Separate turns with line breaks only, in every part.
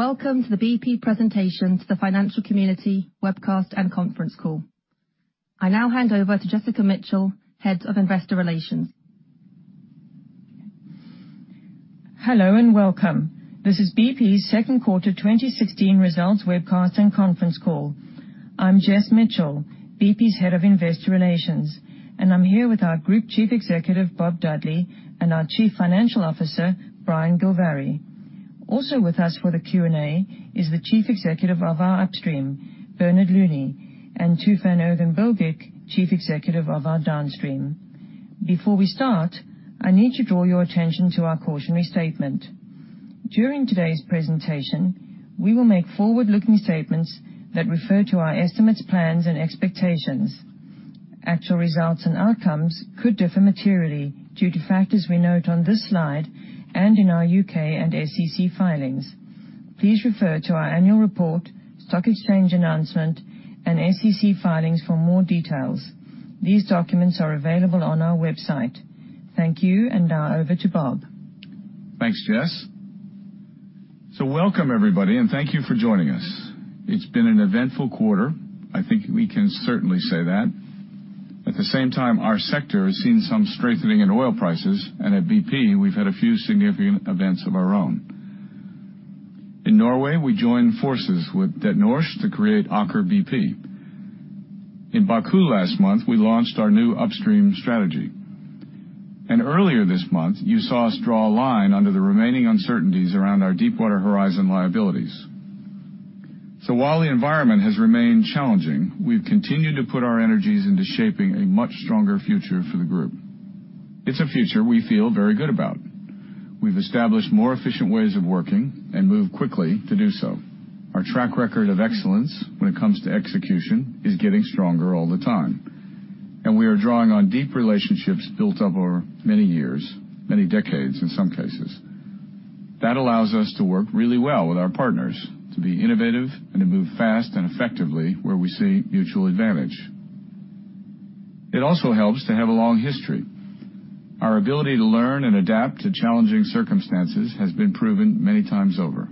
Welcome to the BP presentation to the financial community webcast and conference call. I now hand over to Jessica Mitchell, Head of Investor Relations.
Hello and welcome. This is BP's second quarter 2016 results webcast and conference call. I'm Jess Mitchell, BP's Head of Investor Relations, and I'm here with our Group Chief Executive, Bob Dudley, and our Chief Financial Officer, Brian Gilvary. Also with us for the Q&A is the Chief Executive of our upstream, Bernard Looney, and Tufan Erginbilgic, Chief Executive of our downstream. Before we start, I need to draw your attention to our cautionary statement. During today's presentation, we will make forward-looking statements that refer to our estimates, plans, and expectations. Actual results and outcomes could differ materially due to factors we note on this slide and in our U.K. and SEC filings. Please refer to our annual report, stock exchange announcement, and SEC filings for more details. These documents are available on our website. Thank you. Now over to Bob.
Thanks, Jess. Welcome everybody, thank you for joining us. It's been an eventful quarter. I think we can certainly say that. At the same time, our sector has seen some strengthening in oil prices, at BP, we've had a few significant events of our own. In Norway, we joined forces with Det Norske to create Aker BP. In Baku last month, we launched our new upstream strategy. Earlier this month, you saw us draw a line under the remaining uncertainties around our Deepwater Horizon liabilities. While the environment has remained challenging, we've continued to put our energies into shaping a much stronger future for the group. It's a future we feel very good about. We've established more efficient ways of working and moved quickly to do so. Our track record of excellence when it comes to execution is getting stronger all the time, we are drawing on deep relationships built up over many years, many decades in some cases. That allows us to work really well with our partners to be innovative and to move fast and effectively where we see mutual advantage. It also helps to have a long history. Our ability to learn and adapt to challenging circumstances has been proven many times over.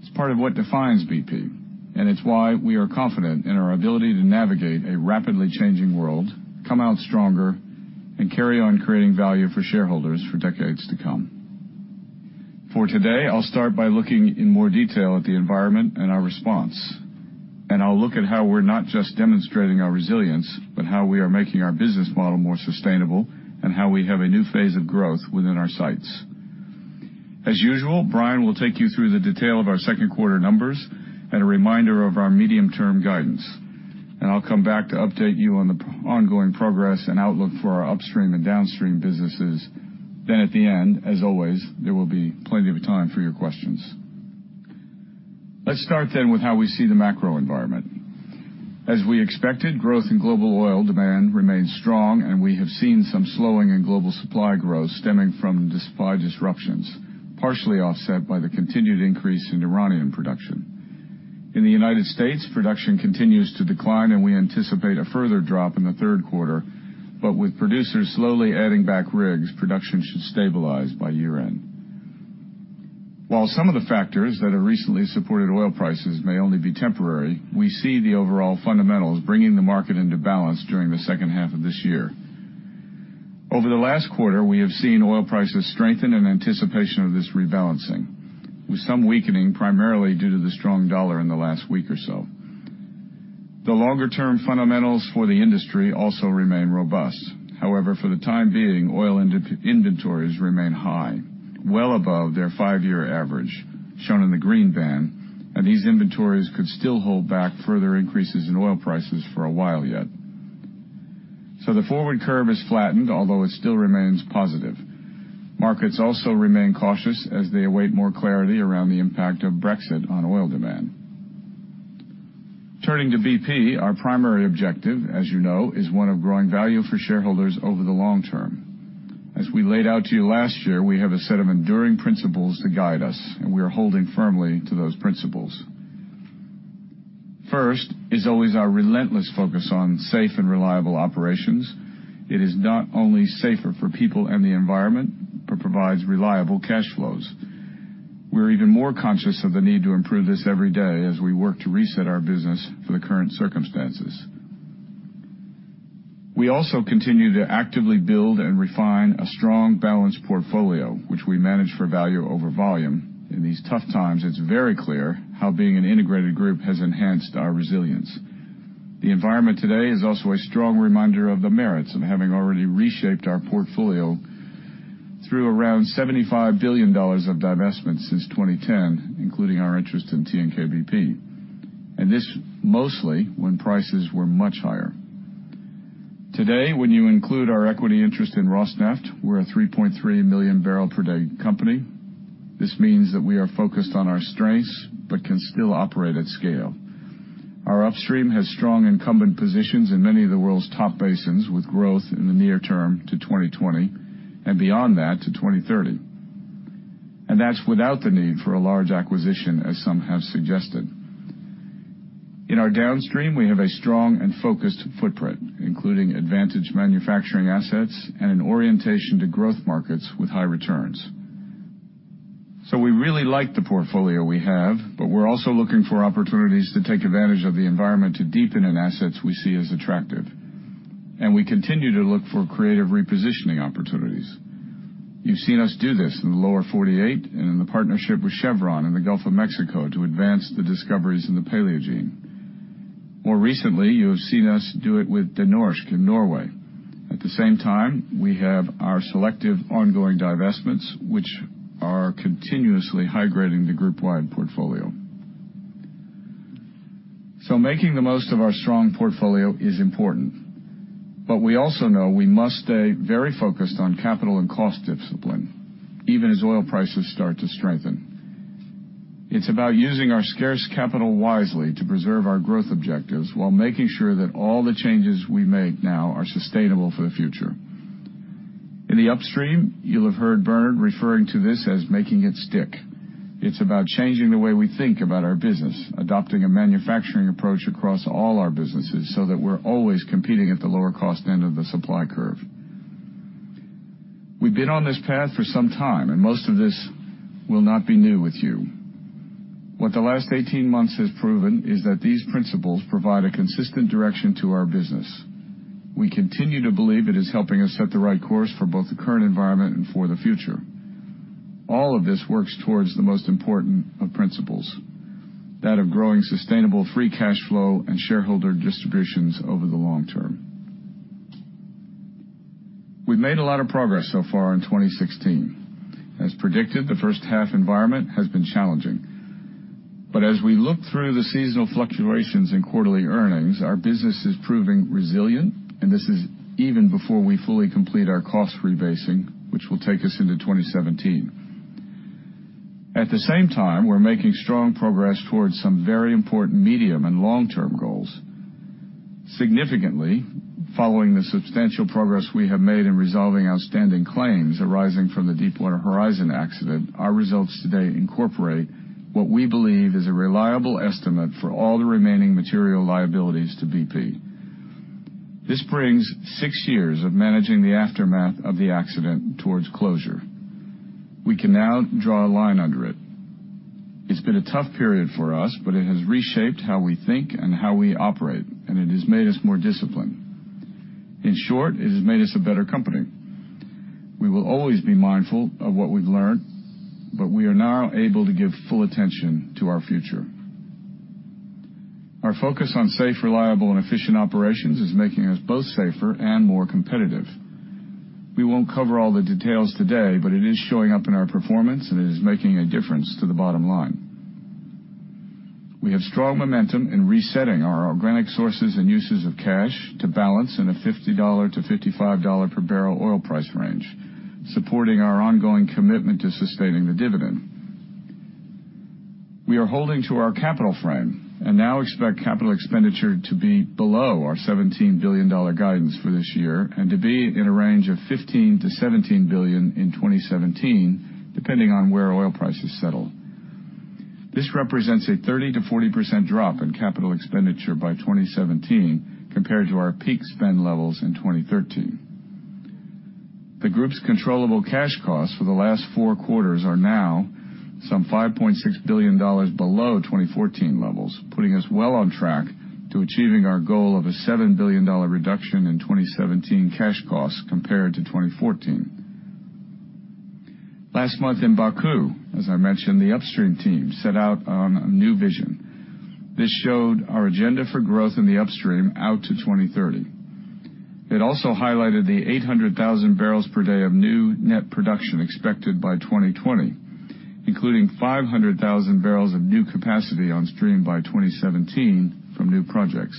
It's part of what defines BP, it's why we are confident in our ability to navigate a rapidly changing world, come out stronger, and carry on creating value for shareholders for decades to come. For today, I'll start by looking in more detail at the environment and our response, I'll look at how we're not just demonstrating our resilience, but how we are making our business model more sustainable and how we have a new phase of growth within our sights. As usual, Brian will take you through the detail of our second quarter numbers and a reminder of our medium-term guidance. I'll come back to update you on the ongoing progress and outlook for our upstream and downstream businesses. At the end, as always, there will be plenty of time for your questions. Let's start with how we see the macro environment. As we expected, growth in global oil demand remains strong, we have seen some slowing in global supply growth stemming from supply disruptions, partially offset by the continued increase in Iranian production. In the United States, production continues to decline, we anticipate a further drop in the third quarter. With producers slowly adding back rigs, production should stabilize by year-end. While some of the factors that have recently supported oil prices may only be temporary, we see the overall fundamentals bringing the market into balance during the second half of this year. Over the last quarter, we have seen oil prices strengthen in anticipation of this rebalancing, with some weakening primarily due to the strong dollar in the last week or so. The longer-term fundamentals for the industry also remain robust. However, for the time being, oil inventories remain high, well above their five-year average, shown in the green band, these inventories could still hold back further increases in oil prices for a while yet. The forward curve is flattened, although it still remains positive. Markets also remain cautious as they await more clarity around the impact of Brexit on oil demand. Turning to BP, our primary objective, as you know, is one of growing value for shareholders over the long term. As we laid out to you last year, we have a set of enduring principles to guide us, we are holding firmly to those principles. First is always our relentless focus on safe and reliable operations. It is not only safer for people and the environment, but provides reliable cash flows. We're even more conscious of the need to improve this every day as we work to reset our business for the current circumstances. We also continue to actively build and refine a strong, balanced portfolio, which we manage for value over volume. In these tough times, it's very clear how being an integrated group has enhanced our resilience. The environment today is also a strong reminder of the merits of having already reshaped our portfolio through around $75 billion of divestments since 2010, including our interest in TNK-BP, this mostly when prices were much higher. Today, when you include our equity interest in Rosneft, we're a 3.3 million barrel per day company. This means that we are focused on our strengths but can still operate at scale. Our upstream has strong incumbent positions in many of the world's top basins, with growth in the near term to 2020 and beyond that to 2030. That's without the need for a large acquisition, as some have suggested. In our downstream, we have a strong and focused footprint, including advantage manufacturing assets and an orientation to growth markets with high returns. We really like the portfolio we have, but we're also looking for opportunities to take advantage of the environment to deepen in assets we see as attractive. We continue to look for creative repositioning opportunities. You've seen us do this in the Lower 48 and in the partnership with Chevron in the Gulf of Mexico to advance the discoveries in the Paleogene. More recently, you have seen us do it with Det Norske in Norway. At the same time, we have our selective ongoing divestments, which are continuously high-grading the group wide portfolio. Making the most of our strong portfolio is important, but we also know we must stay very focused on capital and cost discipline, even as oil prices start to strengthen. It's about using our scarce capital wisely to preserve our growth objectives while making sure that all the changes we make now are sustainable for the future. In the upstream, you'll have heard Bernard referring to this as making it stick. It's about changing the way we think about our business, adopting a manufacturing approach across all our businesses so that we're always competing at the lower cost end of the supply curve. We've been on this path for some time, and most of this will not be new with you. What the last 18 months has proven is that these principles provide a consistent direction to our business. We continue to believe it is helping us set the right course for both the current environment and for the future. All of this works towards the most important of principles, that of growing sustainable free cash flow and shareholder distributions over the long term. We've made a lot of progress so far in 2016. As predicted, the first half environment has been challenging. As we look through the seasonal fluctuations in quarterly earnings, our business is proving resilient, and this is even before we fully complete our cost rebasing, which will take us into 2017. At the same time, we're making strong progress towards some very important medium and long-term goals. Significantly, following the substantial progress we have made in resolving outstanding claims arising from the Deepwater Horizon accident, our results today incorporate what we believe is a reliable estimate for all the remaining material liabilities to BP. This brings six years of managing the aftermath of the accident towards closure. We can now draw a line under it. It's been a tough period for us, but it has reshaped how we think and how we operate, and it has made us more disciplined. In short, it has made us a better company. We will always be mindful of what we've learned, but we are now able to give full attention to our future. Our focus on safe, reliable, and efficient operations is making us both safer and more competitive. We won't cover all the details today, but it is showing up in our performance, and it is making a difference to the bottom line. We have strong momentum in resetting our organic sources and uses of cash to balance in a $50-$55 per barrel oil price range, supporting our ongoing commitment to sustaining the dividend. We are holding to our capital frame and now expect capital expenditure to be below our $17 billion guidance for this year and to be in a range of $15 billion-$17 billion in 2017, depending on where oil prices settle. This represents a 30%-40% drop in capital expenditure by 2017 compared to our peak spend levels in 2013. The group's controllable cash costs for the last four quarters are now some $5.6 billion below 2014 levels, putting us well on track to achieving our goal of a $7 billion reduction in 2017 cash costs compared to 2014. Last month in Baku, as I mentioned, the upstream team set out on a new vision. This showed our agenda for growth in the upstream out to 2030. It also highlighted the 800,000 barrels per day of new net production expected by 2020, including 500,000 barrels of new capacity on stream by 2017 from new projects.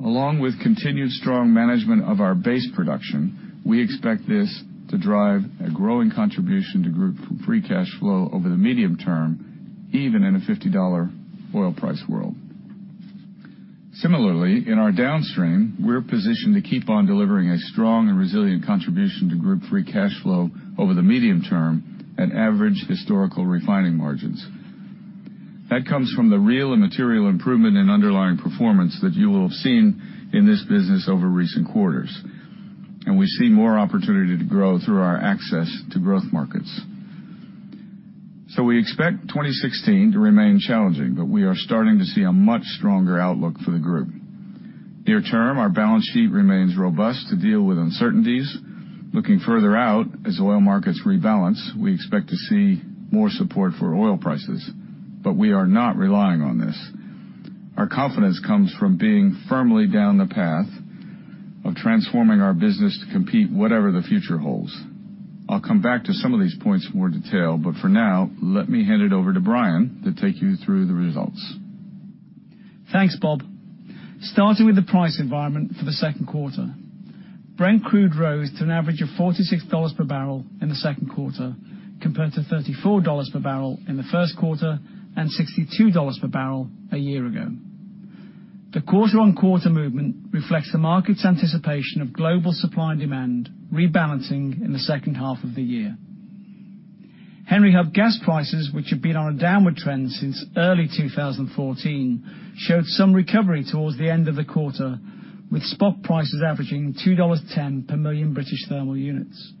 Along with continued strong management of our base production, we expect this to drive a growing contribution to group free cash flow over the medium term, even in a $50 oil price world. Similarly, in our downstream, we're positioned to keep on delivering a strong and resilient contribution to group free cash flow over the medium term at average historical refining margins. That comes from the real and material improvement in underlying performance that you will have seen in this business over recent quarters. We see more opportunity to grow through our access to growth markets. We expect 2016 to remain challenging, but we are starting to see a much stronger outlook for the group. Near term, our balance sheet remains robust to deal with uncertainties. Looking further out, as oil markets rebalance, we expect to see more support for oil prices, but we are not relying on this. Our confidence comes from being firmly down the path of transforming our business to compete whatever the future holds. I'll come back to some of these points in more detail, but for now, let me hand it over to Brian to take you through the results.
Thanks, Bob. Starting with the price environment for the second quarter. Brent crude rose to an average of $46 per barrel in the second quarter, compared to $34 per barrel in the first quarter and $62 per barrel a year ago. The quarter-on-quarter movement reflects the market's anticipation of global supply and demand rebalancing in the second half of the year. Henry Hub gas prices, which have been on a downward trend since early 2014, showed some recovery towards the end of the quarter, with spot prices averaging $2.10 per million British thermal units.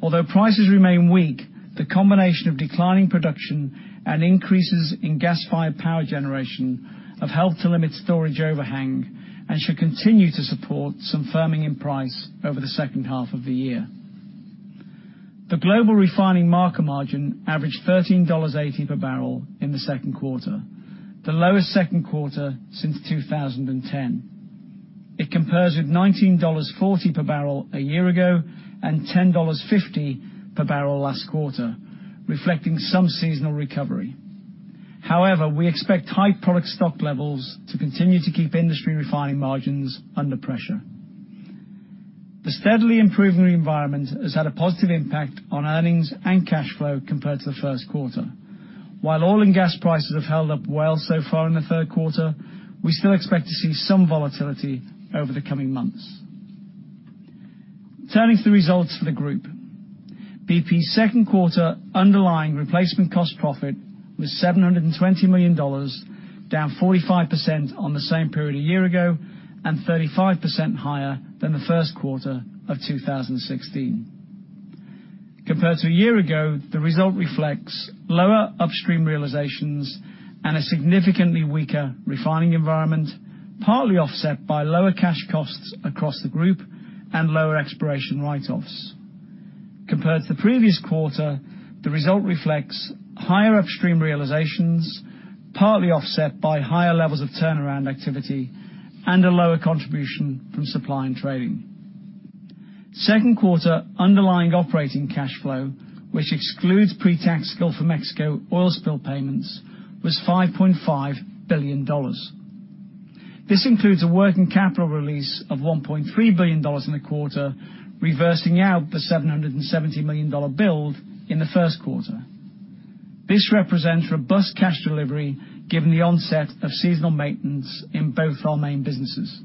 Although prices remain weak, the combination of declining production and increases in gas-fired power generation have helped to limit storage overhang and should continue to support some firming in price over the second half of the year. The global refining market margin averaged $13.80 per barrel in the second quarter, the lowest second quarter since 2010. It compares with $19.40 per barrel a year ago and $10.50 per barrel last quarter, reflecting some seasonal recovery. We expect high product stock levels to continue to keep industry refining margins under pressure. The steadily improving environment has had a positive impact on earnings and cash flow compared to the first quarter. Oil and gas prices have held up well so far in the third quarter, we still expect to see some volatility over the coming months. Turning to the results for the group. BP's second quarter underlying Replacement Cost Profit was $720 million, down 45% on the same period a year ago and 35% higher than the first quarter of 2016. Compared to a year ago, the result reflects lower upstream realizations and a significantly weaker refining environment, partly offset by lower cash costs across the group and lower exploration write-offs. Compared to the previous quarter, the result reflects higher upstream realizations, partly offset by higher levels of turnaround activity and a lower contribution from supply and trading. Second quarter underlying operating cash flow, which excludes pre-tax Macondo oil spill payments, was $5.5 billion. This includes a working capital release of $1.3 billion in the quarter, reversing out the $770 million build in the first quarter. This represents robust cash delivery given the onset of seasonal maintenance in both our main businesses.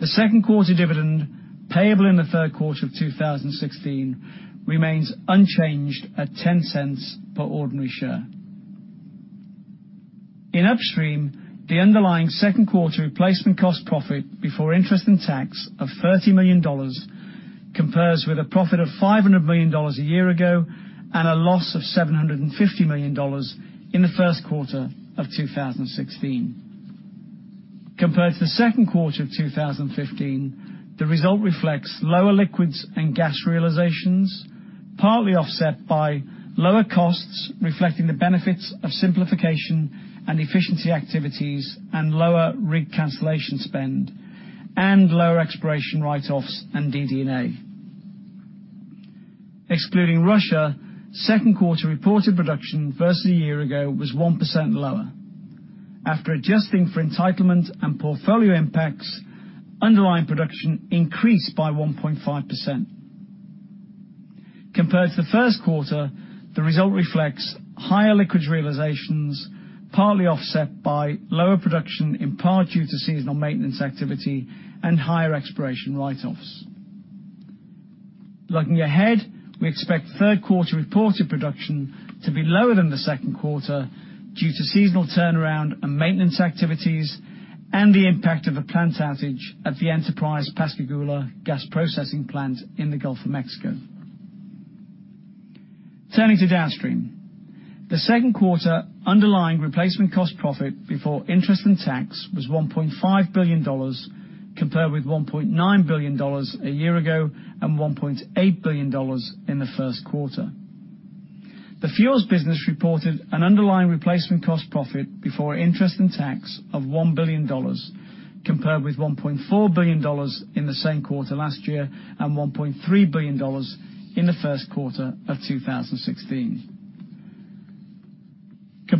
The second quarter dividend, payable in the third quarter of 2016, remains unchanged at $0.10 per ordinary share. In upstream, the underlying second quarter Replacement Cost Profit before interest and tax of $30 million compares with a profit of $500 million a year ago and a loss of $750 million in the first quarter of 2016. Compared to the second quarter of 2015, the result reflects lower liquids and gas realizations, partly offset by lower costs, reflecting the benefits of simplification and efficiency activities and lower rig cancellation spend and lower exploration write-offs and DD&A. Excluding Russia, second quarter reported production versus a year ago was 1% lower. After adjusting for entitlement and portfolio impacts, underlying production increased by 1.5%. Compared to the first quarter, the result reflects higher liquids realizations, partly offset by lower production in part due to seasonal maintenance activity and higher exploration write-offs. Looking ahead, we expect third quarter reported production to be lower than the second quarter due to seasonal turnaround and maintenance activities and the impact of a plant outage at the Enterprise Pascagoula gas processing plant in the Gulf of Mexico. Turning to downstream. The second quarter underlying Replacement Cost Profit before interest and tax was $1.5 billion, compared with $1.9 billion a year ago and $1.8 billion in the first quarter. The fuels business reported an underlying Replacement Cost Profit before interest and tax of $1 billion, compared with $1.4 billion in the same quarter last year and $1.3 billion in the first quarter of 2016.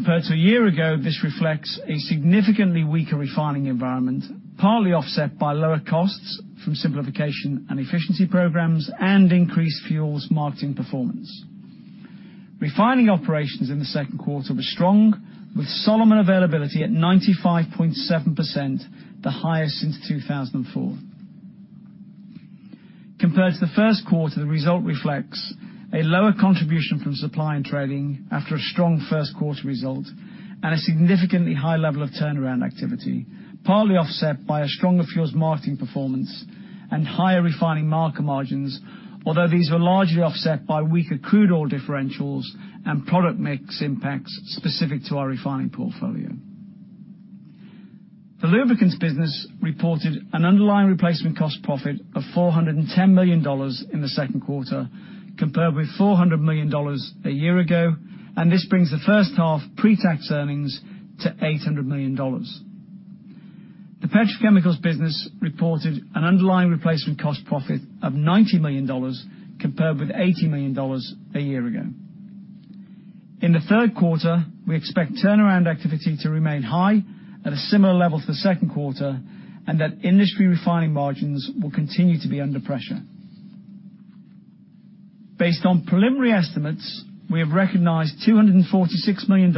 Compared to a year ago, this reflects a significantly weaker refining environment, partly offset by lower costs from simplification and efficiency programs and increased fuels marketing performance. Refining operations in the second quarter were strong, with Solomon availability at 95.7%, the highest since 2004. Compared to the first quarter, the result reflects a lower contribution from supply and trading after a strong first quarter result and a significantly high level of turnaround activity, partly offset by a stronger fuels marketing performance and higher refining market margins, although these were largely offset by weaker crude oil differentials and product mix impacts specific to our refining portfolio. The lubricants business reported an underlying replacement cost profit of $410 million in the second quarter, compared with $400 million a year ago, and this brings the first half pre-tax earnings to $800 million. The petrochemicals business reported an underlying replacement cost profit of $90 million, compared with $80 million a year ago. In the third quarter, we expect turnaround activity to remain high at a similar level to the second quarter, and that industry refining margins will continue to be under pressure. Based on preliminary estimates, we have recognized $246 million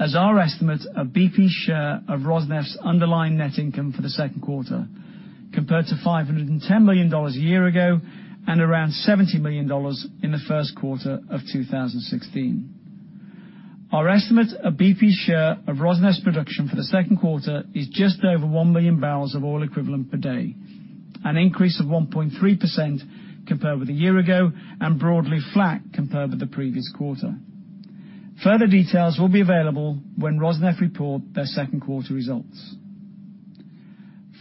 as our estimate of Rosneft's underlying net income for the second quarter, compared to $510 million a year ago and around $70 million in the first quarter of 2016. Our estimate of BP's share of Rosneft's production for the second quarter is just over 1 million barrels of oil equivalent per day, an increase of 1.3% compared with a year ago and broadly flat compared with the previous quarter. Further details will be available when Rosneft report their second quarter results.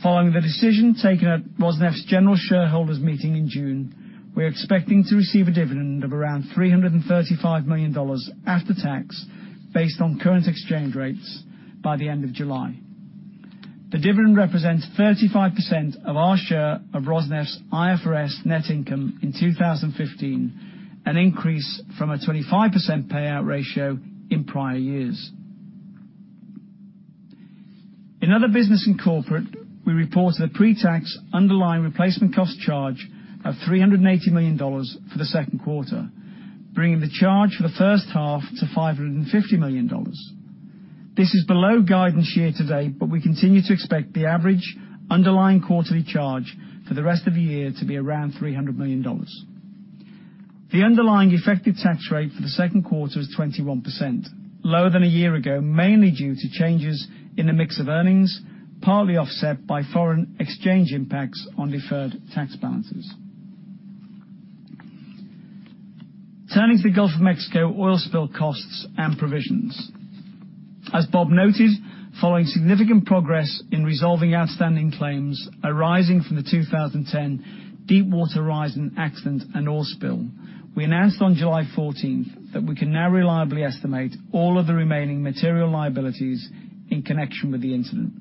Following the decision taken at Rosneft's general shareholders meeting in June, we are expecting to receive a dividend of around $335 million after tax, based on current exchange rates by the end of July. The dividend represents 35% of our share of Rosneft's IFRS net income in 2015, an increase from a 25% payout ratio in prior years. In other business in corporate, we report a pre-tax underlying replacement cost charge of $380 million for the second quarter, bringing the charge for the first half to $550 million. This is below guidance year to date, but we continue to expect the average underlying quarterly charge for the rest of the year to be around $300 million. The underlying effective tax rate for the second quarter was 21%, lower than a year ago, mainly due to changes in the mix of earnings, partly offset by foreign exchange impacts on deferred tax balances. Turning to the Gulf of Mexico oil spill costs and provisions. As Bob noted, following significant progress in resolving outstanding claims arising from the 2010 Deepwater Horizon accident and oil spill, we announced on July 14th that we can now reliably estimate all of the remaining material liabilities in connection with the incident.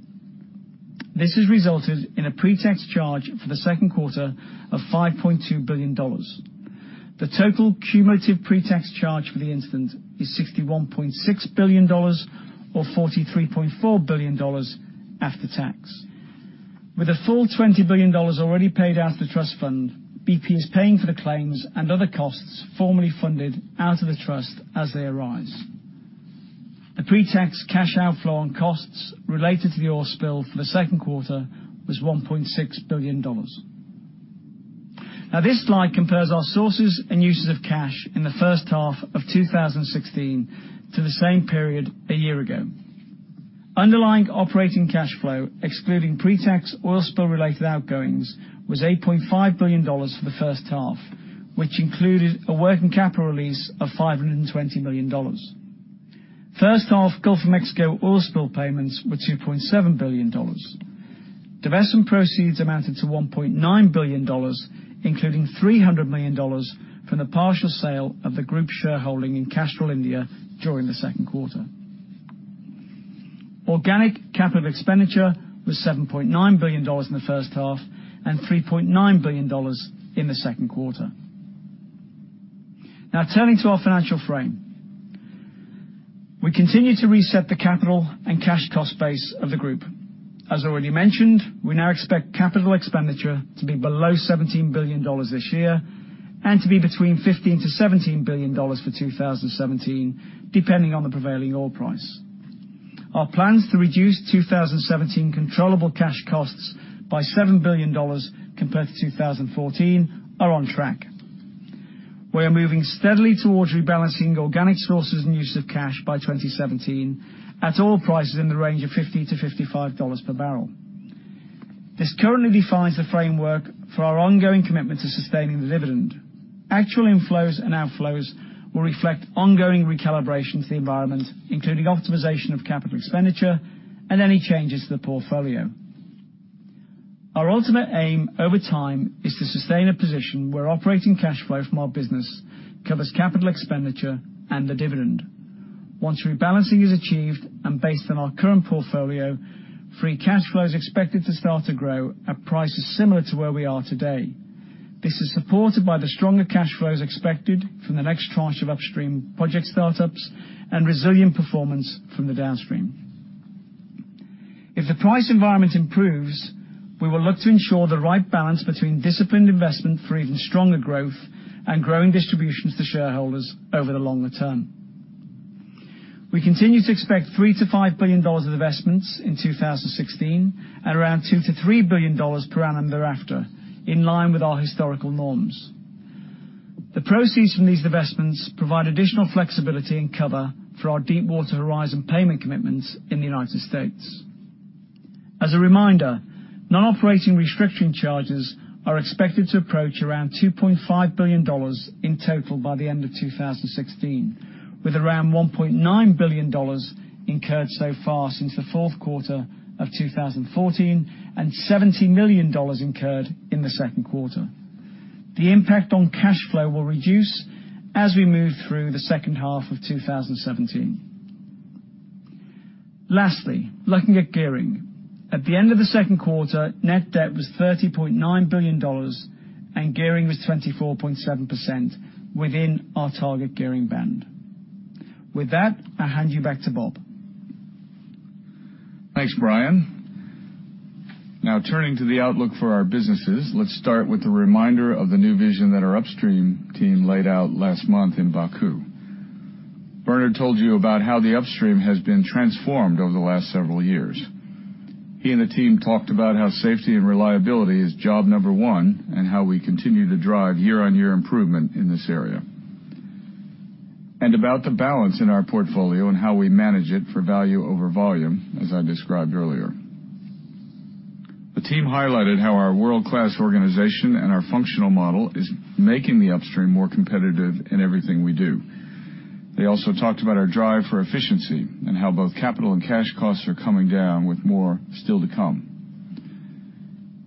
This has resulted in a pre-tax charge for the second quarter of $5.2 billion. The total cumulative pre-tax charge for the incident is $61.6 billion or $43.4 billion after tax. With a full $20 billion already paid out of the trust fund, BP is paying for the claims and other costs formally funded out of the trust as they arise. The pre-tax cash outflow on costs related to the oil spill for the second quarter was $1.6 billion. Now, this slide compares our sources and uses of cash in the first half of 2016 to the same period a year ago. Underlying operating cash flow, excluding pre-tax oil spill related outgoings, was $8.5 billion for the first half, which included a working capital release of $520 million. First half Gulf of Mexico oil spill payments were $2.7 billion. Divestment proceeds amounted to $1.9 billion, including $300 million from the partial sale of the group shareholding in Castrol India during the second quarter. Organic capital expenditure was $7.9 billion in the first half and $3.9 billion in the second quarter. Now turning to our financial frame. We continue to reset the capital and cash cost base of the group. As already mentioned, we now expect capital expenditure to be below $17 billion this year, and to be between $15 billion-$17 billion for 2017, depending on the prevailing oil price. Our plans to reduce 2017 controllable cash costs by $7 billion compared to 2014 are on track. We are moving steadily towards rebalancing organic sources and uses of cash by 2017 at oil prices in the range of $50-$55 per barrel. This currently defines the framework for our ongoing commitment to sustaining the dividend. Actual inflows and outflows will reflect ongoing recalibration to the environment, including optimization of capital expenditure and any changes to the portfolio. Our ultimate aim over time is to sustain a position where operating cash flow from our business covers capital expenditure and the dividend. Once rebalancing is achieved, and based on our current portfolio, free cash flow is expected to start to grow at prices similar to where we are today. This is supported by the stronger cash flows expected from the next tranche of upstream project startups and resilient performance from the downstream. If the price environment improves, we will look to ensure the right balance between disciplined investment for even stronger growth and growing distributions to shareholders over the longer term. We continue to expect $3 billion-$5 billion of investments in 2016, and around $2 billion-$3 billion per annum thereafter, in line with our historical norms. The proceeds from these divestments provide additional flexibility and cover for our Deepwater Horizon payment commitments in the U.S. As a reminder, non-operating restriction charges are expected to approach around $2.5 billion in total by the end of 2016, with around $1.9 billion incurred so far since the fourth quarter of 2014 and $70 million incurred in the second quarter. The impact on cash flow will reduce as we move through the second half of 2017. Lastly, looking at gearing. At the end of the second quarter, net debt was $30.9 billion, and gearing was 24.7% within our target gearing band. With that, I hand you back to Bob.
Thanks, Brian. Turning to the outlook for our businesses. Let's start with a reminder of the new vision that our Upstream team laid out last month in Baku. Bernard told you about how the Upstream has been transformed over the last several years. He and the team talked about how safety and reliability is job number one, and how we continue to drive year-over-year improvement in this area, and about the balance in our portfolio and how we manage it for value over volume, as I described earlier. The team highlighted how our world-class organization and our functional model is making the Upstream more competitive in everything we do. They also talked about our drive for efficiency and how both capital and cash costs are coming down with more still to come.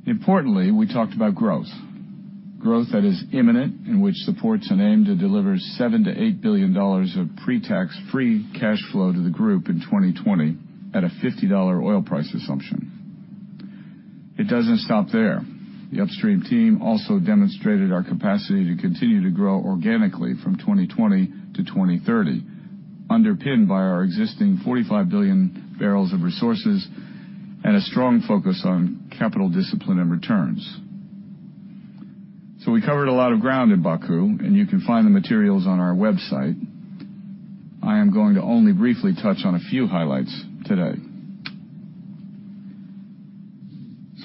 Importantly, we talked about growth. Growth that is imminent, which supports an aim to deliver $7 billion-$8 billion of pre-tax free cash flow to the group in 2020 at a $50 oil price assumption. It doesn't stop there. The Upstream team also demonstrated our capacity to continue to grow organically from 2020 to 2030, underpinned by our existing 45 billion barrels of resources and a strong focus on capital discipline and returns. We covered a lot of ground in Baku, and you can find the materials on our website. I am going to only briefly touch on a few highlights today.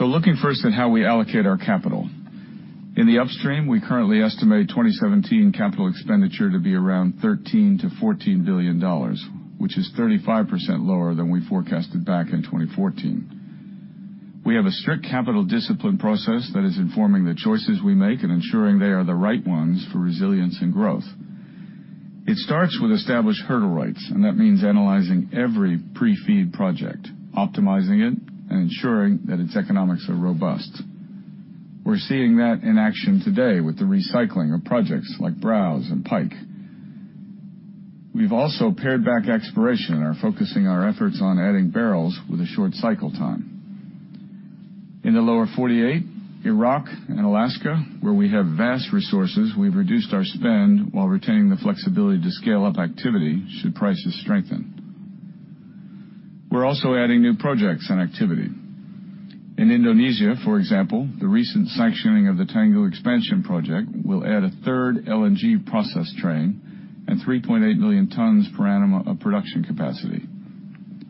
Looking first at how we allocate our capital. In the Upstream, we currently estimate 2017 capital expenditure to be around $13 billion-$14 billion, which is 35% lower than we forecasted back in 2014. We have a strict capital discipline process that is informing the choices we make and ensuring they are the right ones for resilience and growth. It starts with established hurdle rates, and that means analyzing every pre-FEED project, optimizing it, and ensuring that its economics are robust. We're seeing that in action today with the recycling of projects like Browse and Pike. We've also pared back exploration and are focusing our efforts on adding barrels with a short cycle time. In the Lower 48, Iraq, and Alaska, where we have vast resources, we've reduced our spend while retaining the flexibility to scale up activity should prices strengthen. We're also adding new projects and activity. In Indonesia, for example, the recent sanctioning of the Tangguh Expansion project will add a third LNG process train and 3.8 million tons per annum of production capacity.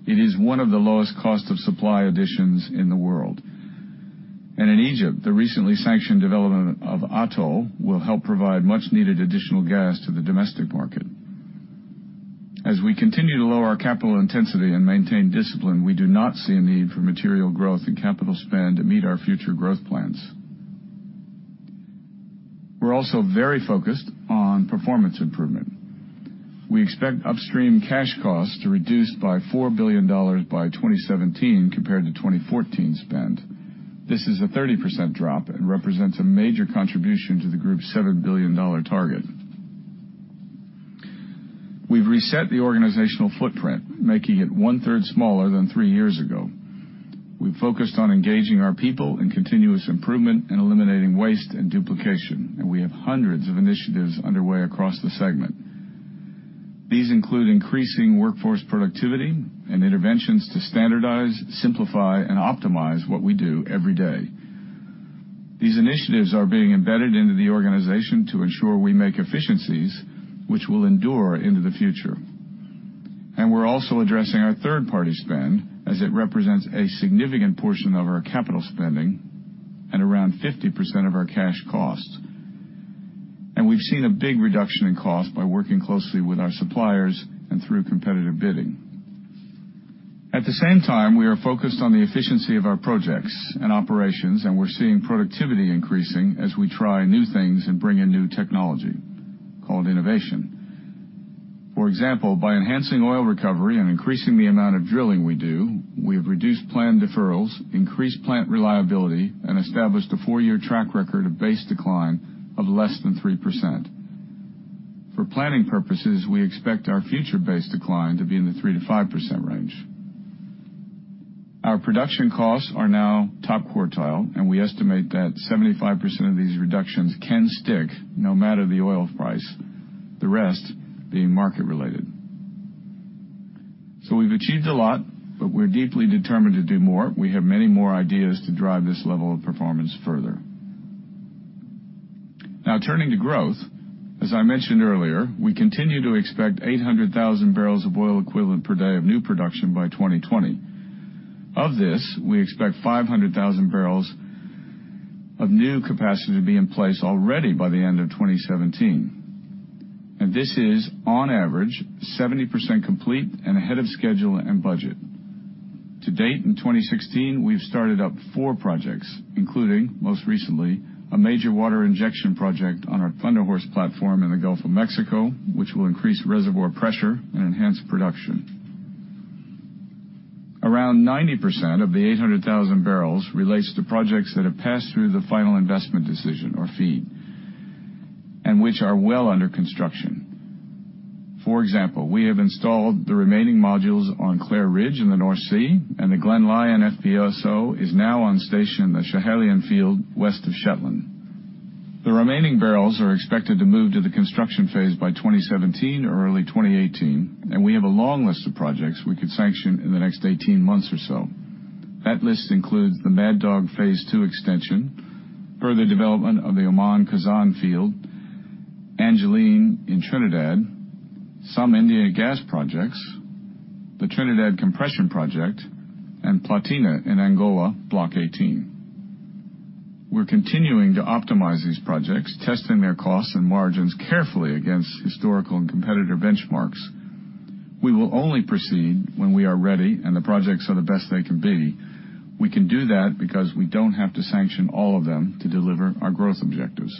It is one of the lowest cost of supply additions in the world. In Egypt, the recently sanctioned development of Atoll will help provide much needed additional gas to the domestic market. As we continue to lower our capital intensity and maintain discipline, we do not see a need for material growth in capital spend to meet our future growth plans. We're also very focused on performance improvement. We expect Upstream cash costs to reduce by $4 billion by 2017 compared to 2014 spend. This is a 30% drop and represents a major contribution to the group's $7 billion target. We've reset the organizational footprint, making it one-third smaller than three years ago. We've focused on engaging our people in continuous improvement and eliminating waste and duplication, and we have hundreds of initiatives underway across the segment. These include increasing workforce productivity and interventions to standardize, simplify, and optimize what we do every day. These initiatives are being embedded into the organization to ensure we make efficiencies which will endure into the future. We're also addressing our third-party spend as it represents a significant portion of our capital spending and around 50% of our cash costs. We've seen a big reduction in cost by working closely with our suppliers and through competitive bidding. At the same time, we are focused on the efficiency of our projects and operations, and we're seeing productivity increasing as we try new things and bring in new technology called innovation. For example, by enhancing oil recovery and increasing the amount of drilling we do, we have reduced planned deferrals, increased plant reliability, and established a four-year track record of base decline of less than 3%. For planning purposes, we expect our future base decline to be in the 3%-5% range. Our production costs are now top quartile, we estimate that 75% of these reductions can stick no matter the oil price, the rest being market related. We've achieved a lot, but we're deeply determined to do more. We have many more ideas to drive this level of performance further. Now turning to growth. As I mentioned earlier, we continue to expect 800,000 barrels of oil equivalent per day of new production by 2020. Of this, we expect 500,000 barrels of new capacity to be in place already by the end of 2017. This is, on average, 70% complete and ahead of schedule and budget. To date, in 2016, we've started up four projects, including, most recently, a major water injection project on our Thunder Horse platform in the Gulf of Mexico, which will increase reservoir pressure and enhance production. Around 90% of the 800,000 barrels relates to projects that have passed through the final investment decision, or FEED, and which are well under construction. For example, we have installed the remaining modules on Clair Ridge in the North Sea, and the Glen Lyon FPSO is now on station at the Schiehallion Field west of Shetland. The remaining barrels are expected to move to the construction phase by 2017 or early 2018, we have a long list of projects we could sanction in the next 18 months or so. That list includes the Mad Dog Phase 2 extension, further development of the Oman Khazzan field, Angelin in Trinidad Some India gas projects, the Trinidad compression project, and Platina in Angola Block 18. We're continuing to optimize these projects, testing their costs and margins carefully against historical and competitor benchmarks. We will only proceed when we are ready and the projects are the best they can be. We can do that because we don't have to sanction all of them to deliver our growth objectives.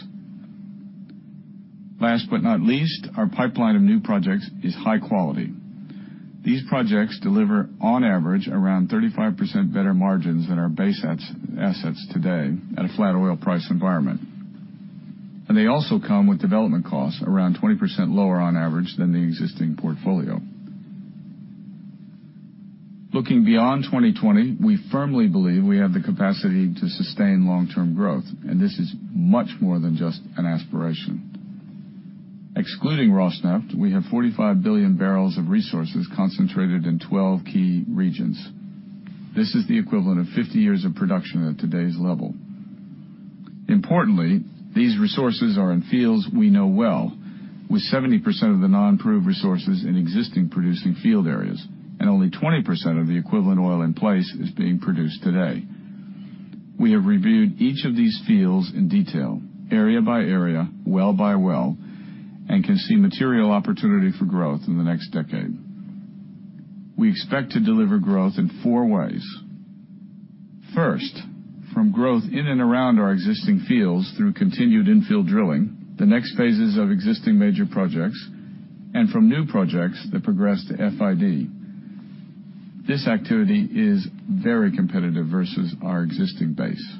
Last but not least, our pipeline of new projects is high quality. These projects deliver, on average, around 35% better margins than our base assets today at a flat oil price environment. They also come with development costs around 20% lower on average than the existing portfolio. Looking beyond 2020, we firmly believe we have the capacity to sustain long-term growth. This is much more than just an aspiration. Excluding Rosneft, we have 45 billion barrels of resources concentrated in 12 key regions. This is the equivalent of 50 years of production at today's level. Importantly, these resources are in fields we know well, with 70% of the non-proved resources in existing producing field areas, and only 20% of the equivalent oil in place is being produced today. We have reviewed each of these fields in detail, area by area, well by well, and can see material opportunity for growth in the next decade. We expect to deliver growth in four ways. First, from growth in and around our existing fields through continued infill drilling, the next phases of existing major projects, and from new projects that progress to FID. This activity is very competitive versus our existing base.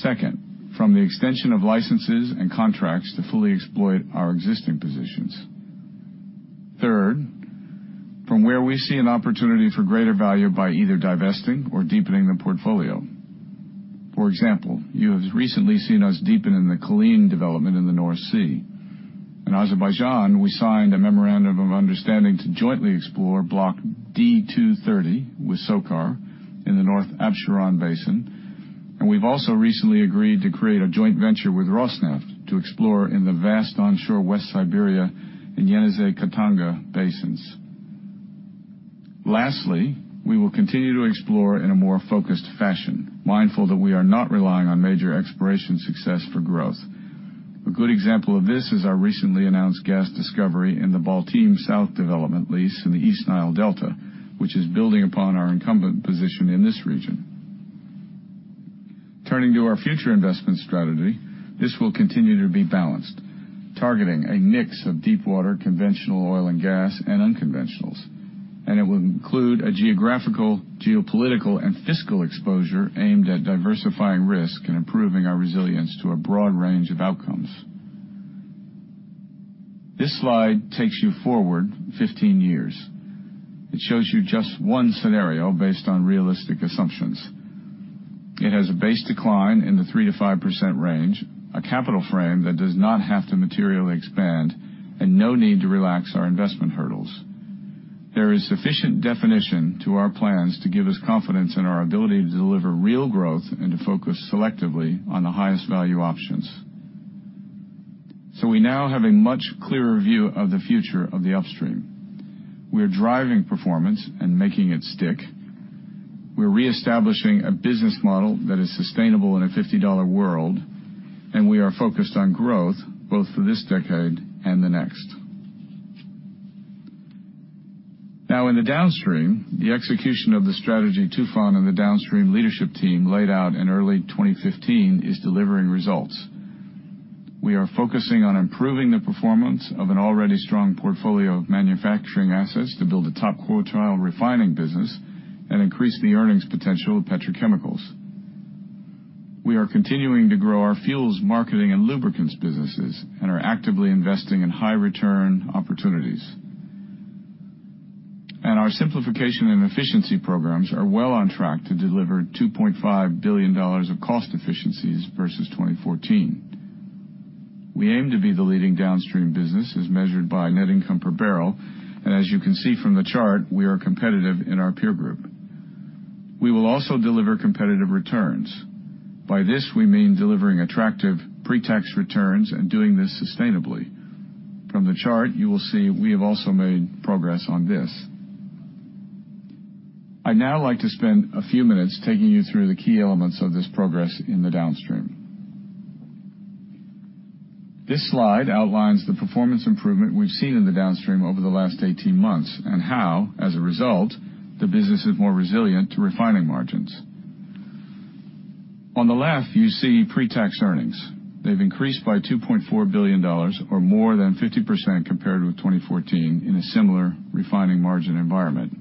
Second, from the extension of licenses and contracts to fully exploit our existing positions. Third, from where we see an opportunity for greater value by either divesting or deepening the portfolio. For example, you have recently seen us deepen in the Culzean development in the North Sea. In Azerbaijan, we signed a memorandum of understanding to jointly explore Block D230 with SOCAR in the North Absheron Basin. We've also recently agreed to create a joint venture with Rosneft to explore in the vast onshore West Siberia and Yenisey-Khatanga basins. Lastly, we will continue to explore in a more focused fashion, mindful that we are not relying on major exploration success for growth. A good example of this is our recently announced gas discovery in the Baltim South development lease in the East Nile Delta, which is building upon our incumbent position in this region. Turning to our future investment strategy, this will continue to be balanced, targeting a mix of deepwater conventional oil and gas and unconventionals. It will include a geographical, geopolitical, and fiscal exposure aimed at diversifying risk and improving our resilience to a broad range of outcomes. This slide takes you forward 15 years. It shows you just one scenario based on realistic assumptions. It has a base decline in the 3%-5% range, a capital frame that does not have to materially expand, and no need to relax our investment hurdles. There is sufficient definition to our plans to give us confidence in our ability to deliver real growth and to focus selectively on the highest value options. We now have a much clearer view of the future of the upstream. We are driving performance and making it stick. We are reestablishing a business model that is sustainable in a $50 world. We are focused on growth, both for this decade and the next. In the downstream, the execution of the strategy Tufan and the downstream leadership team laid out in early 2015 is delivering results. We are focusing on improving the performance of an already strong portfolio of manufacturing assets to build a top quartile refining business and increase the earnings potential of petrochemicals. We are continuing to grow our fuels marketing and lubricants businesses and are actively investing in high return opportunities. Our simplification and efficiency programs are well on track to deliver $2.5 billion of cost efficiencies versus 2014. We aim to be the leading Downstream business as measured by net income per barrel, and as you can see from the chart, we are competitive in our peer group. We will also deliver competitive returns. By this, we mean delivering attractive pre-tax returns and doing this sustainably. From the chart, you will see we have also made progress on this. I'd now like to spend a few minutes taking you through the key elements of this progress in the Downstream. This slide outlines the performance improvement we've seen in the Downstream over the last 18 months and how, as a result, the business is more resilient to refining margins. On the left, you see pre-tax earnings. They've increased by $2.4 billion or more than 50% compared with 2014 in a similar refining margin environment.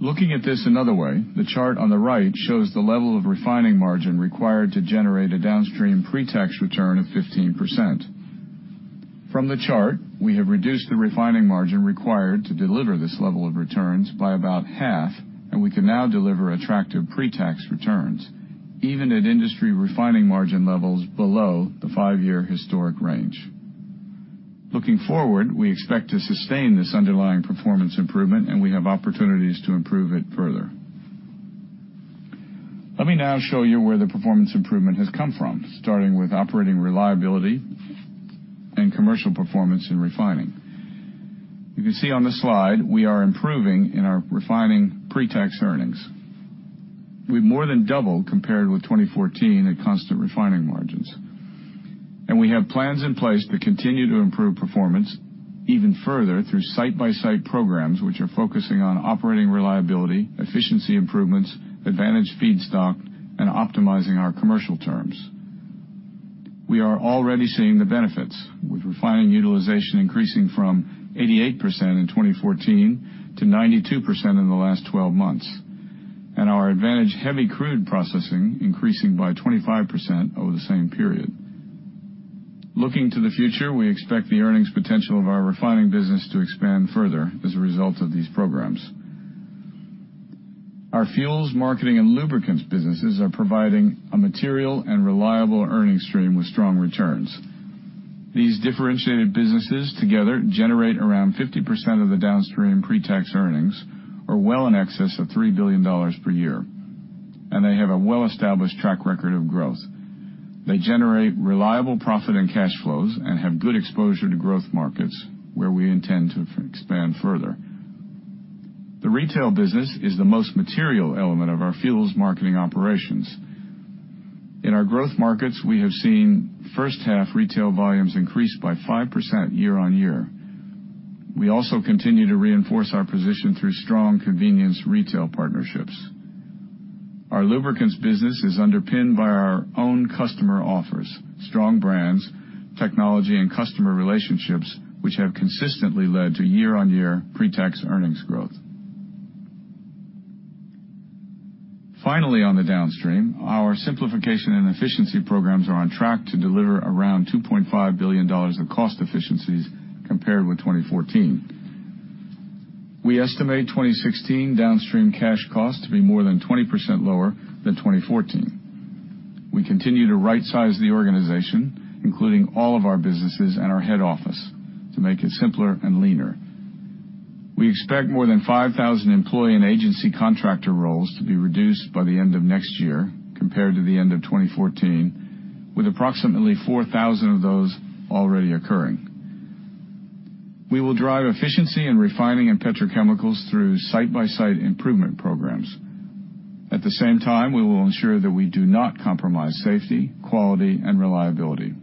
Looking at this another way, the chart on the right shows the level of refining margin required to generate a Downstream pre-tax return of 15%. From the chart, we have reduced the refining margin required to deliver this level of returns by about half, and we can now deliver attractive pre-tax returns, even at industry refining margin levels below the five-year historic range. Looking forward, we expect to sustain this underlying performance improvement, and we have opportunities to improve it further. Let me now show you where the performance improvement has come from, starting with operating reliability and commercial performance in refining. You can see on the slide we are improving in our refining pre-tax earnings. We've more than doubled compared with 2014 at constant refining margins. We have plans in place to continue to improve performance even further through site-by-site programs, which are focusing on operating reliability, efficiency improvements, advantage feedstock, and optimizing our commercial terms. We are already seeing the benefits, with refining utilization increasing from 88% in 2014 to 92% in the last 12 months, and our advantage heavy crude processing increasing by 25% over the same period. Looking to the future, we expect the earnings potential of our refining business to expand further as a result of these programs. Our fuels marketing and lubricants businesses are providing a material and reliable earnings stream with strong returns. These differentiated businesses together generate around 50% of the Downstream pre-tax earnings, or well in excess of $3 billion per year, and they have a well-established track record of growth. They generate reliable profit and cash flows and have good exposure to growth markets, where we intend to expand further. The retail business is the most material element of our fuels marketing operations. In our growth markets, we have seen first half retail volumes increase by 5% year-on-year. We also continue to reinforce our position through strong convenience retail partnerships. Our lubricants business is underpinned by our own customer offers, strong brands, technology, and customer relationships, which have consistently led to year-on-year pre-tax earnings growth. Finally, on the Downstream, our simplification and efficiency programs are on track to deliver around $2.5 billion of cost efficiencies compared with 2014. We estimate 2016 Downstream cash costs to be more than 20% lower than 2014. We continue to right-size the organization, including all of our businesses and our head office, to make it simpler and leaner. We expect more than 5,000 employee and agency contractor roles to be reduced by the end of next year compared to the end of 2014, with approximately 4,000 of those already occurring. We will drive efficiency in refining and petrochemicals through site-by-site improvement programs. At the same time, we will ensure that we do not compromise safety, quality, and reliability.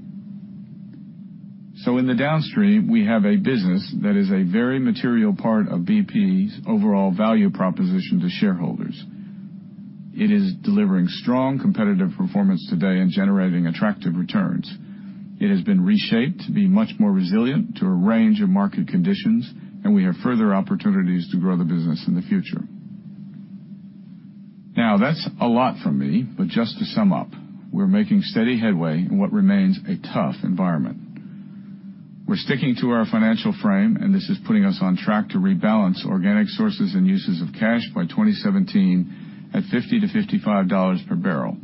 In the Downstream, we have a business that is a very material part of BP's overall value proposition to shareholders. It is delivering strong competitive performance today and generating attractive returns. It has been reshaped to be much more resilient to a range of market conditions, and we have further opportunities to grow the business in the future. That's a lot from me. Just to sum up, we're making steady headway in what remains a tough environment. We're sticking to our financial frame. This is putting us on track to rebalance organic sources and uses of cash by 2017 at $50-$55 per barrel.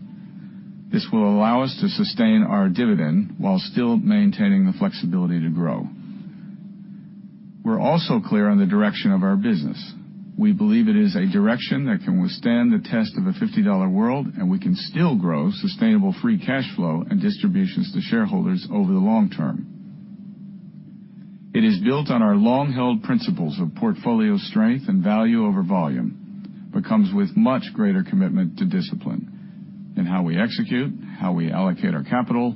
This will allow us to sustain our dividend while still maintaining the flexibility to grow. We're also clear on the direction of our business. We believe it is a direction that can withstand the test of a $50 world. We can still grow sustainable free cash flow and distributions to shareholders over the long term. It is built on our long-held principles of portfolio strength and value over volume, comes with much greater commitment to discipline in how we execute, how we allocate our capital,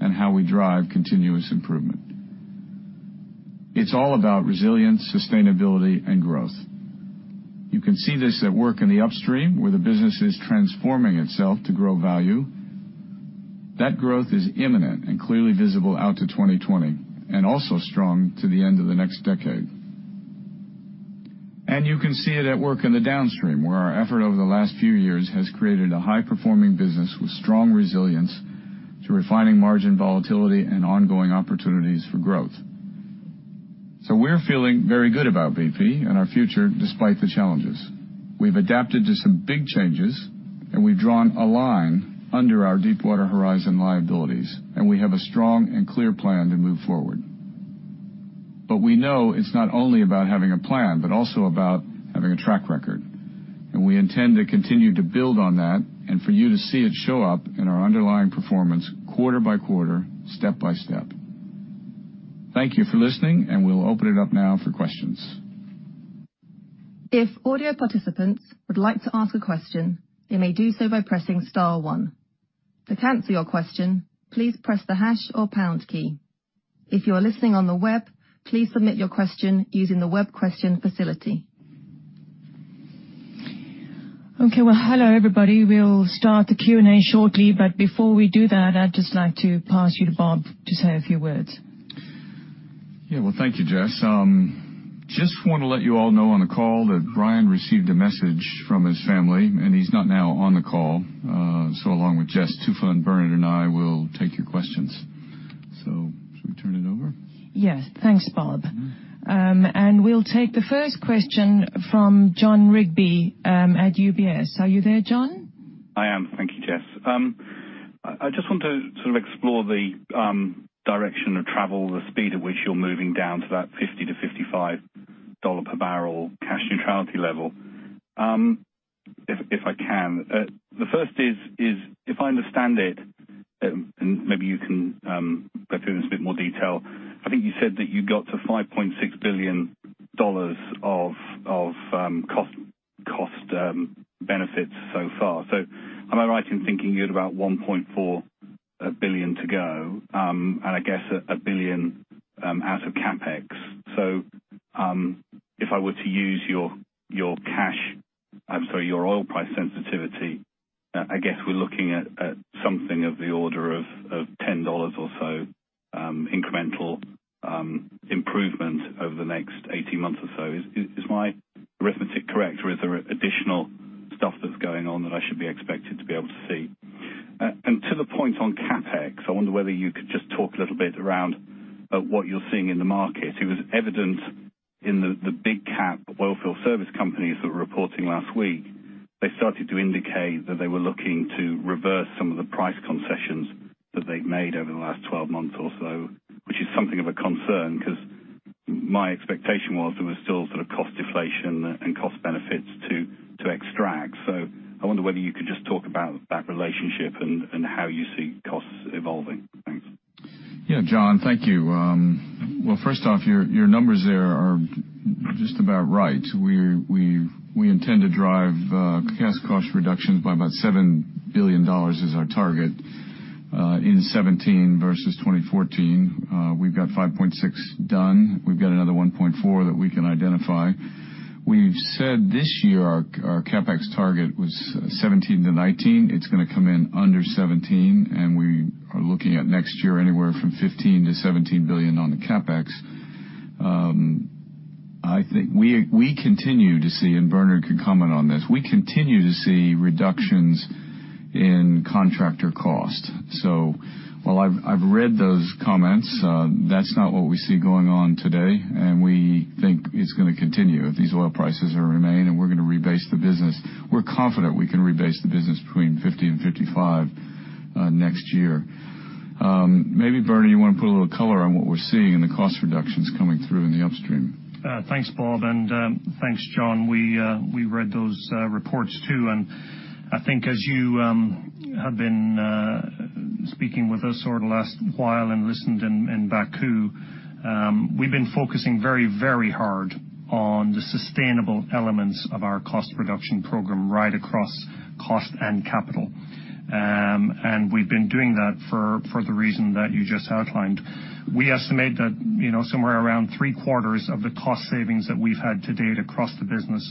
and how we drive continuous improvement. It's all about resilience, sustainability, innovation, and growth. You can see this at work in the Upstream, where the business is transforming itself to grow value. That growth is imminent and clearly visible out to 2020, and also strong to the end of the next decade. You can see it at work in the Downstream, where our effort over the last few years has created a high-performing business with strong resilience to refining margin volatility and ongoing opportunities for growth. We're feeling very good about BP and our future despite the challenges. We've adapted to some big changes. We've drawn a line under our Deepwater Horizon liabilities. We have a strong and clear plan to move forward. We know it's not only about having a plan, but also about having a track record. We intend to continue to build on that and for you to see it show up in our underlying performance quarter by quarter, step by step. Thank you for listening. We'll open it up now for questions.
If audio participants would like to ask a question, they may do so by pressing star one. To cancel your question, please press the hash or pound key. If you are listening on the web, please submit your question using the web question facility. Okay. Well, hello, everybody. We'll start the Q&A shortly, before we do that, I'd just like to pass you to Bob to say a few words.
Yeah. Well, thank you, Jess. Just want to let you all know on the call that Brian received a message from his family, he's not now on the call. Along with Jess, Tufan, Bernard, and I will take your questions. Should we turn it over?
Yes. Thanks, Bob. We'll take the first question from Jon Rigby at UBS. Are you there, Jon?
I am. Thank you, Jess. I just want to explore the direction of travel, the speed at which you're moving down to that $50-$55 per barrel cash neutrality level. If I can. The first is, if I understand it, and maybe you can go through this in a bit more detail. I think you said that you got to $5.6 billion of cost benefits so far. Am I right in thinking you had about $1.4 billion to go, and I guess, $1 billion out of CapEx? If I were to use your oil price sensitivity, I guess we're looking at something of the order of $10 or so incremental improvement over the next 18 months or so. Is my arithmetic correct or is there additional stuff that's going on that I should be expected to be able to see? To the point on CapEx, I wonder whether you could just talk a little bit around what you're seeing in the market. It was evident in the big cap oilfield service companies that were reporting last week. They started to indicate that they were looking to reverse some of the price concessions that they'd made over the last 12 months or so, which is something of a concern, because my expectation was there was still sort of cost deflation and cost benefits to extract. I wonder whether you could just talk about that relationship and how you see costs evolving. Thanks.
John, thank you. Well, first off, your numbers there are just about right. We intend to drive cash cost reductions by about $7 billion is our target in 2017 versus 2014. We've got $5.6 billion done. We've got another $1.4 billion that we can identify. We've said this year our CapEx target was $17 billion-$19 billion. It's going to come in under $17 billion, and we are looking at next year anywhere from $15 billion-$17 billion on the CapEx. We continue to see, Bernard can comment on this, we continue to see reductions in contractor cost. While I've read those comments, that's not what we see going on today, and we think it's going to continue if these oil prices remain, and we're going to rebase the business. We're confident we can rebase the business between $50 and $55 next year. Maybe Bernard, you want to put a little color on what we're seeing in the cost reductions coming through in the upstream.
Thanks, Bob, and thanks, John. We read those reports too, and I think as you have been speaking with us over the last while and listened in Baku, we've been focusing very, very hard on the sustainable elements of our cost reduction program, right across cost and capital. We've been doing that for the reason that you just outlined. We estimate that somewhere around three-quarters of the cost savings that we've had to date across the business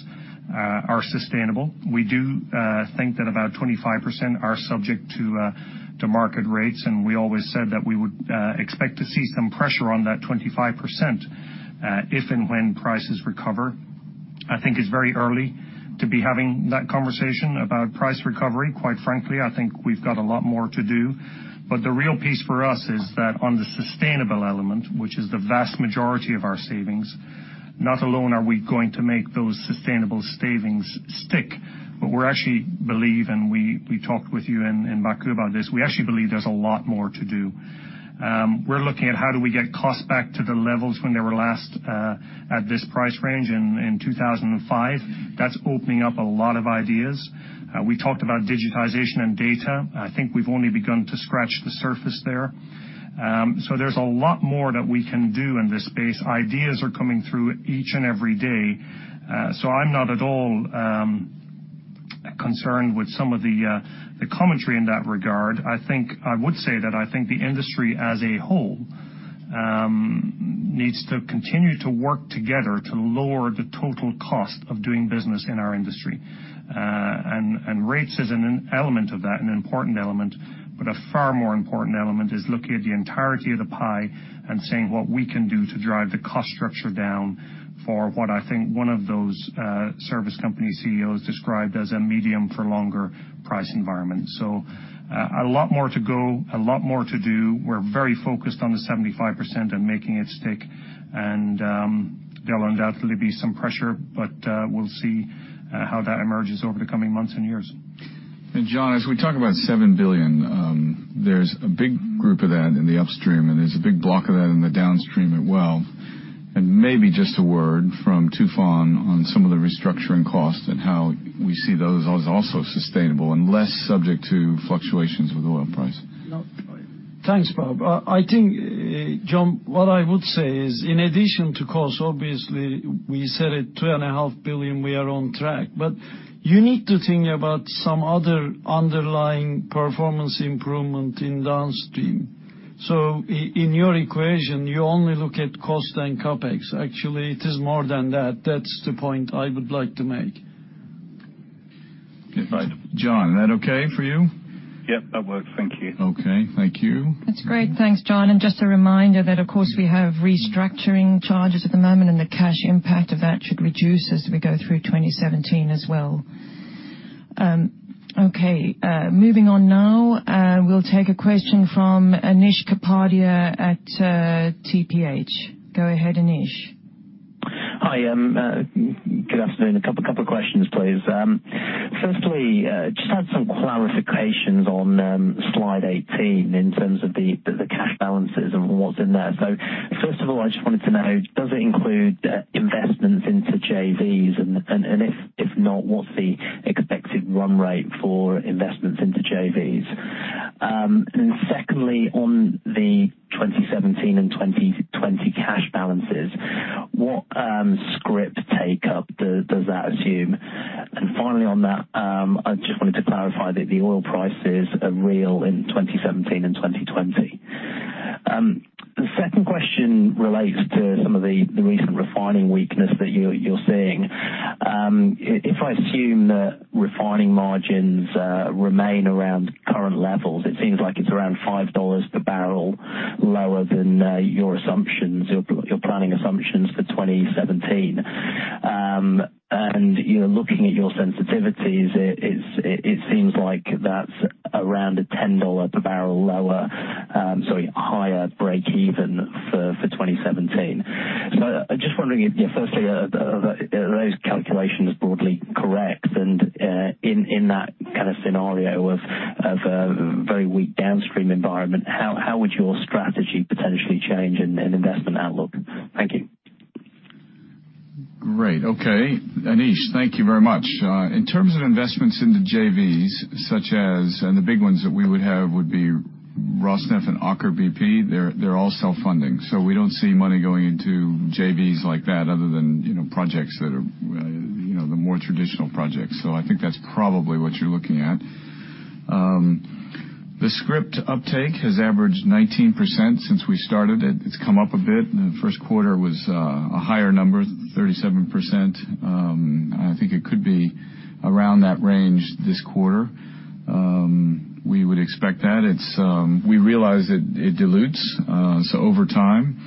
are sustainable. We do think that about 25% are subject to market rates, and we always said that we would expect to see some pressure on that 25% if and when prices recover. I think it's very early to be having that conversation about price recovery. Quite frankly, I think we've got a lot more to do. The real piece for us is that on the sustainable element, which is the vast majority of our savings, not alone are we going to make those sustainable savings stick, but we actually believe, and we talked with you in Baku about this, we actually believe there's a lot more to do. We're looking at how do we get costs back to the levels when they were last at this price range in 2005. That's opening up a lot of ideas. We talked about digitization and data. I think we've only begun to scratch the surface there. There's a lot more that we can do in this space. Ideas are coming through each and every day. I'm not at all concerned with some of the commentary in that regard. I would say that I think the industry as a whole needs to continue to work together to lower the total cost of doing business in our industry. Rates is an element of that, an important element, but a far more important element is looking at the entirety of the pie and saying what we can do to drive the cost structure down for what I think one of those service company CEOs described as a medium for longer price environment. A lot more to go, a lot more to do. We're very focused on the 75% and making it stick, and there'll undoubtedly be some pressure, but we'll see how that emerges over the coming months and years.
John, as we talk about $7 billion, there's a big group of that in the Upstream, and there's a big block of that in the Downstream as well. Maybe just a word from Tufan on some of the restructuring costs and how we see those also sustainable and less subject to fluctuations with oil price.
No.
Thanks, Bob. I think, John, what I would say is, in addition to cost, obviously we said at $ two and a half billion we are on track. You need to think about some other underlying performance improvement in Downstream. In your equation, you only look at cost and CapEx. Actually, it is more than that. That's the point I would like to make.
John, is that okay for you?
Yep, that works. Thank you.
Okay. Thank you.
That's great. Thanks, John. Just a reminder that, of course, we have restructuring charges at the moment, and the cash impact of that should reduce as we go through 2017 as well. Okay, moving on now. We'll take a question from Anish Kapadia at TPH. Go ahead, Anish.
Hi. Good afternoon. A couple of questions, please. Firstly, just had some clarifications on slide 18 in terms of the cash balances and what's in there. First of all, I just wanted to know, does it include investments into JVs, and if not, what's the expected run rate for investments into JVs? Secondly, on the 2017 and 2020 cash balances, what scrip take-up does that assume? Finally on that, I just wanted to clarify that the oil prices are real in 2017 and 2020. The second question relates to some of the recent refining weakness that you're seeing. If I assume that refining margins remain around current levels, it seems like it's around $5 per barrel lower than your planning assumptions for 2017. Looking at your sensitivities, it seems like that's around a $10 per barrel lower, sorry, higher breakeven for 2017. I'm just wondering if, firstly, are those calculations broadly correct? In that kind of scenario of a very weak downstream environment, how would your strategy potentially change in investment outlook? Thank you.
Great. Okay. Anish, thank you very much. In terms of investments into JVs, the big ones that we would have would be Rosneft and Aker BP, they're all self-funding, we don't see money going into JVs like that other than the more traditional projects. I think that's probably what you're looking at. The scrip uptake has averaged 19% since we started it. It's come up a bit, the first quarter was a higher number, 37%. I think it could be around that range this quarter. We would expect that. We realize it dilutes. Over time,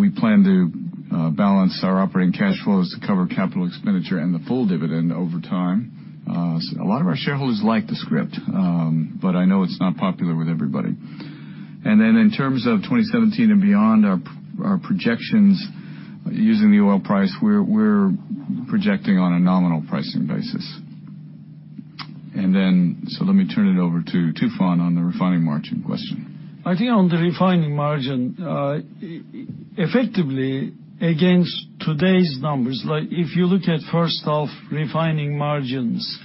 we plan to balance our operating cash flows to cover capital expenditure and the full dividend over time. A lot of our shareholders like the scrip, I know it's not popular with everybody. In terms of 2017 and beyond, our projections using the oil price, we're projecting on a nominal pricing basis. Let me turn it over to Tufan on the refining margin question.
I think on the refining margin, effectively, against today's numbers, if you look at first half refining margins,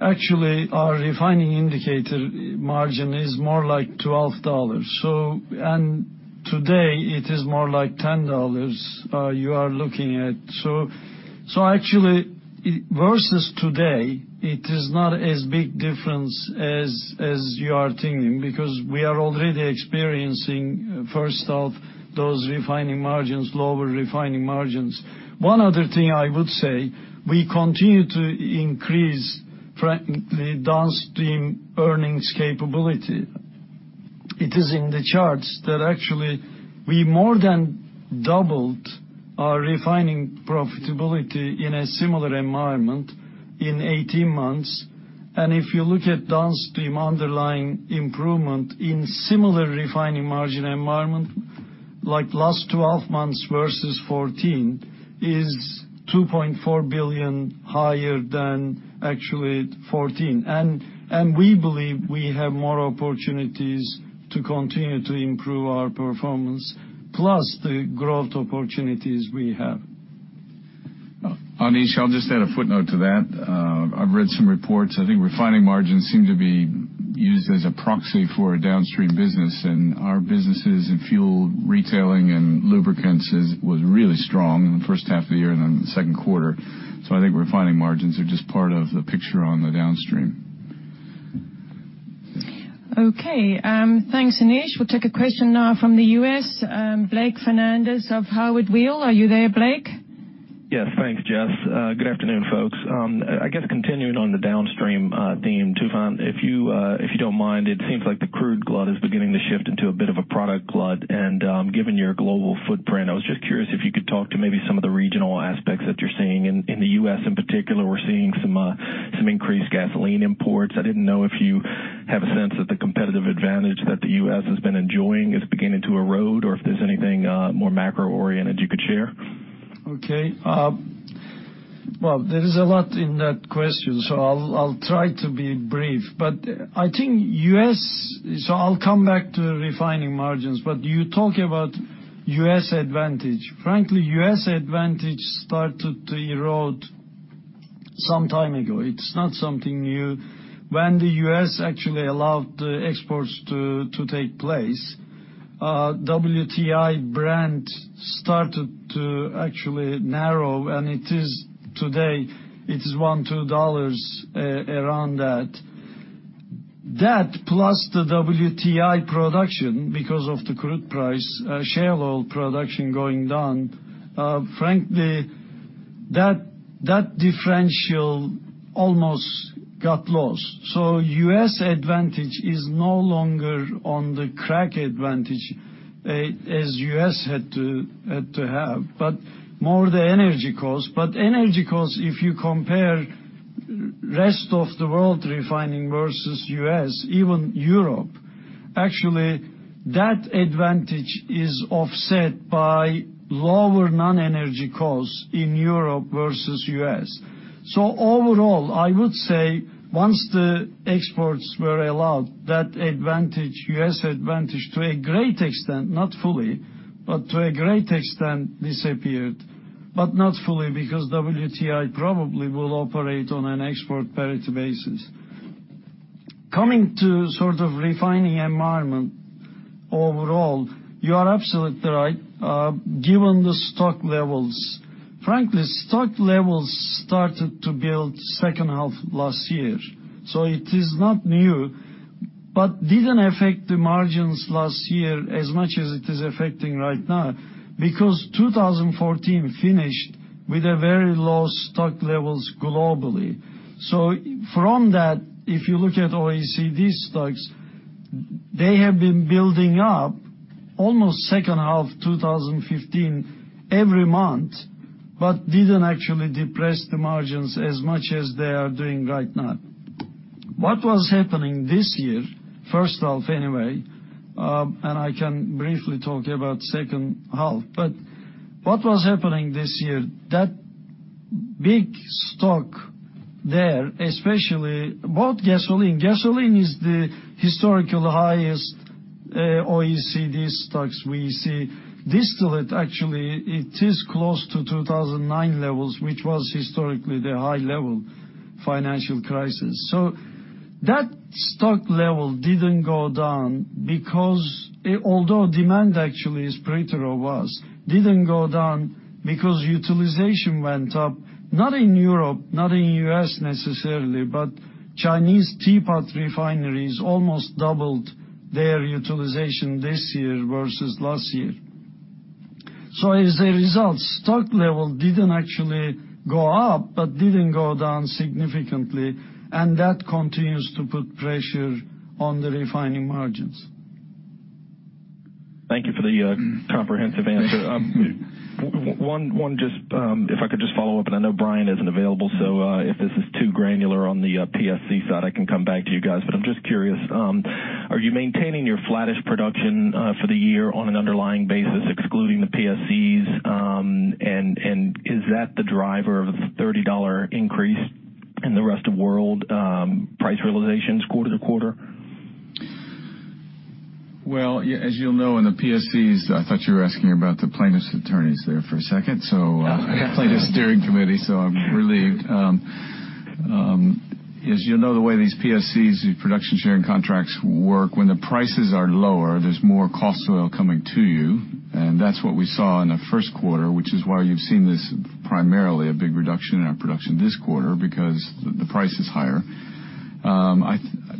actually our refining indicator margin is more like $12. Today it is more like $10 you are looking at. Actually, versus today, it is not as big difference as you are thinking because we are already experiencing, first off, those lower refining margins. One other thing I would say, we continue to increase, frankly, downstream earnings capability. It is in the charts that actually we more than doubled our refining profitability in a similar environment in 18 months. If you look at downstream underlying improvement in similar refining margin environment, like last 12 months versus 2014 is $2.4 billion higher than actually 2014. We believe we have more opportunities to continue to improve our performance plus the growth opportunities we have.
Anish, I'll just add a footnote to that. I've read some reports. I think refining margins seem to be used as a proxy for a downstream business and our businesses in fuel retailing and lubricants was really strong in the first half of the year and in the second quarter. I think refining margins are just part of the picture on the downstream.
Okay. Thanks, Anish. We'll take a question now from the U.S. Blake Fernandez of Howard Weil. Are you there, Blake?
Yes. Thanks, Jess. Good afternoon, folks. I guess continuing on the downstream theme, Tufan, if you don't mind, it seems like the crude glut is beginning to shift into a bit of a product glut. Given your global footprint, I was just curious if you could talk to maybe some of the regional aspects that you're seeing. In the U.S. in particular, we're seeing some increased gasoline imports. I didn't know if you have a sense that the competitive advantage that the U.S. has been enjoying is beginning to erode, or if there's anything more macro-oriented you could share.
Okay. There is a lot in that question, I'll try to be brief. I'll come back to refining margins. You talk about U.S. advantage. Frankly, U.S. advantage started to erode some time ago. It's not something new. When the U.S. actually allowed exports to take place, WTI Brent started to actually narrow, and today it is $1, $2 around that. That plus the WTI production because of the crude price, shale oil production going down, frankly, that differential almost got lost. U.S. advantage is no longer on the crack advantage as U.S. had to have, but more the energy cost. Energy cost, if you compare rest of the world refining versus U.S., even Europe. Actually, that advantage is offset by lower non-energy costs in Europe versus U.S. Overall, I would say once the exports were allowed, that U.S. advantage, to a great extent, not fully, but to a great extent disappeared. Not fully, because WTI probably will operate on an export parity basis. Coming to refining environment overall, you are absolutely right. Given the stock levels. Frankly, stock levels started to build second half last year, it is not new, but didn't affect the margins last year as much as it is affecting right now, because 2014 finished with a very low stock levels globally. From that, if you look at OECD stocks, they have been building up almost second half 2015 every month, but didn't actually depress the margins as much as they are doing right now. What was happening this year, first half anyway, and I can briefly talk about second half, but what was happening this year, that big stock there, especially both gasoline. Gasoline is the historical highest OECD stocks we see. Distillate, actually, it is close to 2009 levels, which was historically the high level financial crisis. That stock level didn't go down because although demand actually is pretty robust, didn't go down because utilization went up, not in Europe, not in U.S. necessarily, but Chinese teapot refineries almost doubled their utilization this year versus last year. As a result, stock level didn't actually go up but didn't go down significantly, and that continues to put pressure on the refining margins.
Thank you for the comprehensive answer. One, if I could just follow up, and I know Brian isn't available, if this is too granular on the PSC side, I can come back to you guys. I'm just curious, are you maintaining your flattish production for the year on an underlying basis, excluding the PSCs? Is that the driver of the $30 increase in the rest of world price realizations quarter to quarter?
Well, as you'll know, in the PSCs, I thought you were asking about the plaintiffs' attorneys there for a second. I have plaintiffs steering committee, so I'm relieved. As you'll know, the way these PSCs, these production sharing contracts work, when the prices are lower, there's more cost oil coming to you, and that's what we saw in the first quarter, which is why you've seen this primarily a big reduction in our production this quarter because the price is higher.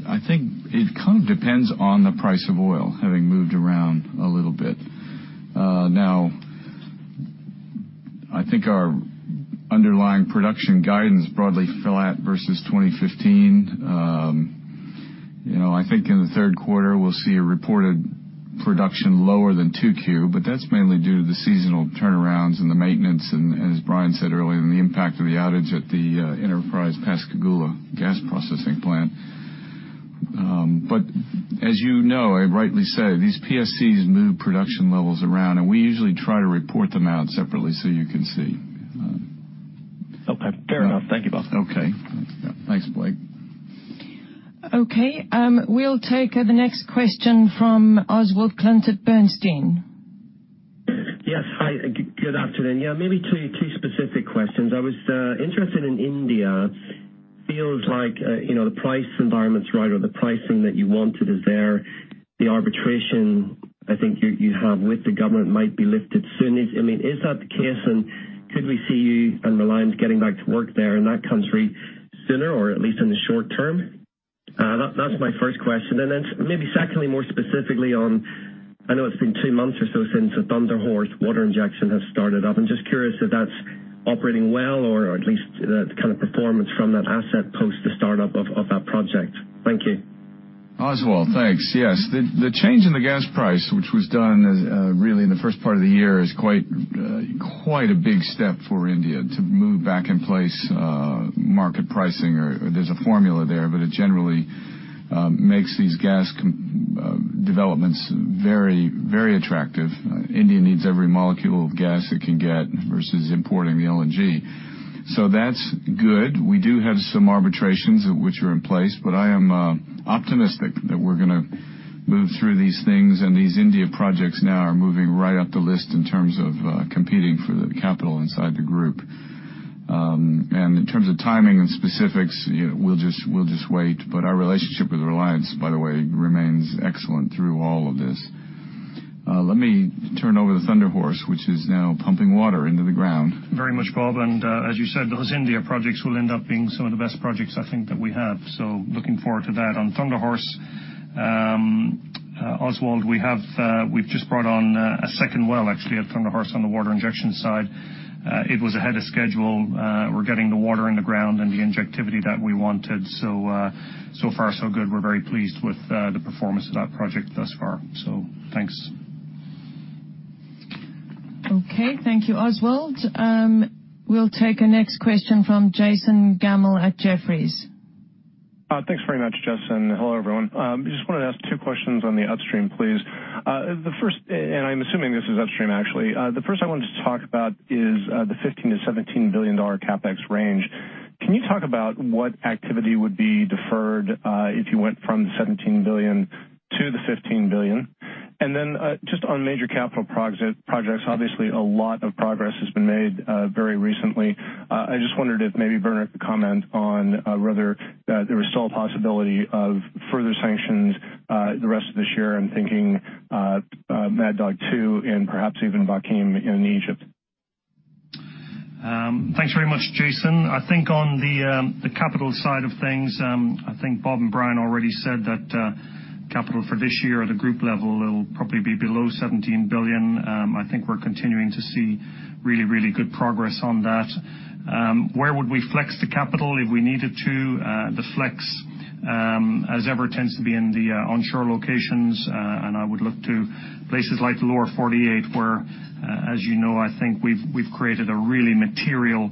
I think it depends on the price of oil having moved around a little bit. Now, I think our underlying production guidance broadly flat versus 2015. I think in the third quarter, we'll see a reported production lower than 2Q, but that's mainly due to the seasonal turnarounds and the maintenance, and as Brian said earlier, the impact of the outage at the Enterprise Pascagoula Gas Plant. As you know, I rightly say, these PSCs move production levels around, and we usually try to report them out separately so you can see.
Okay. Fair enough. Thank you, Bob.
Okay. Thanks, Blake.
Okay, we'll take the next question from Oswald Clint at Bernstein.
Yes. Hi, good afternoon. Yeah, maybe two specific questions. I was interested in India. Feels like the price environment's right or the pricing that you wanted is there. The arbitration, I think you have with the government might be lifted soon. Is that the case, and could we see you and Reliance getting back to work there in that country sooner or at least in the short term? That's my first question. Then maybe secondly, more specifically on, I know it's been two months or so since the Thunder Horse water injection has started up. I'm just curious if that's operating well or at least the kind of performance from that asset post the startup of that project. Thank you.
Oswald, thanks. Yes. The change in the gas price, which was done really in the first part of the year, is quite a big step for India to move back in place market pricing, or there's a formula there, but it generally makes these gas developments very attractive. India needs every molecule of gas it can get versus importing the LNG. That's good. We do have some arbitrations which are in place, but I am optimistic that we're going to move through these things, and these India projects now are moving right up the list in terms of competing for the capital inside the group. In terms of timing and specifics, we'll just wait. Our relationship with Reliance, by the way, remains excellent through all of this. Let me turn over to Thunder Horse, which is now pumping water into the ground.
Very much, Bob. As you said, those India projects will end up being some of the best projects I think that we have. Looking forward to that. On Thunder Horse, Oswald, we've just brought on a second well actually at Thunder Horse on the water injection side. It was ahead of schedule. We're getting the water in the ground and the injectivity that we wanted. So far so good. We're very pleased with the performance of that project thus far. Thanks.
Okay. Thank you, Oswald. We'll take the next question from Jason Gammel at Jefferies.
Thanks very much, Jess. Hello, everyone. Just wanted to ask two questions on the upstream, please. I'm assuming this is upstream, actually. The first I wanted to talk about is the $15 billion-$17 billion CapEx range. Can you talk about what activity would be deferred, if you went from the $17 billion to the $15 billion? Just on major capital projects, obviously a lot of progress has been made very recently. I just wondered if maybe Bernard could comment on whether there is still a possibility of further sanctions the rest of this year. I'm thinking Mad Dog 2 and perhaps even Bakim in Egypt.
Thanks very much, Jason. I think on the capital side of things, I think Bob and Brian already said that capital for this year at a group level will probably be below $17 billion. I think we're continuing to see really good progress on that. Where would we flex the capital if we needed to? The flex, as ever, tends to be in the onshore locations. I would look to places like Lower 48, where, as you know, I think we've created a really material,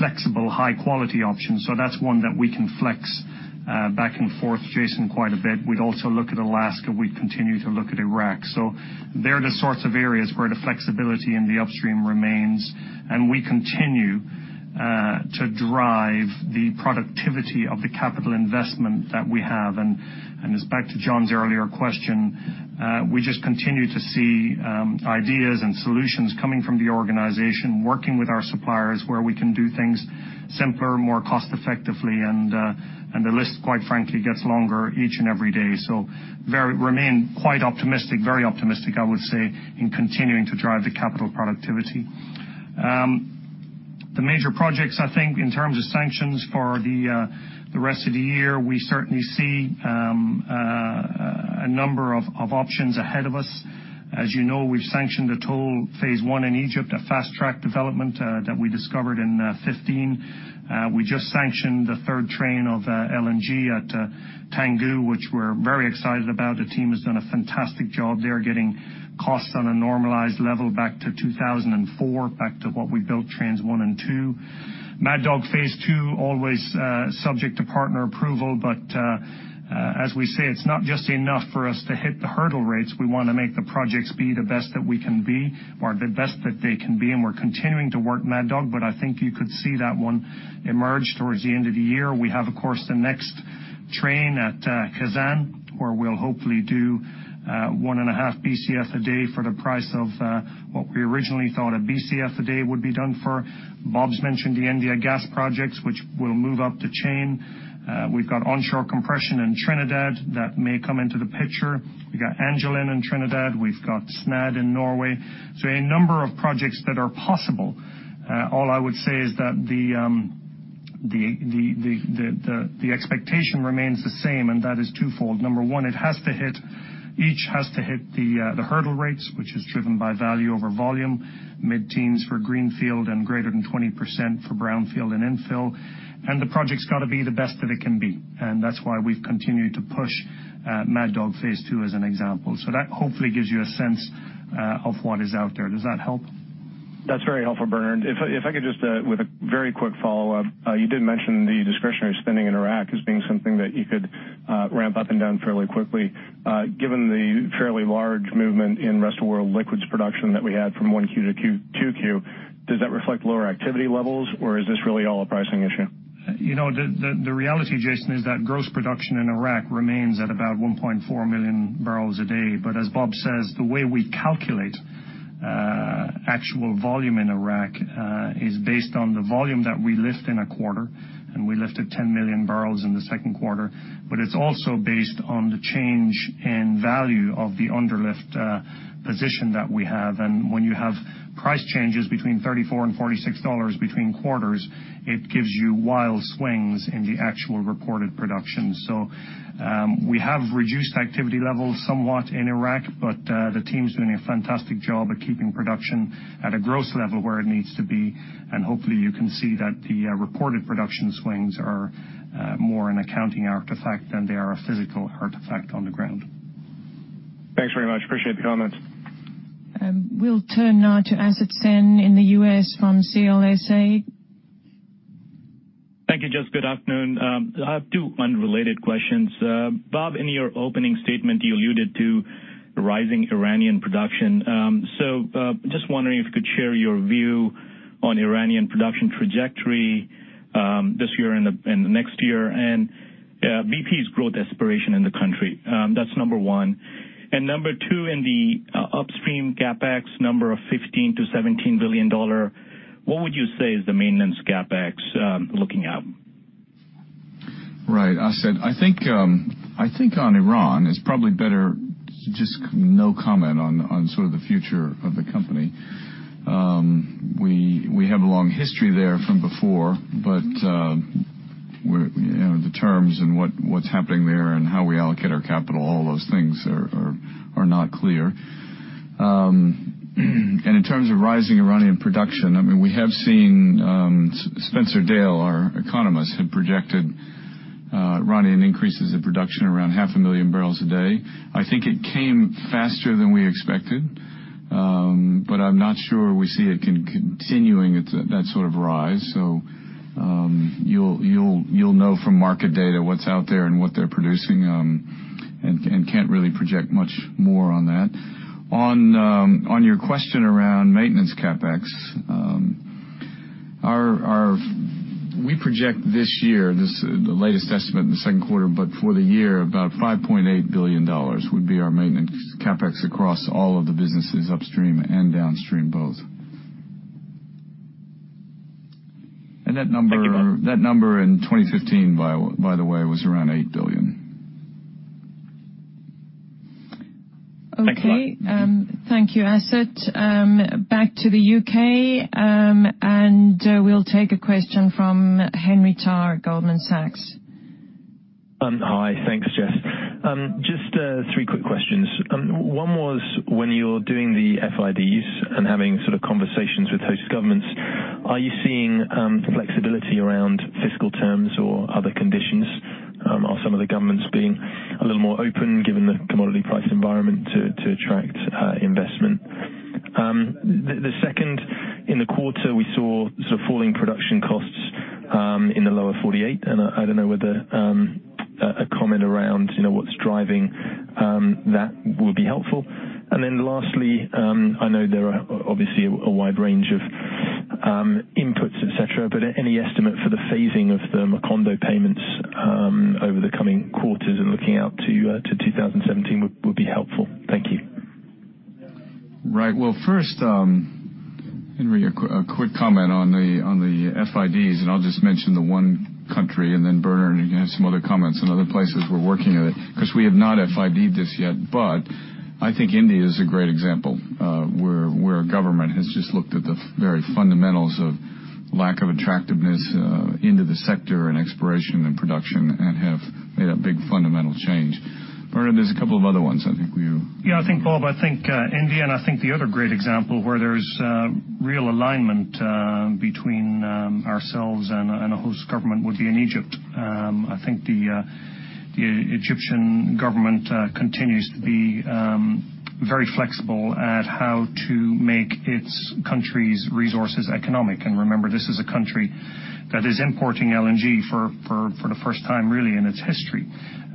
flexible, high-quality option. That's one that we can flex back and forth, Jason, quite a bit. We'd also look at Alaska. We'd continue to look at Iraq. They're the sorts of areas where the flexibility in the upstream remains, and we continue to drive the productivity of the capital investment that we have. As back to John's earlier question, we just continue to see ideas and solutions coming from the organization, working with our suppliers, where we can do things simpler, more cost effectively, and the list, quite frankly, gets longer each and every day. Remain quite optimistic, very optimistic, I would say, in continuing to drive the capital productivity. The major projects, I think, in terms of sanctions for the rest of the year, we certainly see a number of options ahead of us. As you know, we've sanctioned a total phase 1 in Egypt, a fast-track development that we discovered in 2015. We just sanctioned the third train of LNG at Tangguh, which we're very excited about. The team has done a fantastic job there, getting costs on a normalized level back to 2004, back to what we built trains one and two. Mad Dog Phase 2, always subject to partner approval. As we say, it's not just enough for us to hit the hurdle rates. We want to make the projects be the best that we can be or the best that they can be, and we're continuing to work Mad Dog, but I think you could see that one emerge towards the end of the year. We have, of course, the next train at Khazzan, where we'll hopefully do 1.5 BCF a day for the price of what we originally thought one BCF a day would be done for. Bob's mentioned the India gas projects, which will move up the chain. We've got onshore compression in Trinidad that may come into the picture. We've got Angelin in Trinidad. We've got Snadd in Norway. A number of projects that are possible. All I would say is that the expectation remains the same, and that is twofold. Number 1, each has to hit the hurdle rates, which is driven by value over volume, mid-teens for greenfield, and greater than 20% for brownfield and infill. The project's got to be the best that it can be. That's why we've continued to push Mad Dog Phase 2 as an example. That hopefully gives you a sense of what is out there. Does that help?
That's very helpful, Bernard. If I could just, with a very quick follow-up, you did mention the discretionary spending in Iraq as being something that you could ramp up and down fairly quickly. Given the fairly large movement in rest of world liquids production that we had from 1Q to 2Q, does that reflect lower activity levels, or is this really all a pricing issue?
The reality, Jason, is that gross production in Iraq remains at about 1.4 million barrels a day. As Bob says, the way we calculate actual volume in Iraq is based on the volume that we lift in a quarter, and we lifted 10 million barrels in the second quarter, but it's also based on the change in value of the underlift position that we have. When you have price changes between $34 and $46 between quarters, it gives you wild swings in the actual reported production. We have reduced activity levels somewhat in Iraq, but the team's doing a fantastic job at keeping production at a gross level where it needs to be, and hopefully, you can see that the reported production swings are more an accounting artifact than they are a physical artifact on the ground.
Thanks very much. Appreciate the comments.
We'll turn now to Asad Siddique in the U.S. from CLSA.
Thank you, Jess. Good afternoon. I have two unrelated questions. Bob, in your opening statement, you alluded to rising Iranian production. Just wondering if you could share your view on Iranian production trajectory this year and the next year, and BP's growth aspiration in the country. That's number one. Number two, in the upstream CapEx number of $15 billion-$17 billion, what would you say is the maintenance CapEx looking at?
Right, Asad. I think on Iran, it's probably better just no comment on sort of the future of the company. We have a long history there from before, the terms and what's happening there and how we allocate our capital, all those things are not clear. In terms of rising Iranian production, we have seen Spencer Dale, our economist, have projected Iranian increases the production around half a million barrels a day. I think it came faster than we expected, but I'm not sure we see it continuing at that sort of rise. You'll know from market data what's out there and what they're producing, and can't really project much more on that. On your question around maintenance CapEx, we project this year, the latest estimate in the second quarter, but for the year, about $5.8 billion would be our maintenance CapEx across all of the businesses, upstream and downstream both.
Thank you, Bob.
That number in 2015, by the way, was around $8 billion.
Thank you, Bob.
Okay. Thank you, Asad. Back to the U.K., we'll take a question from Henry Tarr, Goldman Sachs.
Hi. Thanks, Jess. Just three quick questions. One was, when you're doing the FIDs and having sort of conversations with host governments, are you seeing flexibility around fiscal terms or other conditions? Are some of the governments being a little more open, given the commodity price environment to attract investment? The second, in the quarter, we saw falling production costs in the Lower 48, I don't know whether a comment around what's driving that will be helpful. Lastly, I know there are obviously a wide range of inputs, et cetera, any estimate for the phasing of the Macondo payments over the coming quarters and looking out to 2017 would be helpful. Thank you.
Well, first, Henry, a quick comment on the FIDs, I'll just mention the one country, then Bernard, you can have some other comments on other places we're working in it because we have not FID'd this yet. I think India is a great example where a government has just looked at the very fundamentals of lack of attractiveness into the sector and exploration and production and have made a big fundamental change. Bernard, there's a couple of other ones I think.
Yeah, Bob, I think India, I think the other great example where there's real alignment between ourselves and a host government would be in Egypt. I think the Egyptian government continues to be very flexible at how to make its country's resources economic. Remember, this is a country that is importing LNG for the first time really in its history.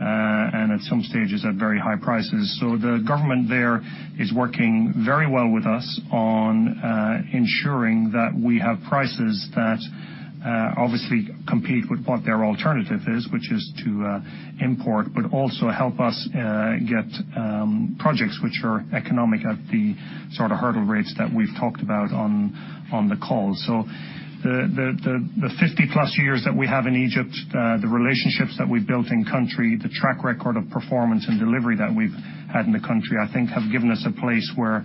At some stages at very high prices. The government there is working very well with us on ensuring that we have prices that obviously compete with what their alternative is, which is to import, but also help us get projects which are economic at the sort of hurdle rates that we've talked about on the call. The 50-plus years that we have in Egypt, the relationships that we've built in country, the track record of performance and delivery that we've had in the country, I think have given us a place where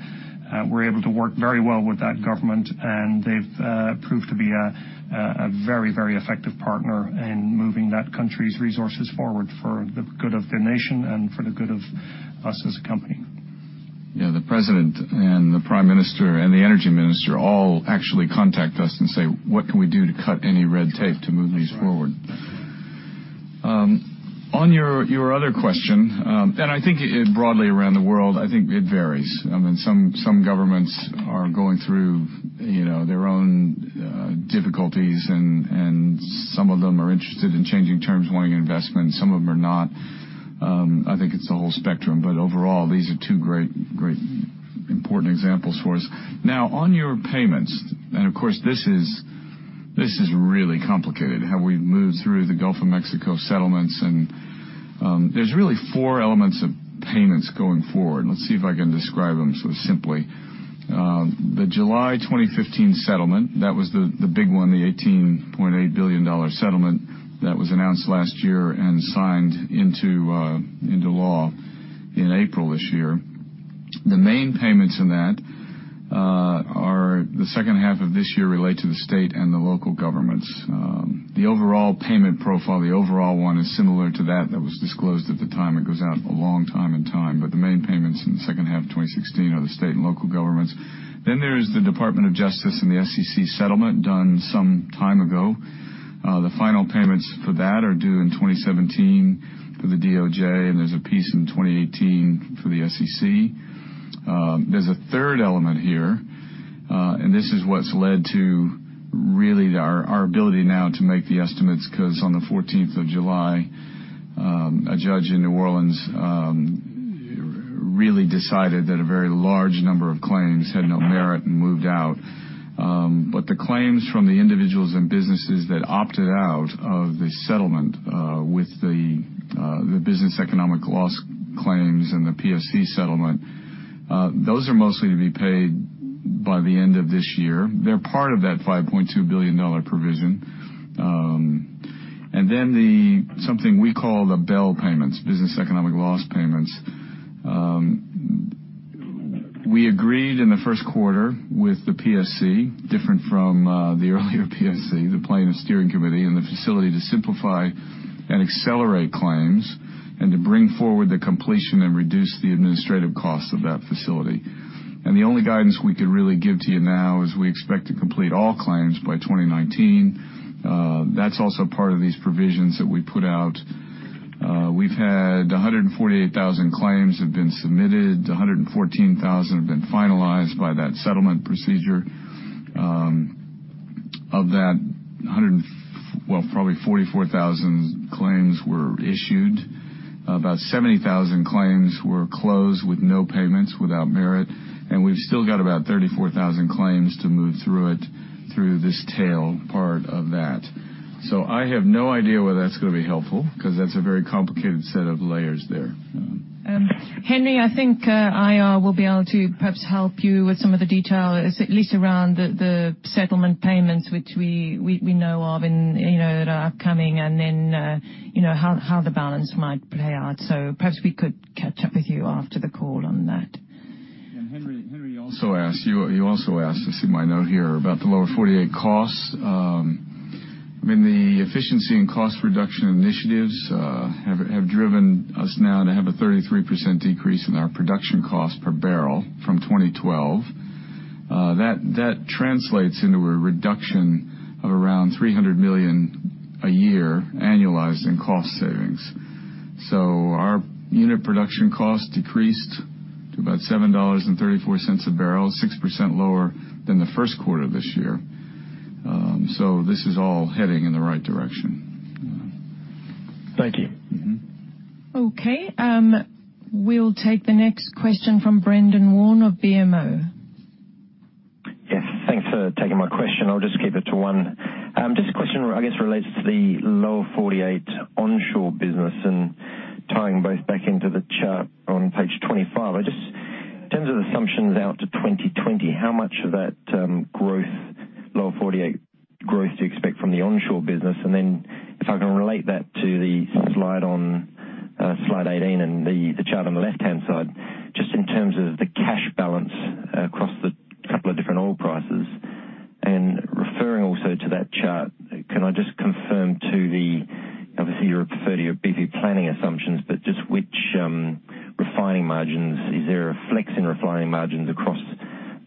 we're able to work very well with that government. They've proved to be a very effective partner in moving that country's resources forward for the good of the nation and for the good of us as a company. Yeah. The president and the prime minister and the energy minister all actually contact us and say, "What can we do to cut any red tape to move these forward?
That's right.
On your other question. I think broadly around the world, I think it varies. Some governments are going through their own difficulties. Some of them are interested in changing terms, wanting investment. Some of them are not. I think it's the whole spectrum. Overall, these are two great important examples for us. Now, on your payments. Of course this is really complicated, how we've moved through the Gulf of Mexico settlements. There's really four elements of payments going forward. Let's see if I can describe them sort of simply. The July 2015 settlement, that was the big one, the $18.8 billion settlement that was announced last year and signed into law in April this year. The main payments in that are the second half of this year relate to the state and the local governments. The overall payment profile, the overall one is similar to that that was disclosed at the time. It goes out a long time in time. The main payments in the second half of 2016 are the state and local governments. There is the Department of Justice and the SEC settlement done some time ago. The final payments for that are due in 2017 for the DOJ. There's a piece in 2018 for the SEC. There's a third element here. This is what's led to really our ability now to make the estimates because on the 14th of July, a judge in New Orleans really decided that a very large number of claims had no merit and moved out. The claims from the individuals and businesses that opted out of the settlement with the Business Economic Loss claims and the PSC settlement, those are mostly to be paid by the end of this year. They're part of that $5.2 billion provision. Something we call the BEL payments, business economic loss payments. We agreed in the first quarter with the PSC, different from the earlier PSC, the plaintiff steering committee, and the facility to simplify and accelerate claims. To bring forward the completion and reduce the administrative costs of that facility. The only guidance we can really give to you now is we expect to complete all claims by 2019. That's also part of these provisions that we put out. We've had 148,000 claims have been submitted, 114,000 have been finalized by that settlement procedure. Of that, probably 44,000 claims were issued. About 70,000 claims were closed with no payments, without merit, we've still got about 34,000 claims to move through it, through this tail part of that. I have no idea whether that's going to be helpful, because that's a very complicated set of layers there.
Henry, I think IR will be able to perhaps help you with some of the details, at least around the settlement payments, which we know of and are coming, then how the balance might play out. Perhaps we could catch up with you after the call on that.
Henry also asked, I see my note here, about the Lower 48 costs. The efficiency and cost reduction initiatives have driven us now to have a 33% decrease in our production cost per barrel from 2012. That translates into a reduction of around $300 million a year annualized in cost savings. Our unit production cost decreased to about $7.34 a barrel, 6% lower than the first quarter of this year. This is all heading in the right direction.
Thank you.
Okay. We'll take the next question from Brendan Warn of BMO.
Yes, thanks for taking my question. I'll just keep it to one. Just a question, I guess, related to the Lower 48 onshore business and tying both back into the chart on page 25. Just in terms of assumptions out to 2020, how much of that Lower 48 growth do you expect from the onshore business? Then if I can relate that to the slide 18 and the chart on the left-hand side, just in terms of the cash balance across the couple of different oil prices. Referring also to that chart, can I just confirm to the, obviously you refer to your BP planning assumptions, but just which refining margins, is there a flex in refining margins across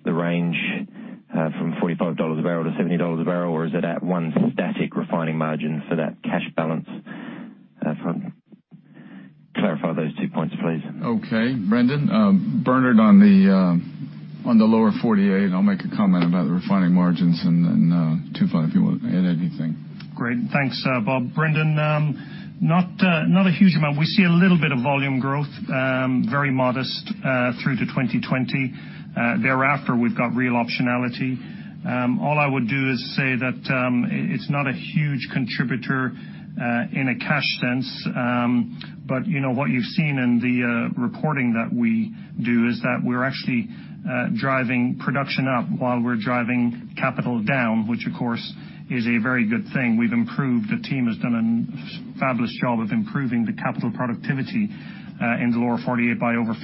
the range from $45 a barrel to $70 a barrel, or is it at one static refining margin for that cash balance? Clarify those two points, please.
Okay. Brendan, Bernard on the Lower 48, I'll make a comment about the refining margins and then, Tufan, if you want to add anything.
Great. Thanks, Bob. Brendan, not a huge amount. We see a little bit of volume growth, very modest through to 2020. Thereafter, we've got real optionality. All I would do is say that it's not a huge contributor in a cash sense. What you've seen in the reporting that we do is that we're actually driving production up while we're driving capital down, which of course is a very good thing. The team has done a fabulous job of improving the capital productivity in the Lower 48 by over 52%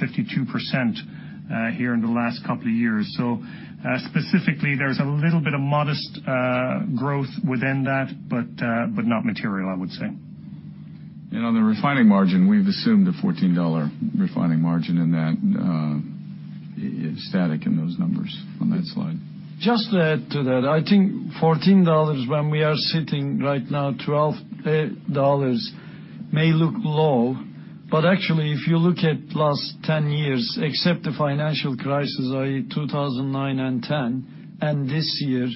here in the last couple of years. Specifically, there's a little bit of modest growth within that, but not material, I would say.
On the refining margin, we've assumed a $14 refining margin, and that is static in those numbers on that slide.
Just to add to that, I think $14 when we are sitting right now, $12 may look low. Actually, if you look at the last 10 years, except the financial crisis, i.e., 2009 and 2010, and this year,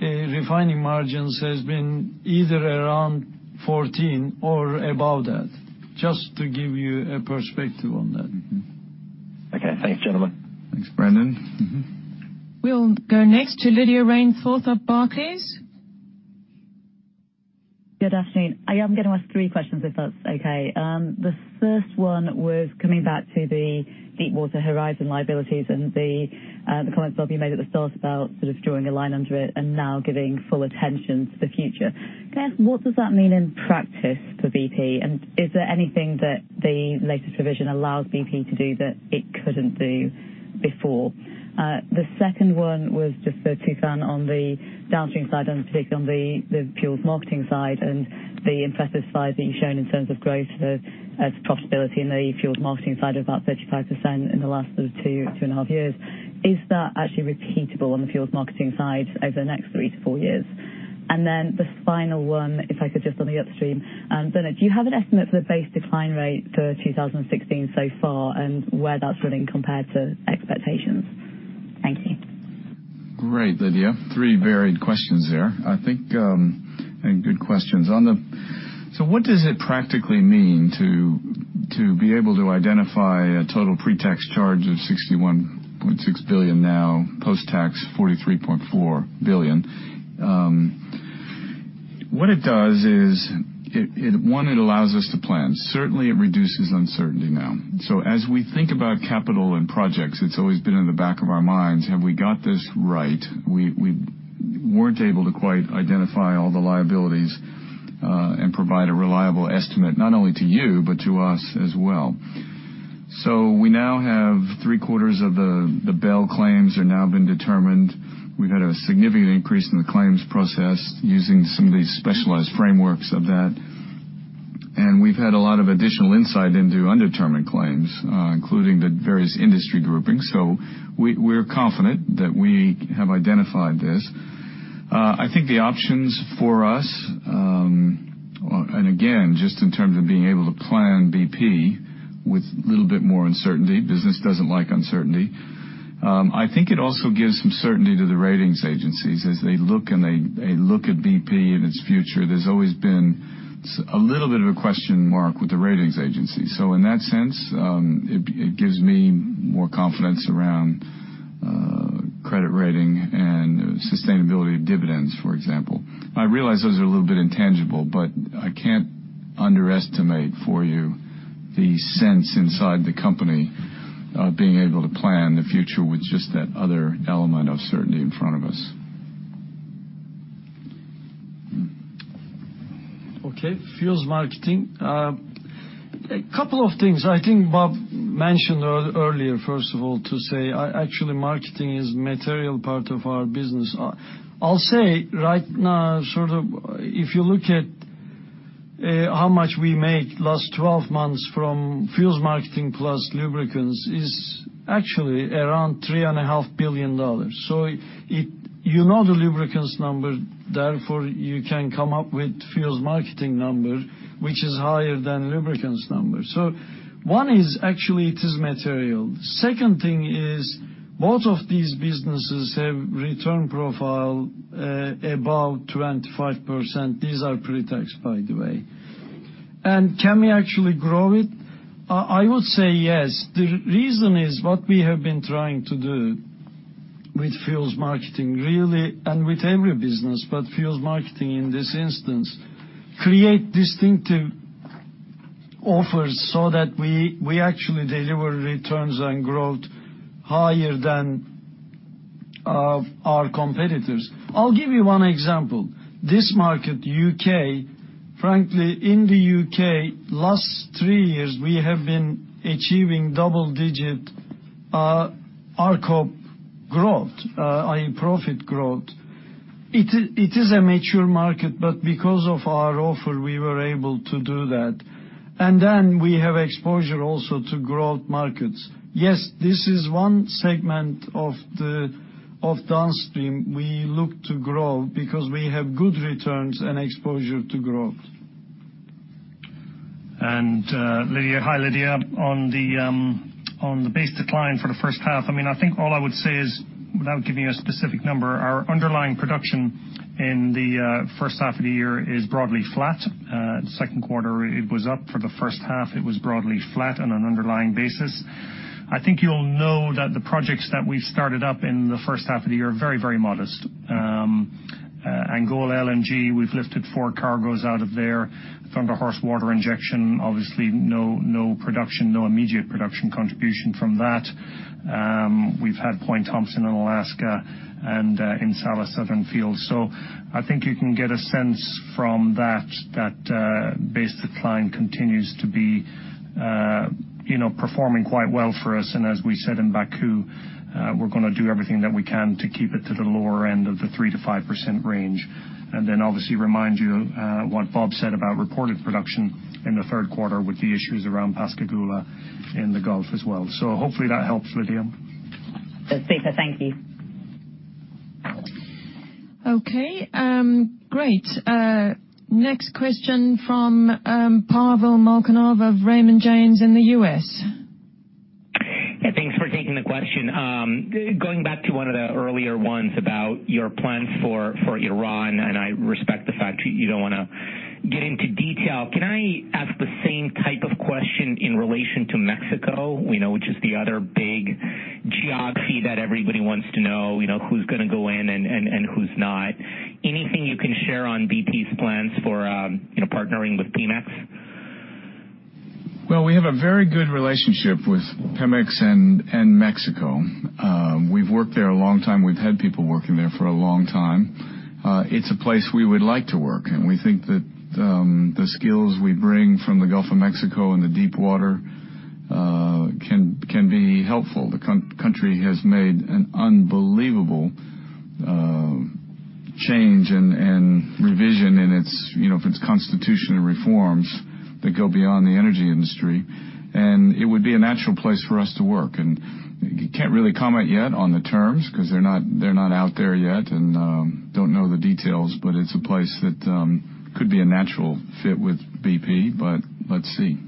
refining margins has been either around 14 or above that. Just to give you a perspective on that.
Okay. Thanks, gentlemen.
Thanks, Brendan.
We'll go next to Lydia Rainforth of Barclays.
Good afternoon. I am going to ask three questions, if that's okay. The first one was coming back to the Deepwater Horizon liabilities and the comments, Bob, you made at the start about sort of drawing a line under it and now giving full attention to the future. Can I ask, what does that mean in practice for BP? Is there anything that the latest revision allows BP to do that it couldn't do before? The second one was just for Tufan on the Downstream side and particularly on the fuels marketing side and the impressive slide that you've shown in terms of growth as profitability in the fuels marketing side of about 35% in the last sort of two and a half years. Is that actually repeatable on the fuels marketing side over the next three to four years? The final one, if I could just on the Upstream. Bernard, do you have an estimate for the base decline rate for 2016 so far and where that's running compared to expectations? Thank you.
Great, Lydia. What does it practically mean to be able to identify a total pre-tax charge of $61.6 billion now, post-tax $43.4 billion? What it does is, one, it allows us to plan. Certainly, it reduces uncertainty now. As we think about capital and projects, it's always been in the back of our minds, have we got this right? We weren't able to quite identify all the liabilities and provide a reliable estimate, not only to you, but to us as well. We now have three-quarters of the BEL claims are now been determined. We've had a significant increase in the claims process using some of these specialized frameworks of that, and we've had a lot of additional insight into undetermined claims, including the various industry groupings. We're confident that we have identified this. I think the options for us, and again, just in terms of being able to plan BP with a little bit more uncertainty, business doesn't like uncertainty. I think it also gives some certainty to the ratings agencies as they look at BP and its future. There's always been a little bit of a question mark with the ratings agency. In that sense, it gives me more confidence around credit rating and sustainability of dividends, for example. I realize those are a little bit intangible, but I can't underestimate for you the sense inside the company of being able to plan the future with just that other element of certainty in front of us.
Okay. Fuels marketing. A couple of things I think Bob mentioned earlier, first of all, to say actually marketing is material part of our business. I'll say right now, if you look at how much we make last 12 months from fuels marketing plus lubricants is actually around $3.5 billion. You know the lubricants number, therefore, you can come up with fuels marketing number, which is higher than lubricants number. One is actually it is material. Second thing is both of these businesses have return profile above 25%. These are pretax, by the way. Can we actually grow it? I would say yes. The reason is what we have been trying to do with fuels marketing really, and with every business, but fuels marketing in this instance, create distinctive offers so that we actually deliver returns and growth higher than our competitors. I'll give you one example. This market, U.K., frankly, in the U.K. last three years, we have been achieving double-digit RCOP growth, i.e. profit growth. It is a mature market, but because of our offer, we were able to do that. We have exposure also to growth markets. Yes, this is one segment of downstream we look to grow because we have good returns and exposure to growth.
Lydia. Hi, Lydia. On the base decline for the first half, I think all I would say is, without giving you a specific number, our underlying production in the first half of the year is broadly flat. Second quarter, it was up. For the first half, it was broadly flat on an underlying basis. I think you'll know that the projects that we've started up in the first half of the year are very modest. Angola LNG, we've lifted four cargoes out of there. Thunder Horse water injection, obviously no immediate production contribution from that. We've had Point Thomson in Alaska and In Salah Southern field. I think you can get a sense from that base decline continues to be performing quite well for us. As we said in Baku, we're going to do everything that we can to keep it to the lower end of the 3%-5% range. Obviously remind you what Bob said about reported production in the third quarter with the issues around Pascagoula in the Gulf as well. Hopefully that helps, Lydia.
That's super. Thank you.
Great. Next question from Pavel Molchanov of Raymond James in the U.S.
Thanks for taking the question. Going back to one of the earlier ones about your plans for Iran. I respect the fact that you don't want to get into detail. Can I ask the same type of question in relation to Mexico, which is the other big geography that everybody wants to know, who's going to go in and who's not? Anything you can share on BP's plans for partnering with Pemex?
Well, we have a very good relationship with Pemex and Mexico. We've worked there a long time. We've had people working there for a long time. It's a place we would like to work, and we think that the skills we bring from the Gulf of Mexico and the deep water can be helpful. The country has made an unbelievable change and revision in its constitutional reforms that go beyond the energy industry, and it would be a natural place for us to work. Can't really comment yet on the terms because they're not out there yet and don't know the details, but it's a place that could be a natural fit with BP. Let's see.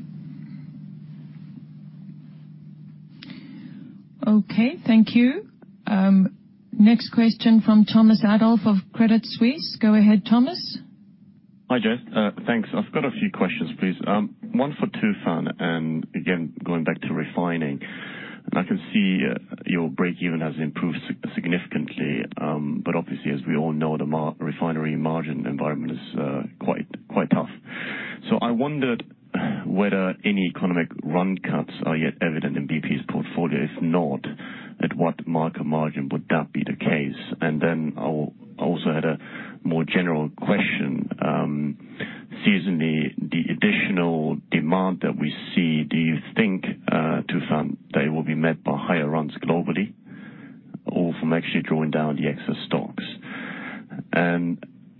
Okay. Thank you. Next question from Thomas Adolff of Credit Suisse. Go ahead, Thomas.
Hi, guys. Thanks. I've got a few questions, please. One for Tufan, again, going back to refining. I can see your break even has improved significantly, but obviously, as we all know, the refinery margin environment is quite tough. I wondered whether any economic run cuts are yet evident in BP's portfolio. If not, at what market margin would that be the case? I also had a more general question. Seasonally, the additional demand that we see, do you think, Tufan, they will be met by higher runs globally or from actually drawing down the excess stocks?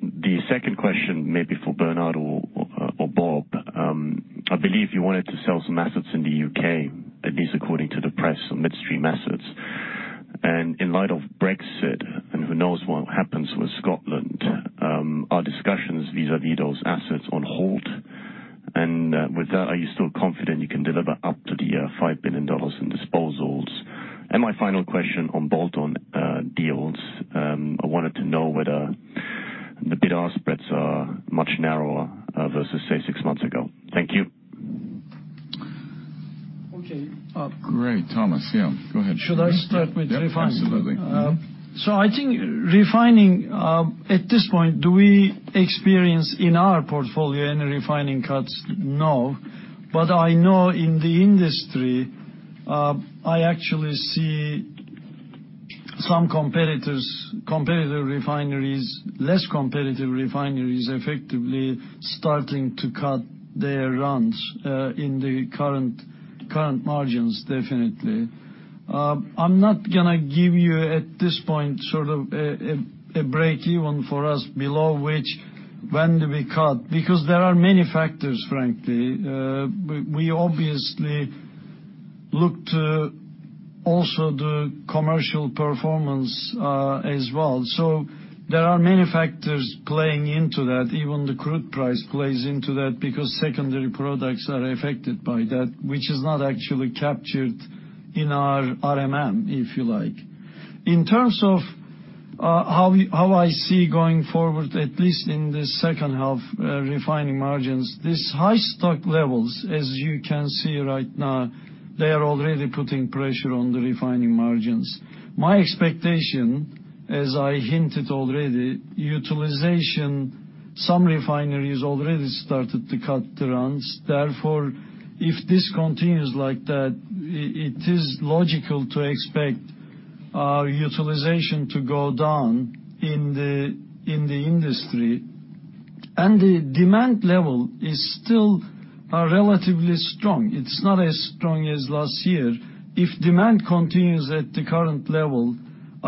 The second question, maybe for Bernard or Bob, I believe you wanted to sell some assets in the U.K., at least according to the press, some midstream assets. In light of Brexit, and who knows what happens with Scotland, are discussions vis-à-vis those assets on hold? With that, are you still confident you can deliver up to the $5 billion in disposals? My final question on bolt-on deals, I wanted to know whether the bid-ask spreads are much narrower versus, say, six months ago. Thank you.
Okay.
Great, Thomas. Yeah, go ahead.
Should I start with refining?
Yep, absolutely.
I think refining, at this point, do we experience in our portfolio any refining cuts? No. I know in the industry, I actually see some competitor refineries, less competitive refineries effectively starting to cut their runs in the current margins, definitely. I'm not going to give you, at this point, a break-even for us below which when do we cut, because there are many factors, frankly. We obviously look to also the commercial performance as well. There are many factors playing into that. Even the crude price plays into that because secondary products are affected by that, which is not actually captured in our RMM, if you like. In terms of how I see going forward, at least in the second half refining margins, these high stock levels, as you can see right now, they are already putting pressure on the refining margins. My expectation, as I hinted already, utilization, some refineries already started to cut the runs. Therefore, if this continues like that, it is logical to expect our utilization to go down in the industry. The demand level is still relatively strong. It's not as strong as last year. If demand continues at the current level,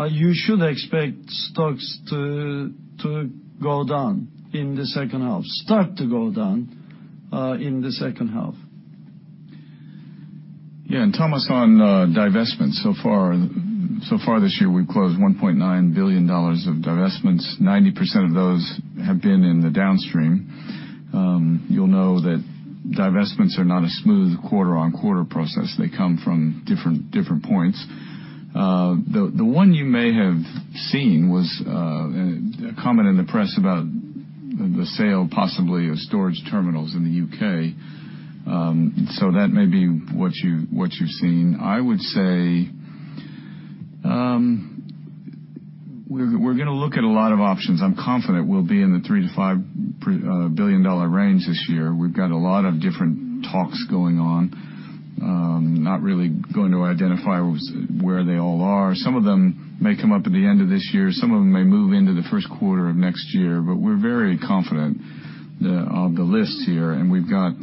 you should expect stocks to go down in the second half, start to go down, in the second half.
Yeah. Thomas, on divestments so far this year, we've closed $1.9 billion of divestments. 90% of those have been in the downstream. You'll know that divestments are not a smooth quarter-on-quarter process. They come from different points. The one you may have seen was a comment in the press about the sale, possibly, of storage terminals in the U.K. That may be what you've seen. I would say, we're going to look at a lot of options. I'm confident we'll be in the $3 billion-$5 billion range this year. We've got a lot of different talks going on. Not really going to identify where they all are. Some of them may come up at the end of this year. Some of them may move into the first quarter of next year. We're very confident of the list here, we've got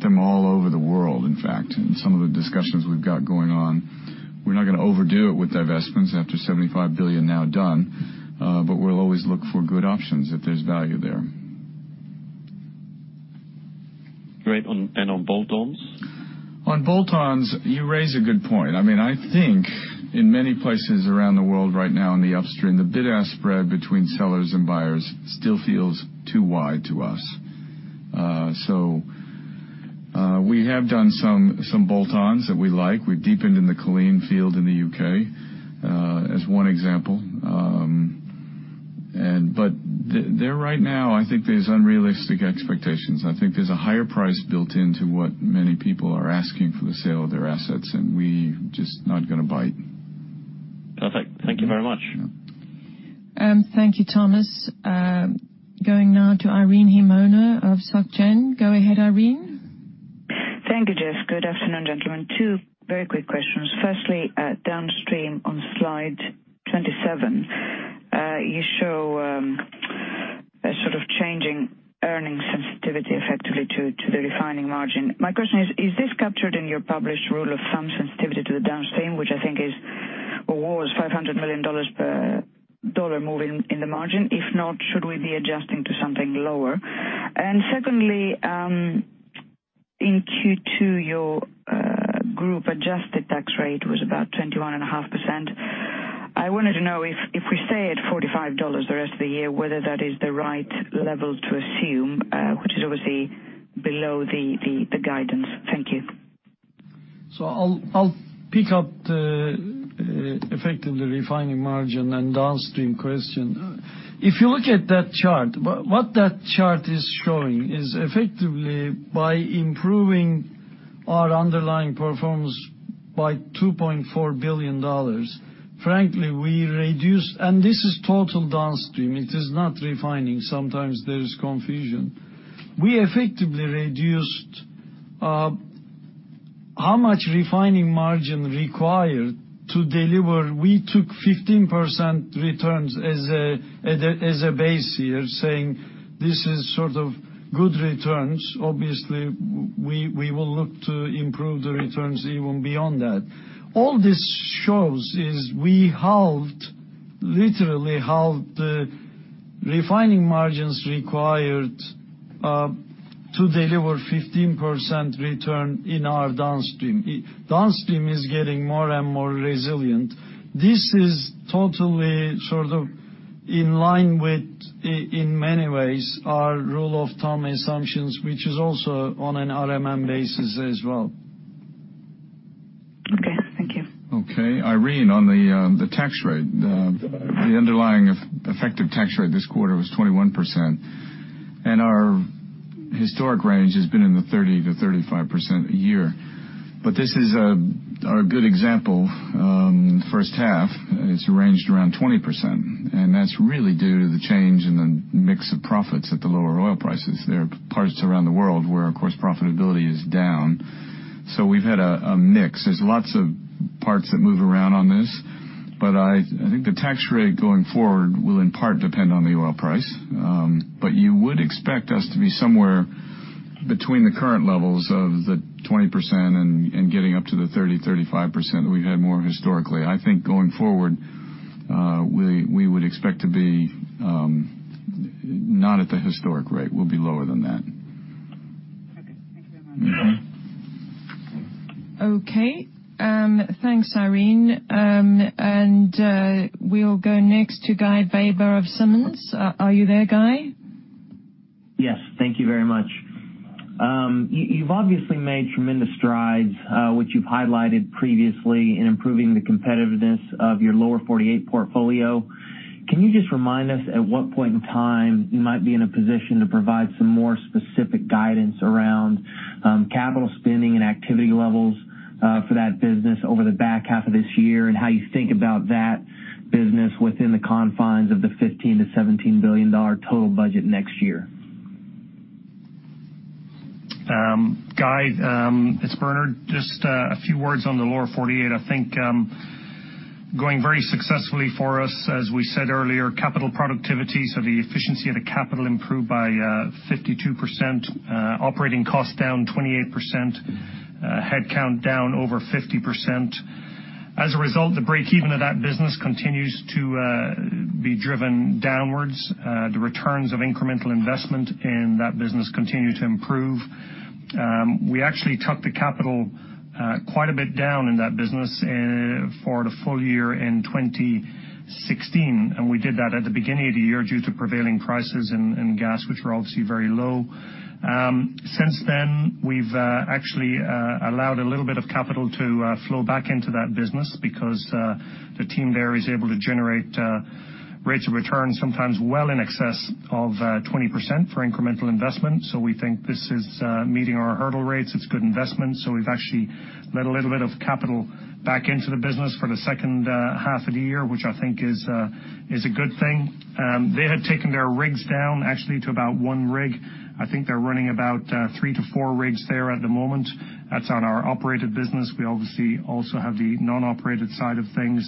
them all over the world, in fact, in some of the discussions we've got going on. We're not going to overdo it with divestments after $75 billion now done. We'll always look for good options if there's value there.
Great. On bolt-ons?
On bolt-ons, you raise a good point. I think in many places around the world right now in the upstream, the bid-ask spread between sellers and buyers still feels too wide to us. We have done some bolt-ons that we like. We've deepened in the Culzean field in the U.K., as one example. There right now, I think there's unrealistic expectations. I think there's a higher price built into what many people are asking for the sale of their assets, and we're just not going to bite.
Perfect. Thank you very much.
Yeah.
Thank you, Thomas. Going now to Irene Himona of Societe Generale. Go ahead, Irene.
Thank you, Jess. Good afternoon, gentlemen. Two very quick questions. Firstly, downstream on slide 27. You show a sort of changing earnings sensitivity effectively to the refining margin. My question is this captured in your published rule of thumb sensitivity to the downstream, which I think is or was $500 million per dollar move in the margin? If not, should we be adjusting to something lower? Secondly, in Q2, your group-adjusted tax rate was about 21.5%. I wanted to know, if we stay at $45 the rest of the year, whether that is the right level to assume, which is obviously below the guidance. Thank you.
I'll pick up the effectively refining margin and downstream question. If you look at that chart, what that chart is showing is effectively by improving our underlying performance by $2.4 billion, frankly, and this is total downstream, it is not refining. Sometimes there is confusion. How much refining margin required to deliver? We took 15% returns as a base here, saying this is sort of good returns. Obviously, we will look to improve the returns even beyond that. All this shows is we halved, literally halved the refining margins required to deliver 15% return in our downstream. Downstream is getting more and more resilient. This is totally in line with, in many ways, our rule of thumb assumptions, which is also on an RMM basis as well.
Okay. Thank you.
Okay. Irene, on the tax rate, the underlying effective tax rate this quarter was 21%. Our historic range has been in the 30%-35% a year. This is a good example. First half, it's ranged around 20%, that's really due to the change in the mix of profits at the lower oil prices. There are parts around the world where, of course, profitability is down. We've had a mix. There's lots of parts that move around on this, I think the tax rate going forward will in part depend on the oil price. You would expect us to be somewhere between the current levels of the 20% and getting up to the 30%, 35% that we've had more historically. I think going forward, we would expect to be not at the historic rate. We'll be lower than that.
Okay. Thank you very much.
Okay. Thanks, Irene. We'll go next to Guy Baber of Simmons. Are you there, Guy?
Yes. Thank you very much. You've obviously made tremendous strides, which you've highlighted previously, in improving the competitiveness of your Lower 48 portfolio. Can you just remind us at what point in time you might be in a position to provide some more specific guidance around capital spending and activity levels for that business over the back half of this year, and how you think about that business within the confines of the $15 billion-$17 billion total budget next year?
Guy, it's Bernard. Just a few words on the Lower 48. I think going very successfully for us, as we said earlier, capital productivity, so the efficiency of the capital improved by 52%, operating costs down 28%, headcount down over 50%. As a result, the break-even of that business continues to be driven downwards. The returns of incremental investment in that business continue to improve. We actually took the capital quite a bit down in that business for the full year in 2016. We did that at the beginning of the year due to prevailing prices in gas, which were obviously very low. Since then, we've actually allowed a little bit of capital to flow back into that business because the team there is able to generate rates of return, sometimes well in excess of 20% for incremental investment. We think this is meeting our hurdle rates. It's good investment. We've actually let a little bit of capital back into the business for the second half of the year, which I think is a good thing. They had taken their rigs down actually to about one rig. I think they're running about three to four rigs there at the moment. That's on our operated business. We obviously also have the non-operated side of things.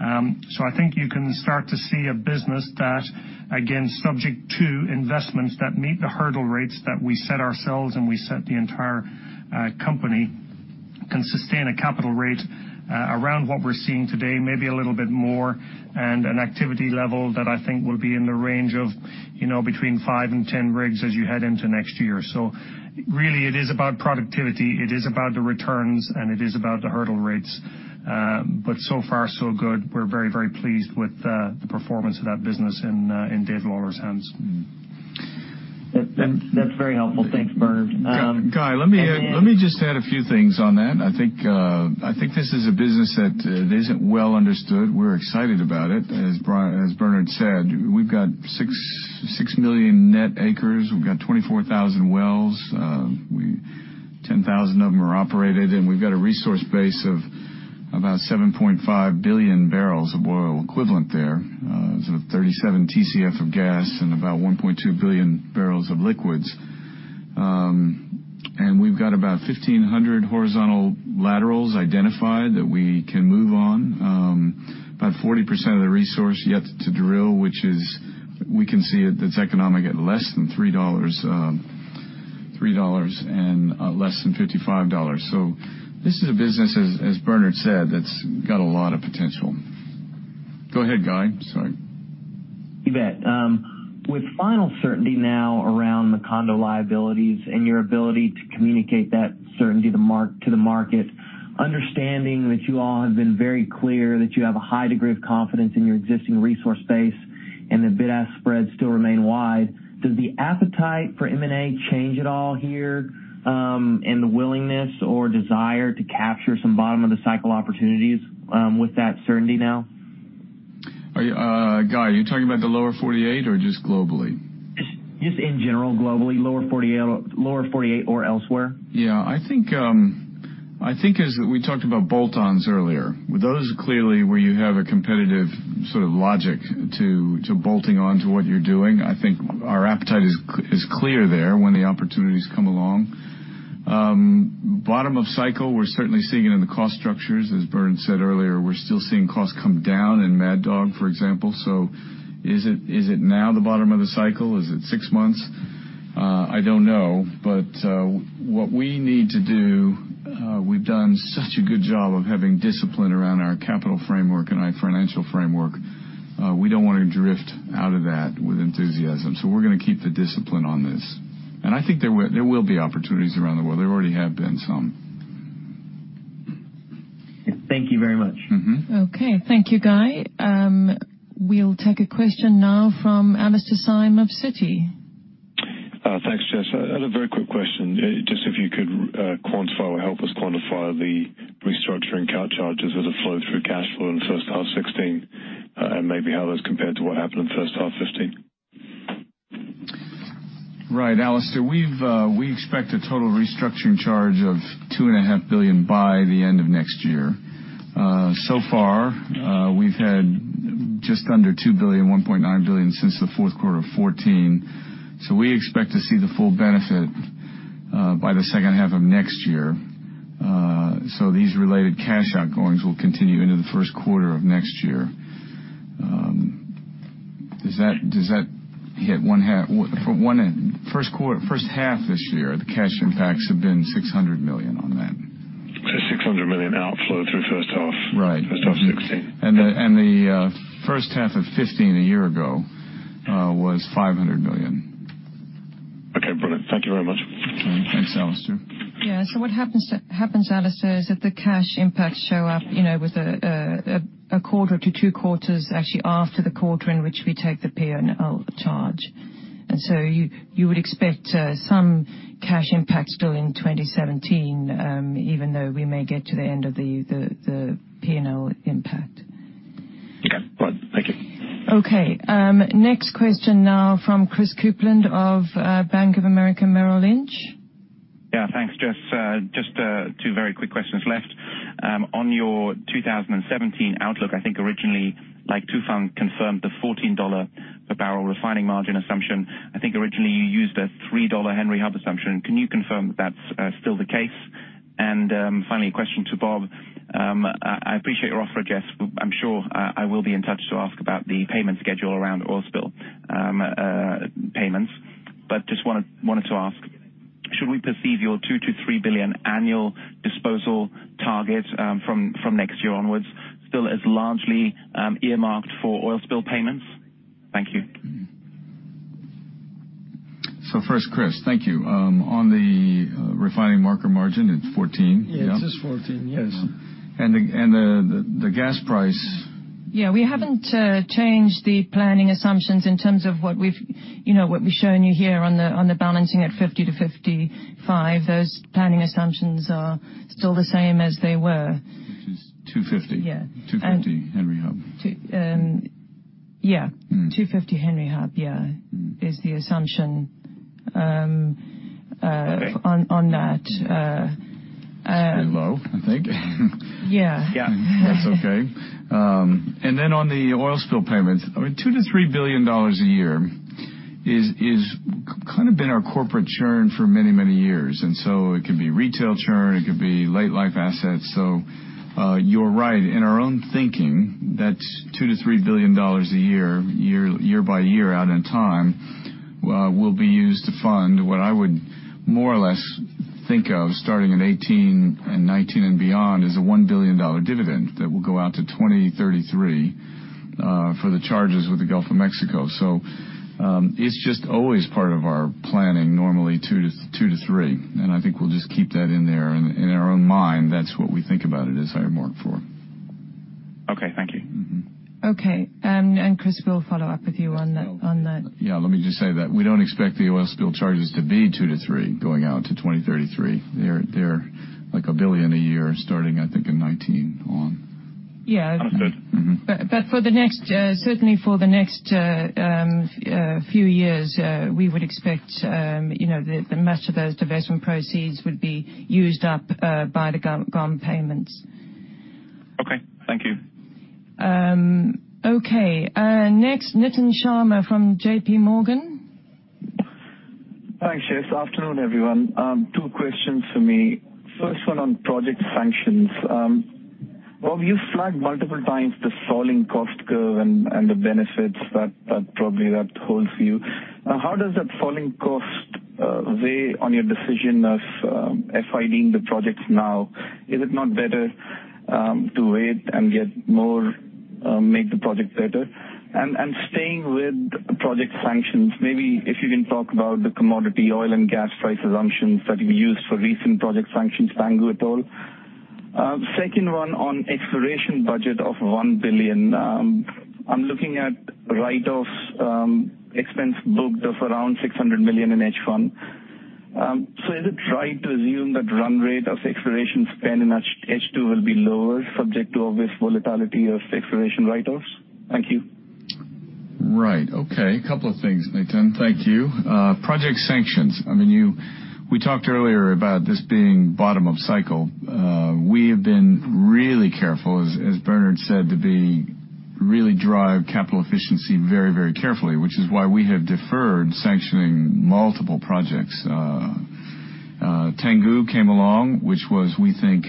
I think you can start to see a business that, again, subject to investments that meet the hurdle rates that we set ourselves and we set the entire company, can sustain a capital rate around what we're seeing today, maybe a little bit more, and an activity level that I think will be in the range of between 5 and 10 rigs as you head into next year. Really it is about productivity, it is about the returns, and it is about the hurdle rates. So far so good. We're very, very pleased with the performance of that business in David Lawler's hands.
That's very helpful. Thanks, Bernard.
Guy, let me just add a few things on that. I think this is a business that isn't well understood. We're excited about it. As Bernard said, we've got 6 million net acres. We've got 24,000 wells, 10,000 of them are operated, and we've got a resource base of about 7.5 billion barrels of oil equivalent there. There's 37 TCF of gas and about 1.2 billion barrels of liquids. We've got about 1,500 horizontal laterals identified that we can move on. About 40% of the resource yet to drill, which we can see that's economic at less than $3 and less than $55. This is a business, as Bernard said, that's got a lot of potential. Go ahead, Guy. Sorry.
You bet. With final certainty now around the Macondo liabilities and your ability to communicate that certainty to the market, understanding that you all have been very clear that you have a high degree of confidence in your existing resource base and the bid-ask spreads still remain wide, does the appetite for M&A change at all here, and the willingness or desire to capture some bottom of the cycle opportunities with that certainty now?
Guy, are you talking about the Lower 48 or just globally?
Just in general, globally, Lower 48 or elsewhere.
Yeah. I think as we talked about bolt-ons earlier, those are clearly where you have a competitive sort of logic to bolting onto what you're doing. I think our appetite is clear there when the opportunities come along. Bottom of cycle, we're certainly seeing it in the cost structures. As Bernard said earlier, we're still seeing costs come down in Mad Dog, for example. Is it now the bottom of the cycle? Is it six months? I don't know. What we need to do, we've done such a good job of having discipline around our capital framework and our financial framework. We don't want to drift out of that with enthusiasm, we're going to keep the discipline on this. I think there will be opportunities around the world. There already have been some.
Thank you very much.
Okay. Thank you, Guy. We'll take a question now from Alastair Syme of Citi.
Thanks, Jess. If you could help us quantify the restructuring charges as a flow through cash flow in first half 2016, and maybe how those compare to what happened in first half 2015.
Right. Alastair, we expect a total restructuring charge of $2.5 billion by the end of next year. Far, we've had just under $2 billion, $1.9 billion since the fourth quarter of 2014. We expect to see the full benefit by the second half of next year. These related cash outgoings will continue into the first quarter of next year. From one end, first half this year, the cash impacts have been $600 million on that.
$600 million outflow through first half.
Right.
First half 2016.
The first half of 2015, a year ago, was $500 million.
Okay, brilliant. Thank you very much.
Thanks, Alastair.
Yeah. What happens, Alastair, is that the cash impacts show up with a quarter to two quarters actually after the quarter in which we take the P&L charge. You would expect some cash impact still in 2017, even though we may get to the end of the P&L impact.
Okay, brilliant. Thank you.
Okay. Next question now from Chris Kuplent of Bank of America Merrill Lynch.
Yeah. Thanks, Jess. Just two very quick questions left. On your 2017 outlook, I think originally, like Tufan confirmed the $14 per barrel refining margin assumption. I think originally you used a $3 Henry Hub assumption. Can you confirm that's still the case? Finally, a question to Bob. I appreciate your offer, Jess. I'm sure I will be in touch to ask about the payment schedule around oil spill payments. Just wanted to ask, should we perceive your $2 billion-$3 billion annual disposal target from next year onwards still as largely earmarked for oil spill payments? Thank you.
First, Chris, thank you. On the refining marker margin, it's $14.
Yeah, it is $14. Yes.
The gas price-
Yeah, we haven't changed the planning assumptions in terms of what we've shown you here on the balancing at 50 to 55. Those planning assumptions are still the same as they were.
Which is $2.50.
Yeah.
$2.50 Henry Hub.
Yeah. $2.50 Henry Hub, yeah, is the assumption.
Okay
on that.
It's pretty low, I think.
Yeah.
Yeah.
That's okay. On the oil spill payments, $2 billion-$3 billion a year is kind of been our corporate churn for many, many years. It could be retail churn, it could be late life assets. You're right. In our own thinking, that $2 billion-$3 billion a year by year out in time, will be used to fund what I would more or less think of starting in 2018 and 2019 and beyond, is a $1 billion dividend that will go out to 2033 for the charges with the Gulf of Mexico. It's just always part of our planning, normally $2 billion-$3 billion, I think we'll just keep that in there. In our own mind, that's what we think about it as earmarked for.
Okay. Thank you.
Okay. Chris, we'll follow up with you on that.
Yeah, let me just say that we don't expect the oil spill charges to be 2 billion-3 billion going out to 2033. They're like 1 billion a year starting, I think, in 2019 on.
Yeah.
Understood.
Certainly for the next few years, we would expect the asset divestment proceeds would be used up by the GOM payments.
Okay. Thank you.
Okay. Next, Nitin Sharma from JPMorgan.
Thanks, Jess. Afternoon, everyone. Two questions for me. First one on project sanctions. Bob, you flagged multiple times the falling cost curve and the benefits that probably that holds for you. How does that falling cost weigh on your decision of FID-ing the projects now? Is it not better to wait and make the project better? Staying with project sanctions, maybe if you can talk about the commodity oil and gas price assumptions that you used for recent project sanctions, Tangguh et al. Second one on exploration budget of $1 billion. I'm looking at write-offs expense booked of around $600 million in H1. Is it right to assume that run rate of exploration spend in H2 will be lower, subject to obvious volatility of exploration write-offs? Thank you.
Right. Okay. Couple of things, Nitin. Thank you. Project sanctions. We talked earlier about this being bottom of cycle. We have been really careful, as Bernard said, to really drive capital efficiency very, very carefully, which is why we have deferred sanctioning multiple projects. Tangguh came along, which was, we think,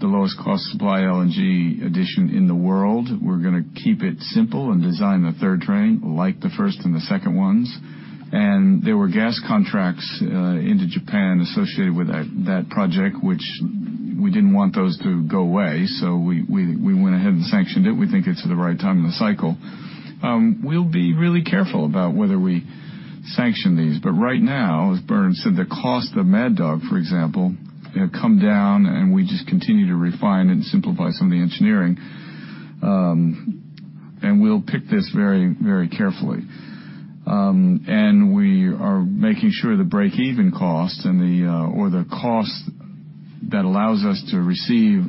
the lowest cost supply LNG addition in the world. We're going to keep it simple and design the third train like the first and the second ones. There were gas contracts into Japan associated with that project, which we didn't want those to go away, so we went ahead and sanctioned it. We think it's the right time in the cycle. We'll be really careful about whether we sanction these. Right now, as Bernard said, the cost of Mad Dog, for example, come down and we just continue to refine and simplify some of the engineering. We'll pick this very carefully. We are making sure the break-even cost or the cost that allows us to receive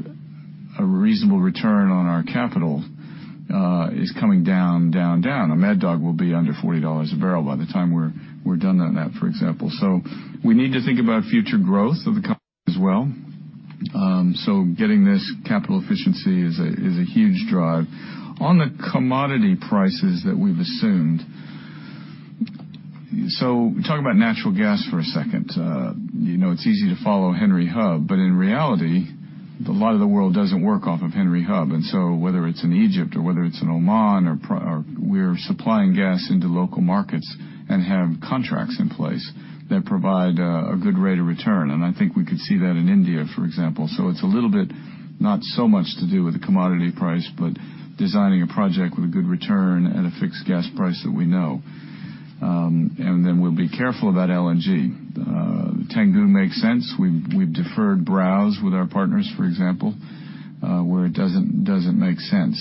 a reasonable return on our capital is coming down. Mad Dog will be under $40 a barrel by the time we're done on that, for example. We need to think about future growth of the company as well. Getting this capital efficiency is a huge drive. On the commodity prices that we've assumed. Talk about natural gas for a second. It's easy to follow Henry Hub, but in reality, a lot of the world doesn't work off of Henry Hub. Whether it's in Egypt or whether it's in Oman, we're supplying gas into local markets and have contracts in place that provide a good rate of return. I think we could see that in India, for example. It's a little bit, not so much to do with the commodity price, but designing a project with a good return and a fixed gas price that we know. We'll be careful about LNG. Tangguh makes sense. We've deferred Browse with our partners, for example, where it doesn't make sense.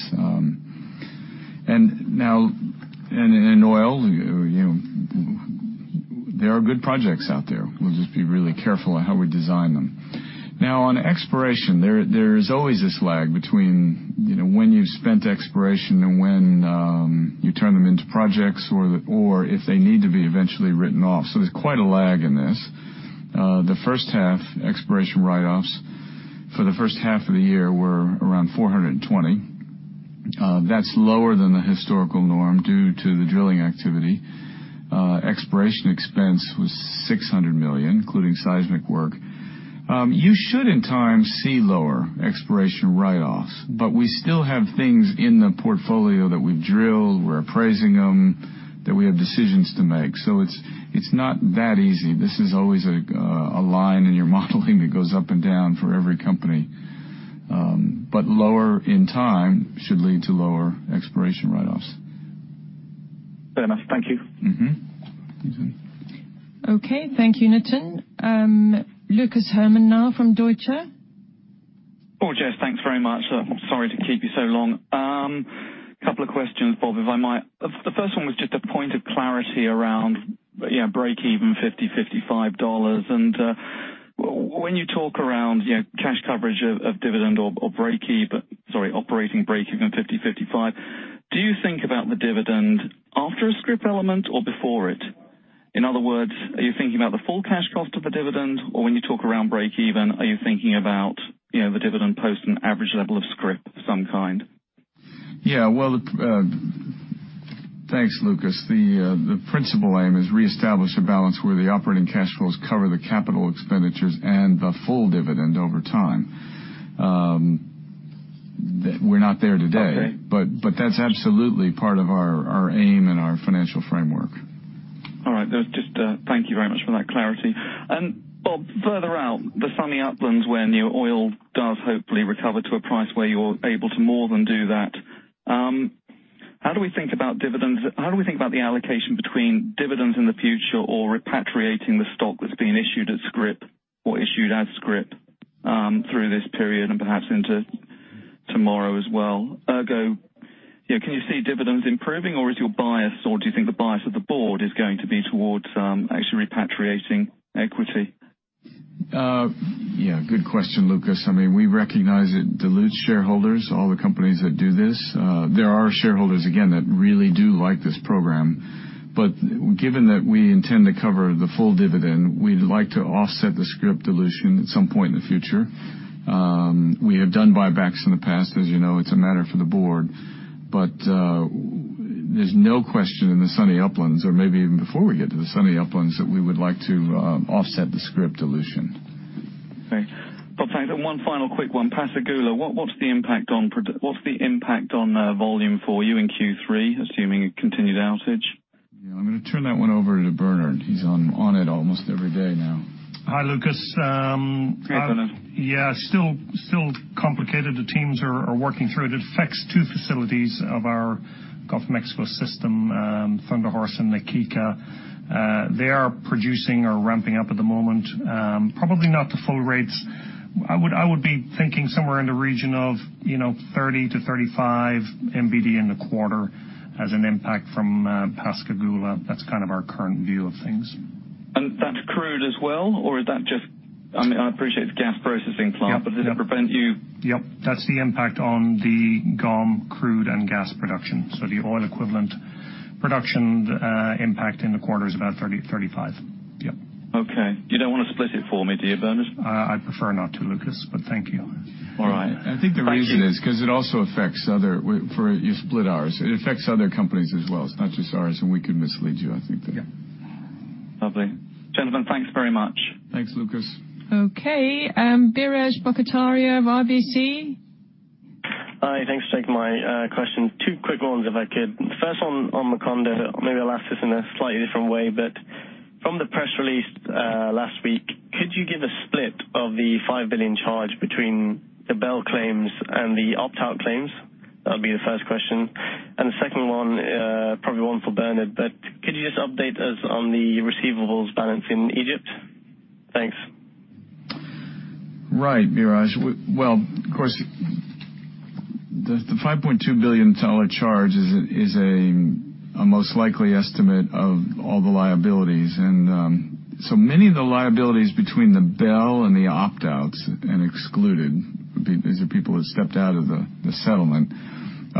In oil, there are good projects out there. We'll just be really careful on how we design them. Now on exploration, there's always this lag between when you've spent exploration and when you turn them into projects or if they need to be eventually written off. There's quite a lag in this. The first half exploration write-offs for the first half of the year were around 420 million. That's lower than the historical norm due to the drilling activity. Exploration expense was 600 million, including seismic work. You should, in time, see lower exploration write-offs, but we still have things in the portfolio that we've drilled, we're appraising them, that we have decisions to make. It's not that easy. This is always a line in your modeling that goes up and down for every company. Lower in time should lead to lower exploration write-offs.
Fair enough. Thank you.
Okay. Thank you, Nitin. Lucas Herrmann now from Deutsche.
Oh, Jess, thanks very much. Sorry to keep you so long. Couple of questions, Bob, if I might. The first one was just a point of clarity around breakeven GBP 50, GBP 55. When you talk around cash coverage of dividend or sorry, operating breakeven GBP 50, 55, do you think about the dividend after a scrip element or before it? In other words, are you thinking about the full cash cost of the dividend, or when you talk around breakeven, are you thinking about the dividend post an average level of scrip of some kind?
Yeah. Well, thanks, Lucas. The principle aim is reestablish a balance where the operating cash flows cover the capital expenditures and the full dividend over time. We're not there today.
Okay.
That's absolutely part of our aim and our financial framework.
All right. Just thank you very much for that clarity. Bob, further out, the sunny uplands when your oil does hopefully recover to a price where you're able to more than do that. How do we think about the allocation between dividends in the future or repatriating the stock that's being issued at scrip or issued as scrip through this period and perhaps into tomorrow as well? Ergo, can you see dividends improving, or is your bias, or do you think the bias of the board is going to be towards actually repatriating equity?
Good question, Lucas. We recognize it dilutes shareholders, all the companies that do this. There are shareholders, again, that really do like this program. Given that we intend to cover the full dividend, we'd like to offset the scrip dilution at some point in the future. We have done buybacks in the past. As you know, it's a matter for the board. There's no question in the sunny uplands or maybe even before we get to the sunny uplands, that we would like to offset the scrip dilution.
Okay. Bob, thanks. One final quick one. Pascagoula, what's the impact on volume for you in Q3, assuming a continued outage?
I'm going to turn that one over to Bernard. He's on it almost every day now.
Hi, Lucas.
Hey, Bernard.
Yeah, still complicated. The teams are working through it. It affects two facilities of our Gulf of Mexico system, Thunderhorse and Na Kika. They are producing or ramping up at the moment. Probably not to full rates. I would be thinking somewhere in the region of 30 to 35 MBD in the quarter as an impact from Pascagoula. That's kind of our current view of things.
That's crude as well, or is that just-- I appreciate it's gas processing plant-
Yep.
Does it prevent you?
That's the impact on the GOM crude and gas production. The oil equivalent production impact in the quarter is about 30, 35.
You don't want to split it for me, do you, Bernard?
I'd prefer not to, Lucas, thank you.
Thank you.
I think the reason is because it also affects other companies as well. It's not just ours, and we could mislead you, I think there.
Yeah. Lovely. Gentlemen, thanks very much.
Thanks, Lucas.
Okay. Biraj Borkhataria of RBC.
Hi. Thanks for taking my question. Two quick ones if I could. First on Macondo. Maybe I'll ask this in a slightly different way, from the press release last week, could you give a split of the $5 billion charge between the BEL claims and the opt-out claims? That would be the first question. The second one, probably one for Bernard, could you just update us on the receivables balance in Egypt? Thanks.
Right, Biraj. Well, of course, the $5.2 billion charge is a most likely estimate of all the liabilities. Many of the liabilities between the BEL and the opt-outs and excluded, these are people that stepped out of the settlement,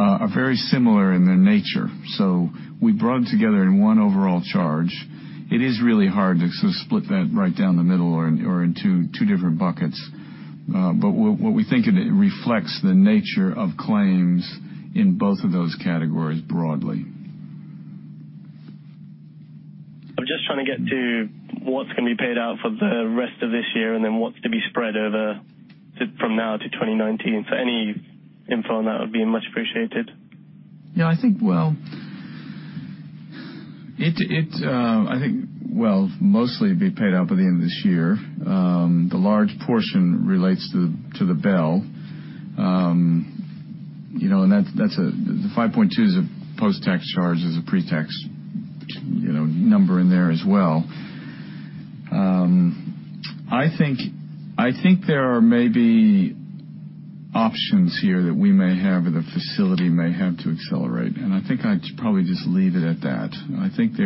are very similar in their nature. We brought them together in one overall charge. It is really hard to split that right down the middle or into two different buckets. What we think it reflects the nature of claims in both of those categories broadly.
I'm just trying to get to what's going to be paid out for the rest of this year, and then what's to be spread over from now to 2019. Any info on that would be much appreciated.
Yeah, I think, well, mostly it'll be paid out by the end of this year. The large portion relates to the BEL. The $5.2 is a post-tax charge, there's a pre-tax number in there as well. I think there are maybe options here that we may have, or the facility may have to accelerate, and I think I'd probably just leave it at that. I think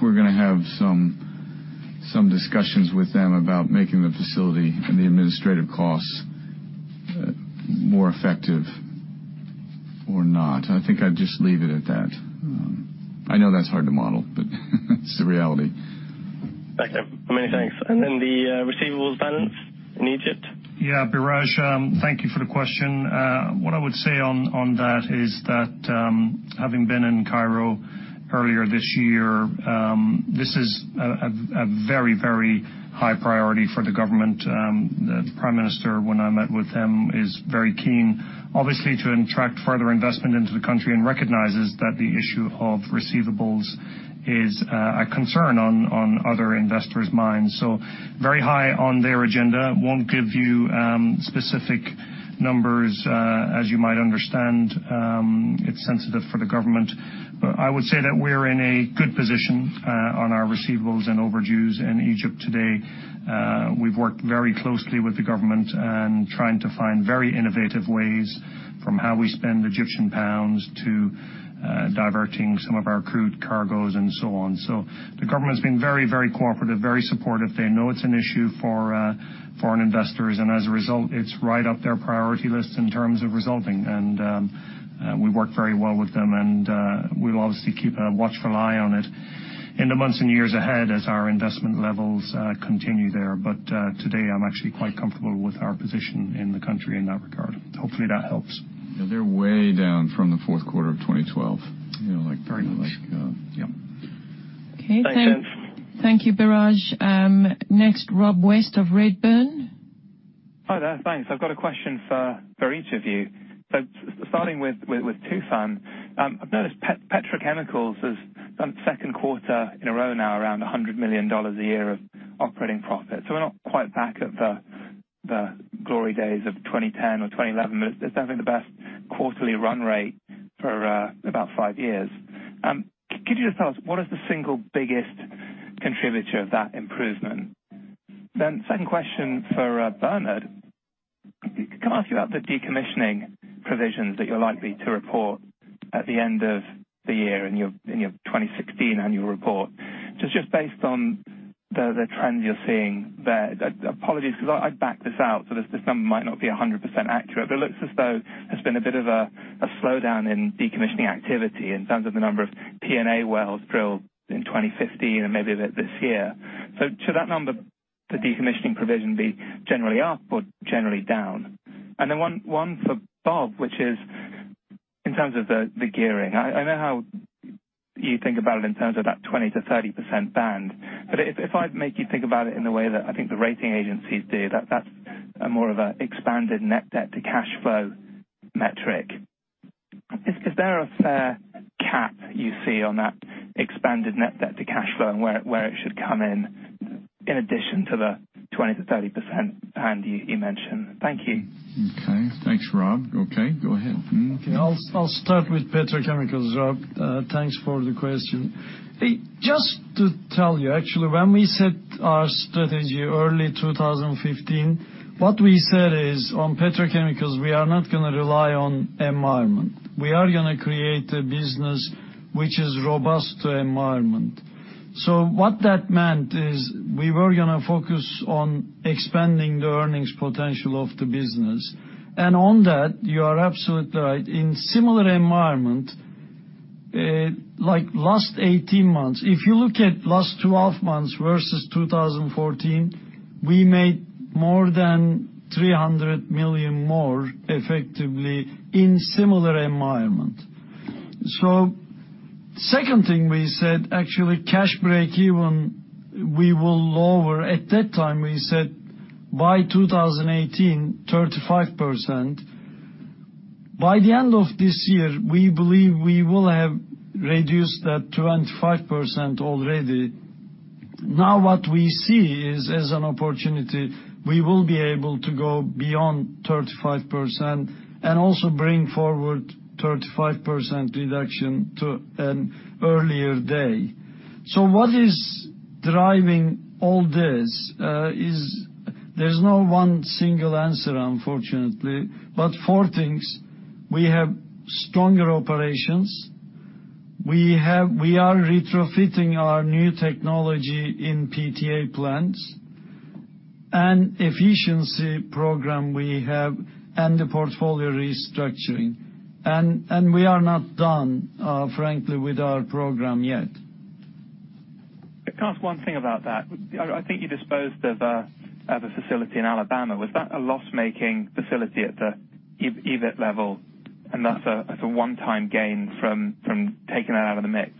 we're going to have some discussions with them about making the facility and the administrative costs more effective or not. I think I'd just leave it at that. I know that's hard to model, but that's the reality.
Okay. Many thanks. Then the receivables balance in Egypt?
Yeah, Biraj, thank you for the question. What I would say on that is that having been in Cairo earlier this year, this is a very high priority for the government. The Prime Minister, when I met with him, is very keen, obviously, to attract further investment into the country and recognizes that the issue of receivables is a concern on other investors' minds. Very high on their agenda. Won't give you specific numbers. As you might understand, it's sensitive for the government. I would say that we're in a good position on our receivables and overdues in Egypt today. We've worked very closely with the government and trying to find very innovative ways from how we spend Egyptian pounds to diverting some of our crude cargoes and so on. The government's been very cooperative, very supportive. They know it's an issue for foreign investors, and as a result, it's right up their priority list in terms of resolving. We work very well with them, and we'll obviously keep a watchful eye on it in the months and years ahead as our investment levels continue there. Today, I'm actually quite comfortable with our position in the country in that regard. Hopefully, that helps.
Yeah, they're way down from the fourth quarter of 2012.
Very much. Yep.
Thanks, gents.
Okay. Thank you, Biraj. Next, Rob West of Redburn.
Hi there. Thanks. I've got a question for each of you. Starting with Tufan. I've noticed Petrochemicals has done second quarter in a row now around $100 million a year of operating profit. We're not quite back at the glory days of 2010 or 2011, but it's definitely the best quarterly run rate for about five years. Could you just tell us what is the single biggest contributor of that improvement? Second question for Bernard. Can I ask you about the decommissioning provisions that you're likely to report at the end of the year in your 2016 annual report? Just based on the trends you're seeing there. Apologies, because I backed this out, this number might not be 100% accurate, but it looks as though there's been a bit of a slowdown in decommissioning activity in terms of the number of P&A wells drilled in 2015 and maybe a bit this year. Should that number, the decommissioning provision, be generally up or generally down? One for Bob, which is in terms of the gearing. I know how you think about it in terms of that 20%-30% band. If I make you think about it in the way that I think the rating agencies do, that's more of an expanded net debt to cash flow metric. Is there a fair cap you see on that expanded net debt to cash flow and where it should come in addition to the 20%-30% band you mentioned? Thank you.
Okay. Thanks, Rob. Okay, go ahead.
Okay. I'll start with Petrochemicals, Rob. Thanks for the question. Just to tell you, actually, when we set our strategy early 2015, what we said is on Petrochemicals, we are not going to rely on environment. We are going to create a business which is robust to environment. What that meant is we were going to focus on expanding the earnings potential of the business. On that, you are absolutely right. In similar environment, like last 18 months, if you look at last 12 months versus 2014, we made more than $300 million more effectively in similar environment. Second thing we said, actually cash break even, we will lower. At that time, we said by 2018, 35%. By the end of this year, we believe we will have reduced that 25% already. Now what we see is as an opportunity, we will be able to go beyond 35% and also bring forward 35% reduction to an earlier day. What is driving all this? There's no one single answer, unfortunately. Four things, we have stronger operations. We are retrofitting our new technology in PTA plants, and efficiency program we have, and the portfolio restructuring. We are not done, frankly, with our program yet.
Can I ask one thing about that? I think you disposed of a facility in Alabama. Was that a loss-making facility at the EBIT level, and that's a one-time gain from taking that out of the mix?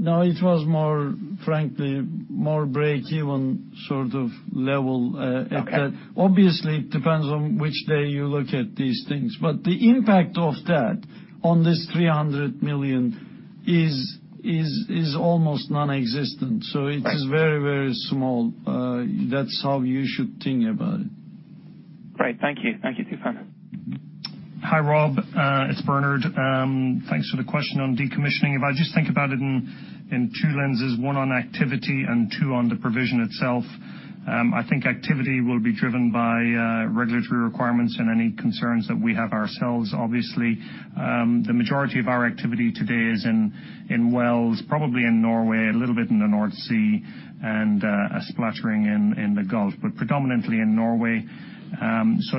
It was more, frankly, more break-even sort of level at that.
Okay.
Obviously, it depends on which day you look at these things, the impact of that on this $300 million is almost nonexistent.
Right.
It is very, very small. That's how you should think about it.
Great. Thank you. Thank you, Tufan.
Hi, Rob. It's Bernard. Thanks for the question on decommissioning. If I just think about it in two lenses, one on activity and two on the provision itself. I think activity will be driven by regulatory requirements and any concerns that we have ourselves. Obviously, the majority of our activity today is in wells, probably in Norway, a little bit in the North Sea, and a splattering in the Gulf, but predominantly in Norway.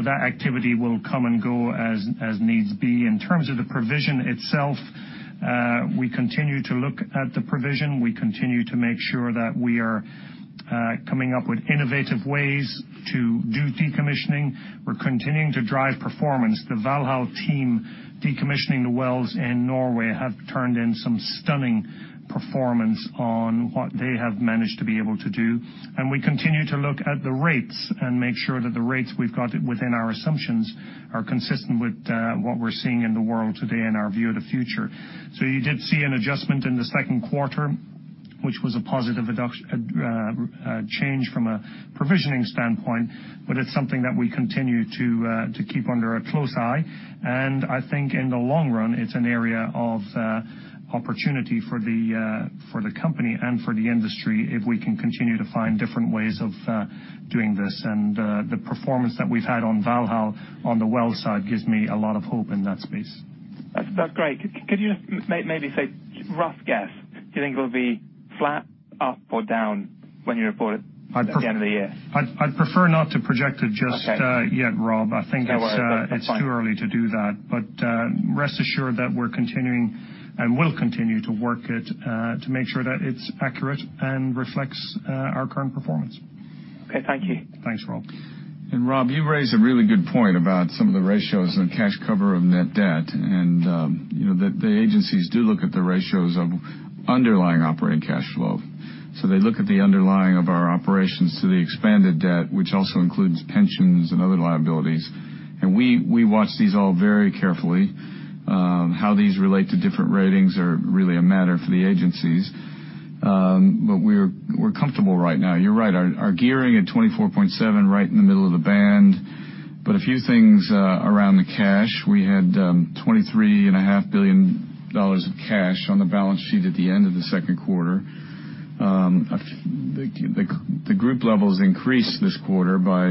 That activity will come and go as needs be. In terms of the provision itself, we continue to look at the provision. We continue to make sure that we are coming up with innovative ways to do decommissioning. We're continuing to drive performance. The Valhall team decommissioning the wells in Norway have turned in some stunning performance on what they have managed to be able to do. We continue to look at the rates and make sure that the rates we've got within our assumptions are consistent with what we're seeing in the world today and our view of the future. You did see an adjustment in the second quarter, which was a positive change from a provisioning standpoint, but it's something that we continue to keep under a close eye. I think in the long run, it's an area of opportunity for the company and for the industry if we can continue to find different ways of doing this. The performance that we've had on Valhall on the well side gives me a lot of hope in that space.
That's great. Could you maybe say rough guess, do you think it'll be flat, up, or down when you report it at the end of the year?
I'd prefer not to project it just yet, Rob.
Okay. No worries. That's fine.
I think it's too early to do that. Rest assured that we're continuing and will continue to work it to make sure that it's accurate and reflects our current performance.
Okay. Thank you.
Thanks, Rob.
Rob, you raised a really good point about some of the ratios and cash cover of net debt, the agencies do look at the ratios of underlying operating cash flow. They look at the underlying of our operations to the expanded debt, which also includes pensions and other liabilities. We watch these all very carefully. How these relate to different ratings are really a matter for the agencies. We're comfortable right now. You're right, our gearing at 24.7%, right in the middle of the band. A few things around the cash. We had GBP 23.5 billion of cash on the balance sheet at the end of the second quarter. The group levels increased this quarter by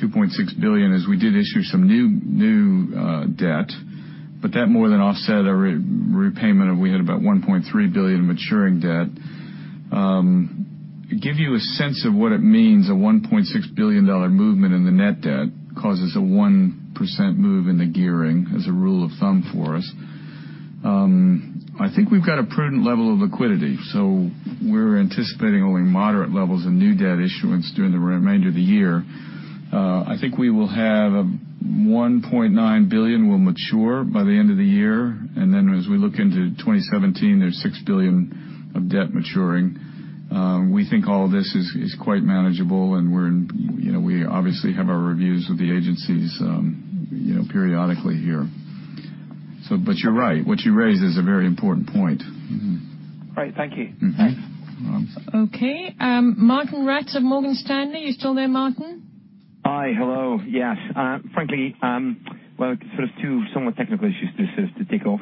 2.6 billion as we did issue some new debt. That more than offset a repayment of, we had about 1.3 billion maturing debt. Give you a sense of what it means, a GBP 1.6 billion movement in the net debt causes a 1% move in the gearing as a rule of thumb for us. I think we've got a prudent level of liquidity. We're anticipating only moderate levels of new debt issuance during the remainder of the year. I think we will have a 1.9 billion will mature by the end of the year. Then as we look into 2017, there's 6 billion of debt maturing. We think all this is quite manageable, and we obviously have our reviews with the agencies periodically here. You're right, what you raised is a very important point.
Great. Thank you. Thanks.
No worries.
Okay. Martijn Rats of Morgan Stanley. You still there, Martin?
Hi. Hello. Yes. Frankly, well, sort of two somewhat technical issues just to tick off.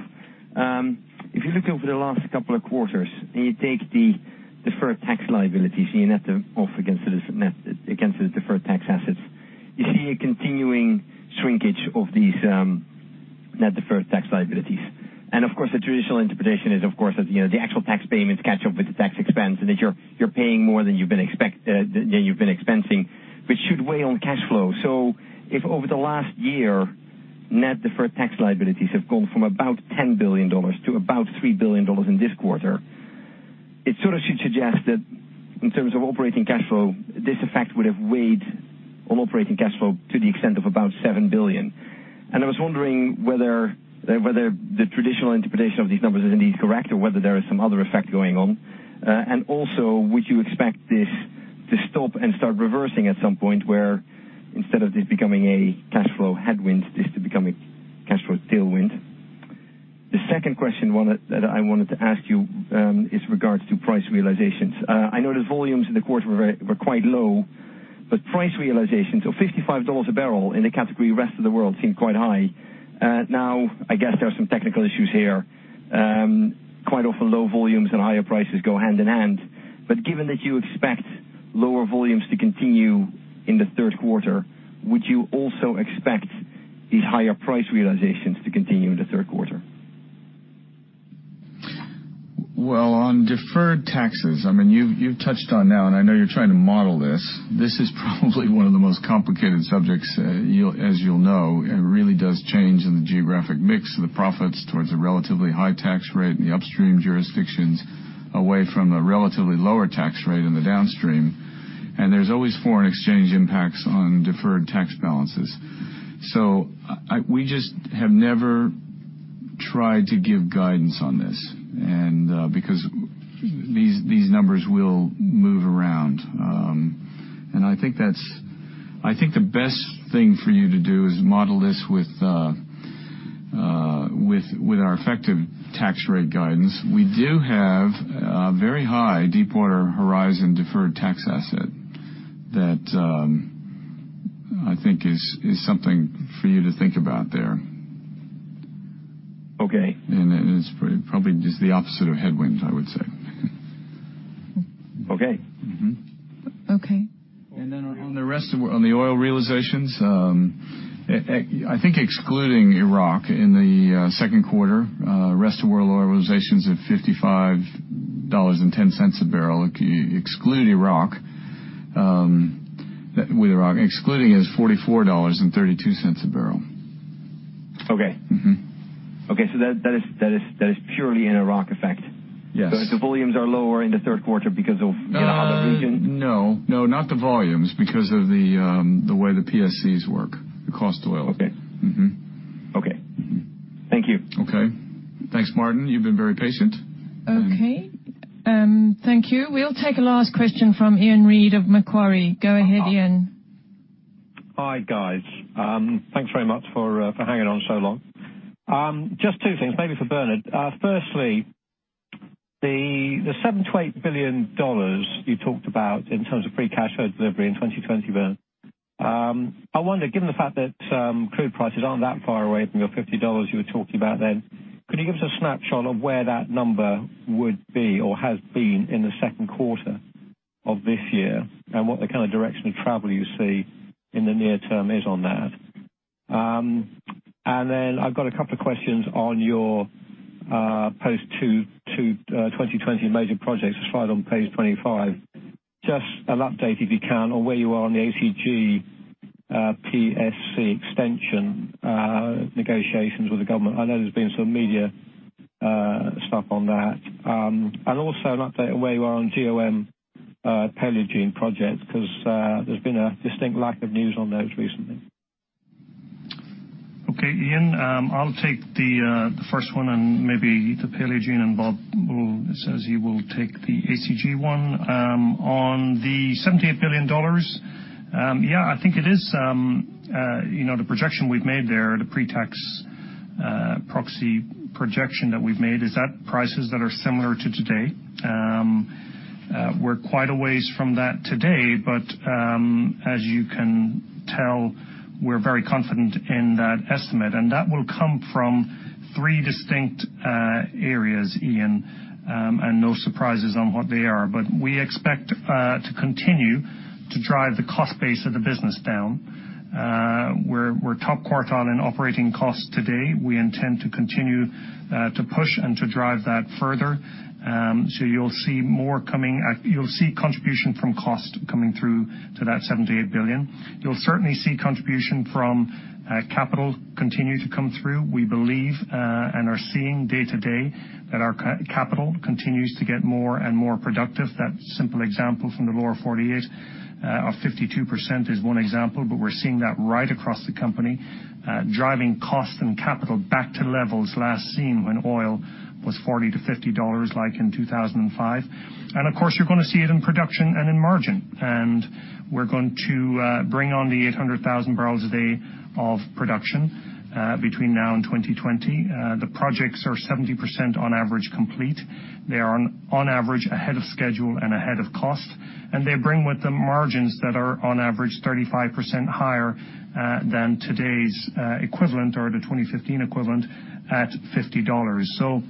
If you looked over the last couple of quarters and you take the deferred tax liabilities and you net them off against the deferred tax assets, you see a continuing shrinkage of these net deferred tax liabilities. Of course, the traditional interpretation is, of course, that the actual tax payments catch up with the tax expense and that you're paying more than you've been expensing, which should weigh on cash flow. If over the last year, net deferred tax liabilities have gone from about $10 billion to about $3 billion in this quarter, it sort of should suggest that in terms of operating cash flow, this effect would have weighed on operating cash flow to the extent of about $7 billion. I was wondering whether the traditional interpretation of these numbers is indeed correct or whether there is some other effect going on. Also, would you expect this to stop and start reversing at some point, where instead of this becoming a cash flow headwind, this to become a cash flow tailwind? The second question that I wanted to ask you is regards to price realizations. I know the volumes in the quarter were quite low, but price realizations of $55 a barrel in the category rest of the world seemed quite high. Now, I guess there are some technical issues here. Quite often low volumes and higher prices go hand in hand. Given that you expect lower volumes to continue in the third quarter, would you also expect these higher price realizations to continue in the third quarter?
On deferred taxes, you've touched on now, and I know you're trying to model this. This is probably one of the most complicated subjects, as you'll know. It really does change in the geographic mix of the profits towards a relatively high tax rate in the upstream jurisdictions, away from the relatively lower tax rate in the downstream. There's always foreign exchange impacts on deferred tax balances. We just have never tried to give guidance on this, because these numbers will move around. I think the best thing for you to do is model this with our effective tax rate guidance. We do have a very high Deepwater Horizon deferred tax asset that I think is something for you to think about there.
Okay.
It is probably just the opposite of headwind, I would say.
Okay.
Okay.
On the oil realizations, I think excluding Iraq in the second quarter, rest of world oil realizations at $55.10 a barrel. With Iraq. Excluding it is $44.32 a barrel.
Okay. Okay. That is purely an Iraq effect?
Yes.
The volumes are lower in the third quarter because of the other region?
No. Not the volumes. Because of the way the PSCs work, the cost oil.
Okay. Okay. Thank you.
Okay. Thanks, Martjin. You've been very patient.
Okay. Thank you. We'll take a last question from Ian Reid of Macquarie. Go ahead, Ian.
Hi, guys. Thanks very much for hanging on so long. Just two things, maybe for Bernard. Firstly, the $7 billion-$8 billion you talked about in terms of free cash flow delivery in 2020, Bernard. I wonder, given the fact that crude prices aren't that far away from your $50 you were talking about then, could you give us a snapshot of where that number would be or has been in the second quarter of this year, and what the kind of direction of travel you see in the near term is on that? I've got a couple of questions on your post-2020 major projects, the slide on page 25. Just an update, if you can, on where you are on the ACG PSC extension negotiations with the government. I know there's been some media stuff on that. Also an update on where you are on GOM Paleogene projects, because there's been a distinct lack of news on those recently.
Okay, Ian. I'll take the first one and maybe the Paleogene. Bob says he will take the ACG one. On the $7 billion-$8 billion, yeah, I think it is. The projection we've made there, the pre-tax proxy projection that we've made is at prices that are similar to today. We're quite a ways from that today. As you can tell, we're very confident in that estimate, and that will come from three distinct areas, Ian, no surprises on what they are. We expect to continue to drive the cost base of the business down. We're top quartile in operating costs today. We intend to continue to push and to drive that further. You'll see contribution from cost coming through to that $7 billion-$8 billion. You'll certainly see contribution from capital continue to come through. We believe, are seeing day to day, that our capital continues to get more and more productive. That simple example from the Lower 48 of 52% is one example, but we're seeing that right across the company, driving cost and capital back to levels last seen when oil was $40-$50, like in 2005. Of course, you're going to see it in production and in margin. We're going to bring on the 800,000 barrels a day of production between now and 2020. The projects are 70% on average complete. They are on average ahead of schedule and ahead of cost. They bring with them margins that are on average 35% higher than today's equivalent or the 2015 equivalent at $50.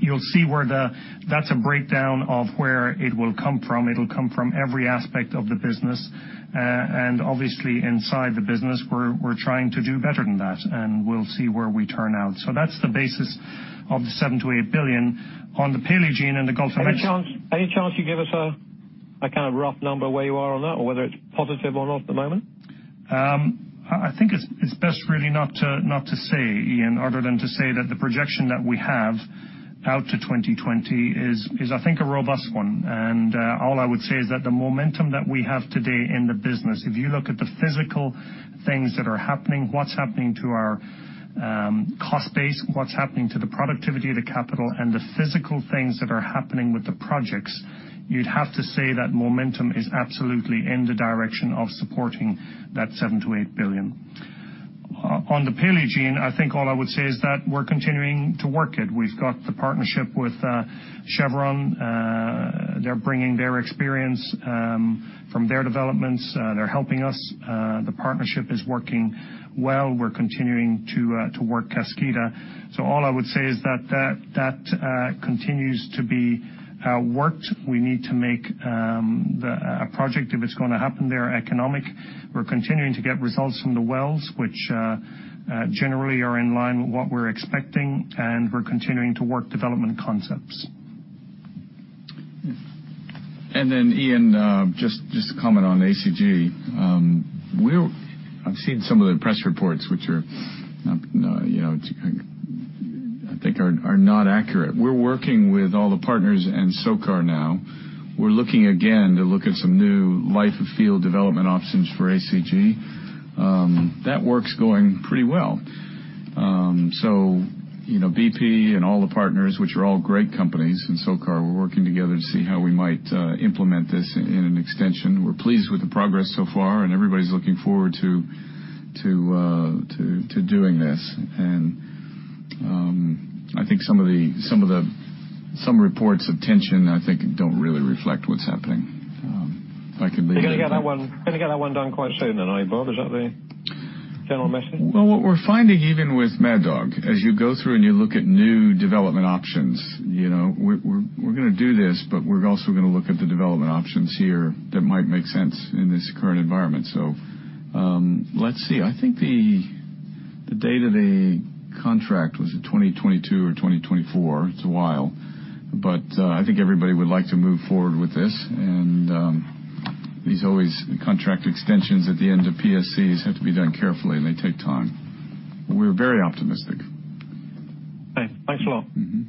You'll see where that's a breakdown of where it will come from. It'll come from every aspect of the business. Obviously, inside the business, we're trying to do better than that, and we'll see where we turn out. That's the basis of the $7 billion-$8 billion on the Paleogene and the Gulf of Mexico.
Any chance you give us a kind of rough number where you are on that, or whether it's positive or not at the moment?
I think it's best really not to say, Ian, other than to say that the projection that we have out to 2020 is I think a robust one. All I would say is that the momentum that we have today in the business, if you look at the physical things that are happening, what's happening to our cost base, what's happening to the productivity of the capital, and the physical things that are happening with the projects, you'd have to say that momentum is absolutely in the direction of supporting that $7 billion-$8 billion. On the Paleogene, I think all I would say is that we're continuing to work it. We've got the partnership with Chevron. They're bringing their experience from their developments. They're helping us. The partnership is working well. We're continuing to work Kaskida. All I would say is that continues to be worked. We need to make a project, if it's going to happen there, economic. We're continuing to get results from the wells, which generally are in line with what we're expecting, we're continuing to work development concepts.
Ian, just to comment on ACG. I've seen some of the press reports, which I think are not accurate. We're working with all the partners and SOCAR now. We're looking again to look at some new life of field development options for ACG. That work's going pretty well. BP and all the partners, which are all great companies, and SOCAR, we're working together to see how we might implement this in an extension. We're pleased with the progress so far, everybody's looking forward to doing this. I think some reports of tension, I think, don't really reflect what's happening. If I could leave it at that.
You're going to get that one done quite soon then, Bob? Is that the general message?
Well, what we're finding even with Mad Dog, as you go through and you look at new development options, we're going to do this, but we're also going to look at the development options here that might make sense in this current environment. Let's see. I think the date of the contract was 2022 or 2024. It's a while, but I think everybody would like to move forward with this. These always, contract extensions at the end of PSCs have to be done carefully. They take time. We're very optimistic.
Okay. Thanks a lot.
Mm-hmm.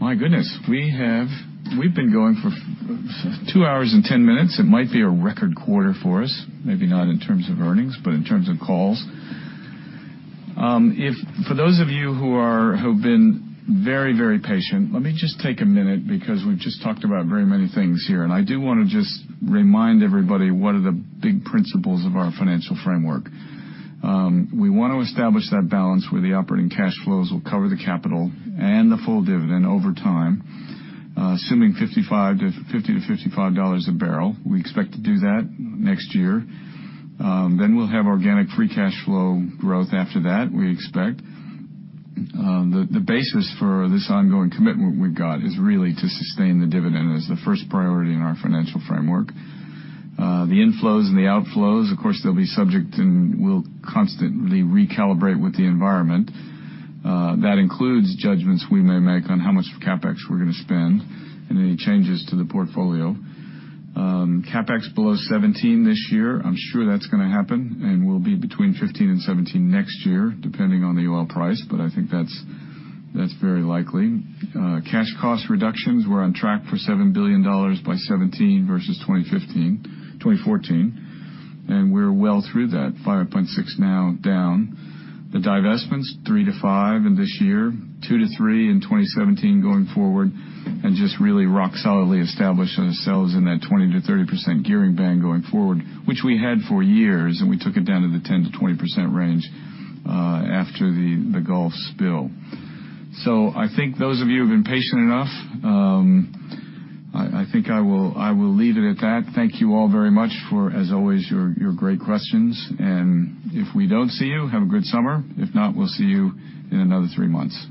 My goodness, we've been going for 2 hours and 10 minutes. It might be a record quarter for us, maybe not in terms of earnings, but in terms of calls. For those of you who've been very patient, let me just take a minute because we've just talked about very many things here. I do want to just remind everybody what are the big principles of our financial framework. We want to establish that balance where the operating cash flows will cover the capital and the full dividend over time. Assuming $50-$55 a barrel, we expect to do that next year. Then we'll have organic free cash flow growth after that, we expect. The basis for this ongoing commitment we've got is really to sustain the dividend as the first priority in our financial framework. The inflows and the outflows, of course, they'll be subject, and we'll constantly recalibrate with the environment. That includes judgments we may make on how much CapEx we're going to spend and any changes to the portfolio. CapEx below $17 this year. I'm sure that's going to happen, and we'll be between $15 and $17 next year, depending on the oil price, but I think that's very likely. Cash cost reductions, we're on track for $7 billion by 2017 versus 2014, and we're well through that, $5.6 now down. The divestments, three to five in this year, two to three in 2017 going forward, and just really rock solidly establishing ourselves in that 20%-30% gearing band going forward, which we had for years, and we took it down to the 10%-20% range after the Gulf spill. I think those of you who've been patient enough, I think I will leave it at that. Thank you all very much for, as always, your great questions. If we don't see you, have a good summer. If not, we'll see you in another three months.